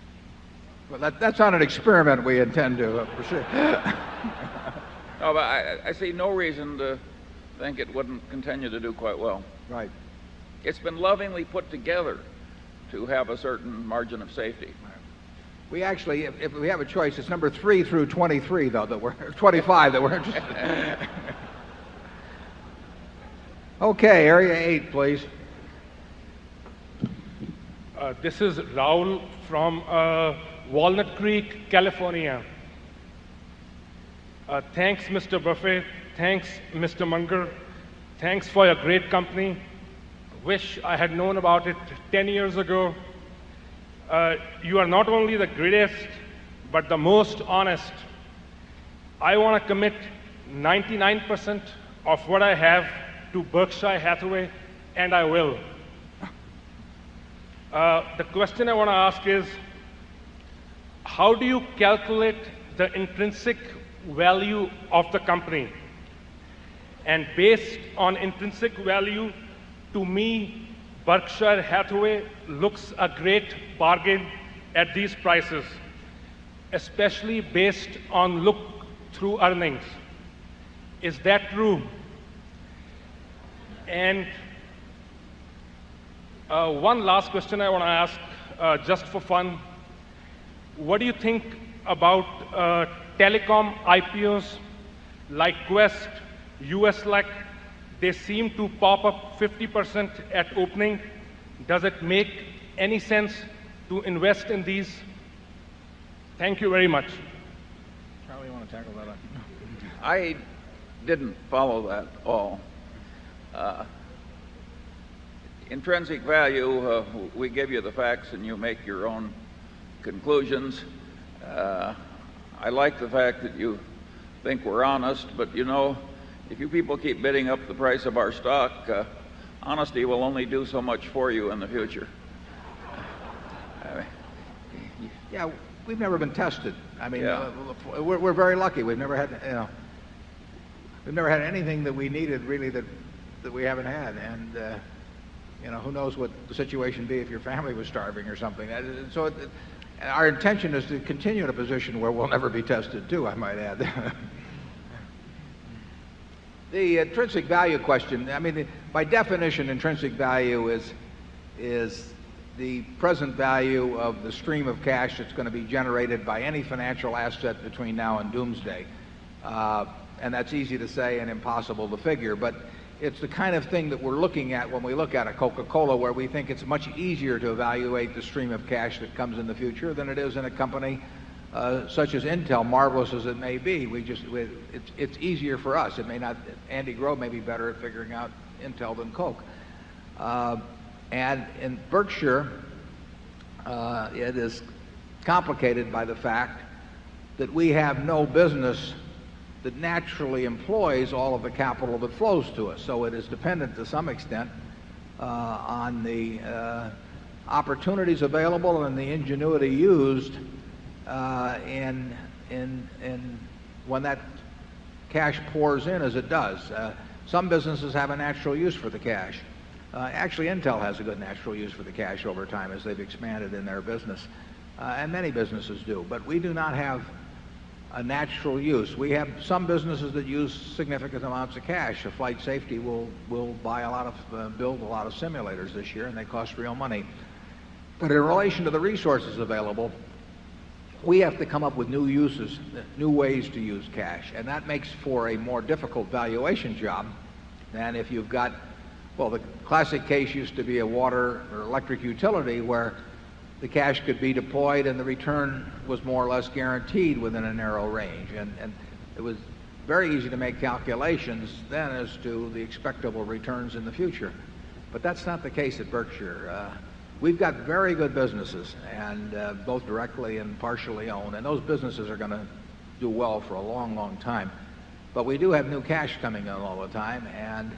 Well, that's not an experiment we intend to I see no reason to think it wouldn't continue to do quite well. Right. It's been lovingly put together to have a certain margin of safety. We actually if we have a choice, it's number 3 through 23 though that we're 25 that we're interested. Okay. Area 8, please. RAUL K. This is Raul from Walnut Creek, California. Thanks, Mr. Buffet. Thanks, Mr. Munger. Thanks for your great company. Wish I had known about it 10 years ago. You are not only the greatest but the most honest. I want to commit 99% of what I have to Berkshire Hathaway and I will. The question I want to ask is how do you calculate the intrinsic value of the company? And based on intrinsic value, to me Berkshire Hathaway looks a great bargain at these prices, especially based on look through earnings. Is that true? Question I want to ask, just for fun. What do you think about, telecom IPOs like Quest, US like, they seem to pop up 50% at opening. Does it make any sense to invest in these? Thank you very much. Charlie, you want to tackle that? I didn't follow that all. Intrinsic value, we give you the facts and you make your own conclusions. I like the fact that you think we're honest but, you know, if you people keep bidding up the price of our stock, honesty will only do so much for you in the future. Yeah. We've never been tested. Haven't had. And, you know, who knows what the situation be if your family was starving or something. And so our intention is to continue in a position where we'll never be tested too, I might add. The intrinsic value question, I mean, by definition, intrinsic value is the present value of the stream of cash that's going to be generated by any financial asset between now and doomsday. And that's easy to say and impossible to figure. But it's the kind of thing that we're looking at when we look at a Coca Cola where we think it's much easier to evaluate the stream of cash that comes in the future than it is in a company, such as Intel, marvelous as it may be. We just it's easier for us. It may not Andy Grove may be better at figuring out Intel than Coke. And in Berkshire, it is complicated by the fact that we have no business that naturally employs all of the capital that flows to us. So it is dependent to some extent, on the opportunities available and the ingenuity used, and when that cash pours in as it does. Some businesses have a natural use for the cash. Actually, Intel has a good natural use for the cash over time as they've expanded in their business, and many businesses do. But we do not have a natural use. We have some businesses that use significant amounts of cash. A flight safety will buy a lot of build a lot of simulators this year, and they cost real money. But in relation to the resources available, we have to come up with new uses, new ways to use cash. And that makes for a more difficult valuation job than if you've got well, the classic case used to be a water or electric utility where the cash could be deployed and the return was more or less guaranteed within a narrow range. And it was very easy to make calculations then as to the expectable returns in the future. But that's not the case at Berkshire. We've got very good businesses and both directly and partially owned. And those businesses are going to do well for a long, long time. But we do have new cash coming in all the time. And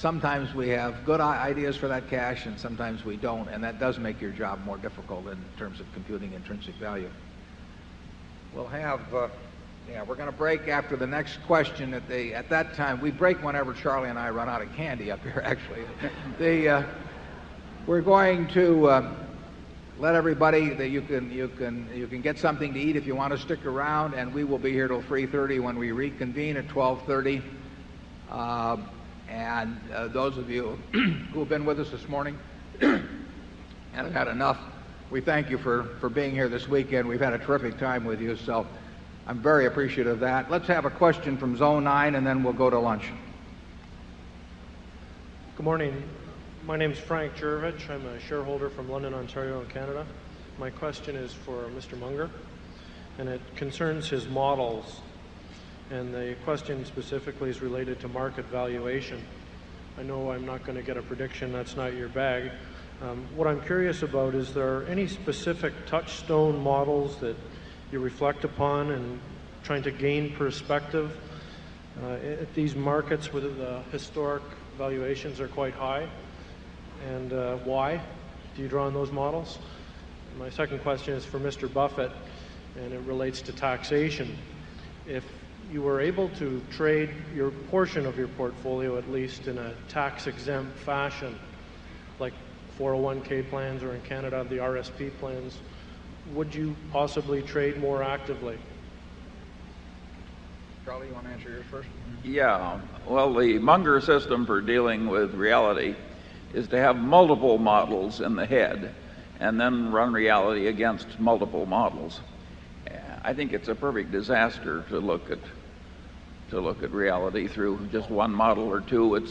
sometimes we have good ideas for that cash and sometimes we don't. And that does make your job more difficult in terms of computing intrinsic value. We'll have, yeah, we're going to break after the next question at the at that time, we break whenever Charlie and I run out of candy up here, actually. The we're going to let everybody that you can get something to eat if you want to stick around, and we will be here till 3:30 when we reconvene at 12:30. And those of you who have been with us this morning and have had enough, We thank you for being here this weekend. We've had a terrific time with you. So I'm very appreciative of that. Let's have a question from Zone 9 and then we'll go to lunch. Good morning. My name is Frank Jervich. I'm a shareholder from London, Ontario, Canada. My valuation. I know I'm not going to get a prediction. That's not your bag. What I'm curious about is there any specific touchstone models that you reflect upon and trying to gain perspective at these markets with historic valuations are quite high and why do you draw on those models? My second question is for Mr. Buffett and it tax exempt fashion like 401 plans or in Canada the RSP plans, would you possibly trade more actively? Charlie, you want to answer yours first? Yeah. Well, the Munger system for dealing with reality is to have multiple models in the head and then run reality against multiple models. I think it's a perfect disaster to look at reality through just one model or two.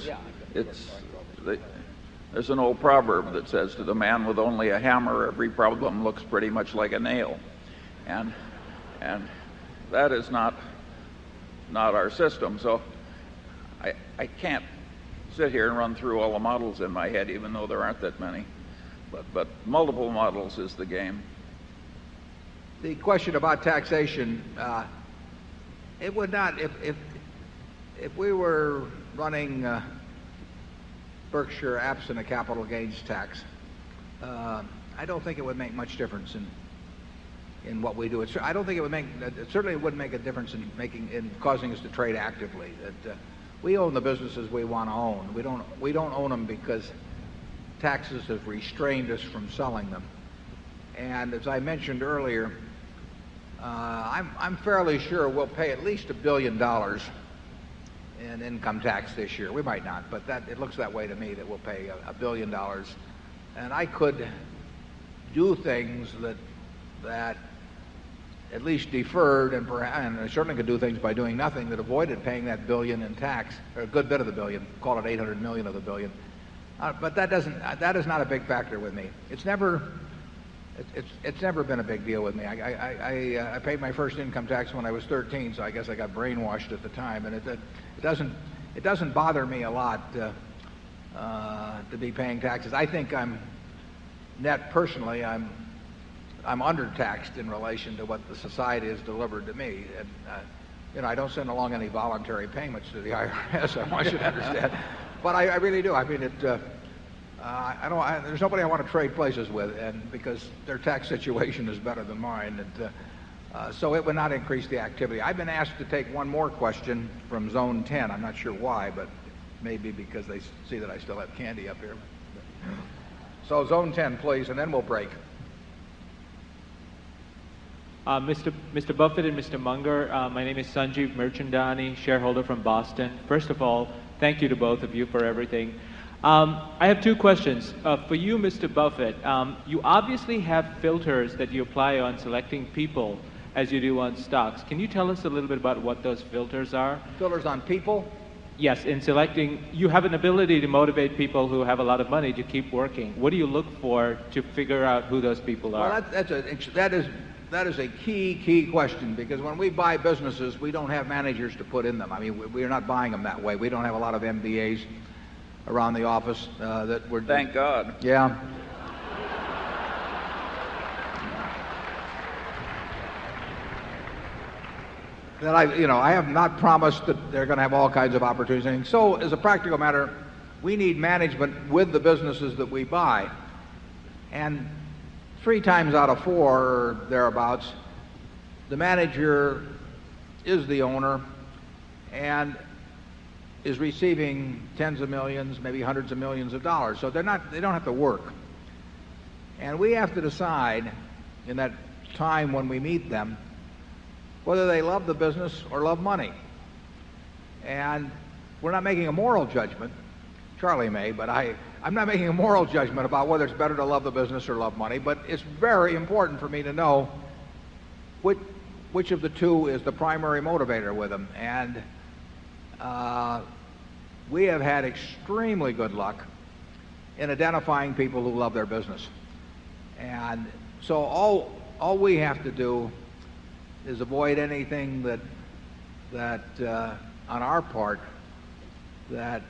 There's an old proverb that says to the man with only a hammer, every problem looks pretty much like a nail. And that is not our system. So I can't sit here and run through all the models in my head, even though there aren't that many. But multiple models is the game. The question about taxation, it would not if we were running Berkshire absent a capital gains tax, I don't think it would make much difference in what we do. I don't think it would make certainly, it wouldn't make a difference in making in causing us to trade actively. That we own the businesses we want own. We don't own them because taxes have restrained us from selling them. And as I mentioned earlier, I'm I'm fairly sure we'll pay at least $1,000,000,000 in income tax this year. We might not, but that it looks that way to me that we'll pay $1,000,000,000 And I could do things that that at least deferred and certainly could do things by doing nothing that avoided paying that $1,000,000,000 in tax or a good bit of the $1,000,000,000 call it $800,000,000 of the $1,000,000,000 But that doesn't that is not a big factor with me. It's never been a big deal with me. I paid my first income tax when I was 13. So I guess I got brainwashed at the time. And it doesn't bother me a lot to be paying taxes. I think I'm net personally, I'm under taxed in relation to what the society has delivered to me. And I don't want you to understand. But I really do. I mean, it, I know there's nobody I want to trade places with and because their tax situation is better than mine. And, so it would not increase the activity. I've been asked to take one more question from zone 10. I'm not sure why, but maybe because they see that I still have candy up here. Zone 10, please, and then we'll break. Mr. Buffet and Mr. Munger, my name is Sanjeev Merchandani, shareholder from Boston. First of all, thank you to both of you for everything. I have two questions. For you, Mr. Buffet, you obviously have filters that you apply on selecting people as you do on stocks. Can you tell us a little bit about what those filters are? Filters on people? Yes. In selecting, you have an ability to motivate people who have a lot of money to keep working. What do you look for to figure out who those people are? That is a key, key question because when we buy businesses, we don't have managers to put in them. I mean, we are not buying them that way. We don't have a lot of MBAs around the office, that we're Thank God. Yeah. That I you know, I have not promised that they're going to have all kinds of opportunities. And so as a practical matter, we need management with the businesses that we buy. And 3 times out of 4 or thereabouts, the manager is the owner and is receiving tens of 1,000,000, maybe 100 of 1,000,000 of dollars. So they're not they don't have to work. And we have to decide in that time when we meet them whether they love the business or love money. And not making a moral judgment, Charlie may, but I I'm not making a moral judgment about whether it's better to love the business or love money, but it's very important for me to know which which of the 2 is the primary motivator with them. And, we have had extremely good luck in identifying people who love their business. And so all we have to do is avoid anything that, on our part that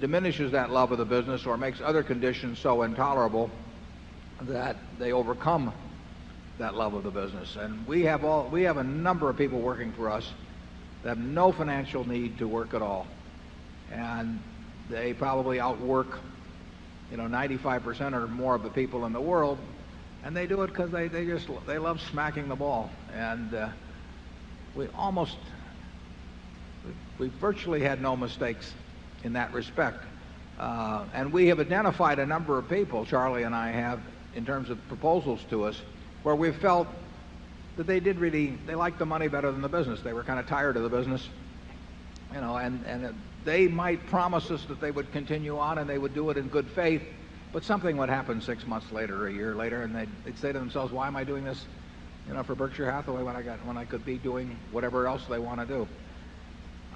diminishes that love of the business or makes other conditions so intolerable that they overcome that love of the business. And we have all we have a number of people working for us that have no financial need to work at all. And they probably outwork, you know, 95% or more the people in the world. And they do it because they just they love smacking the ball. And we almost we virtually had no mistakes in that respect. And we have identified a number of people, Charlie and I have, in terms of proposals to us where we felt that they did really they liked the money better than the business. They were kind of tired of the business, you know, and they might promise us that they would continue on and they would do it in good faith, but something would happen 6 months later, a year later, and they'd say to themselves, why am I doing this for Berkshire Hathaway when I got when I could be doing whatever else they want to do?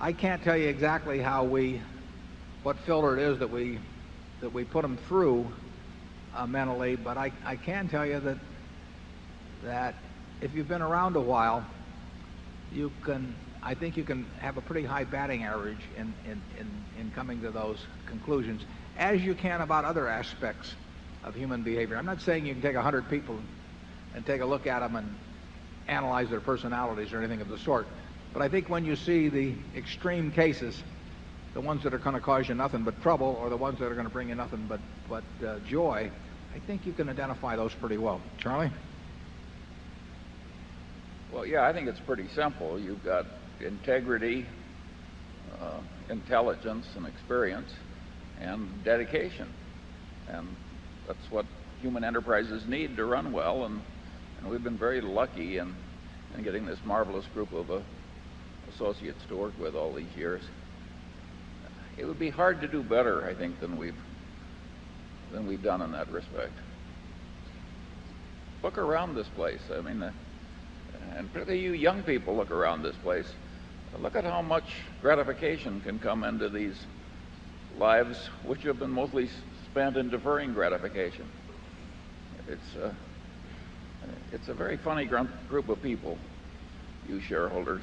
I can't tell you exactly how we what filler it is that we put them through mentally. But I can tell you that if you've been around a while, you can I think you can have a pretty high batting average in coming to those conclusions as you can about other aspects of human behavior? I'm not saying you can take 100 people and take a look at them and analyze their personalities or anything of the sort. But I think when you see the extreme cases, the ones that are going to cause you nothing but trouble or the ones that are going to bring you nothing but joy, I think you can identify those pretty well. Charlie? Well, yeah, I think it's pretty simple. You've got integrity, intelligence and experience and dedication. And we have been very lucky in getting this marvelous group of associates to work with all these years. It would be hard to do better I think than we've done in that respect. Look around this place. I mean, and pretty young people look around this place. Look at how much gratification can come into these lives, which have been mostly spent in deferring gratification. It's a very funny group of people, you shareholders.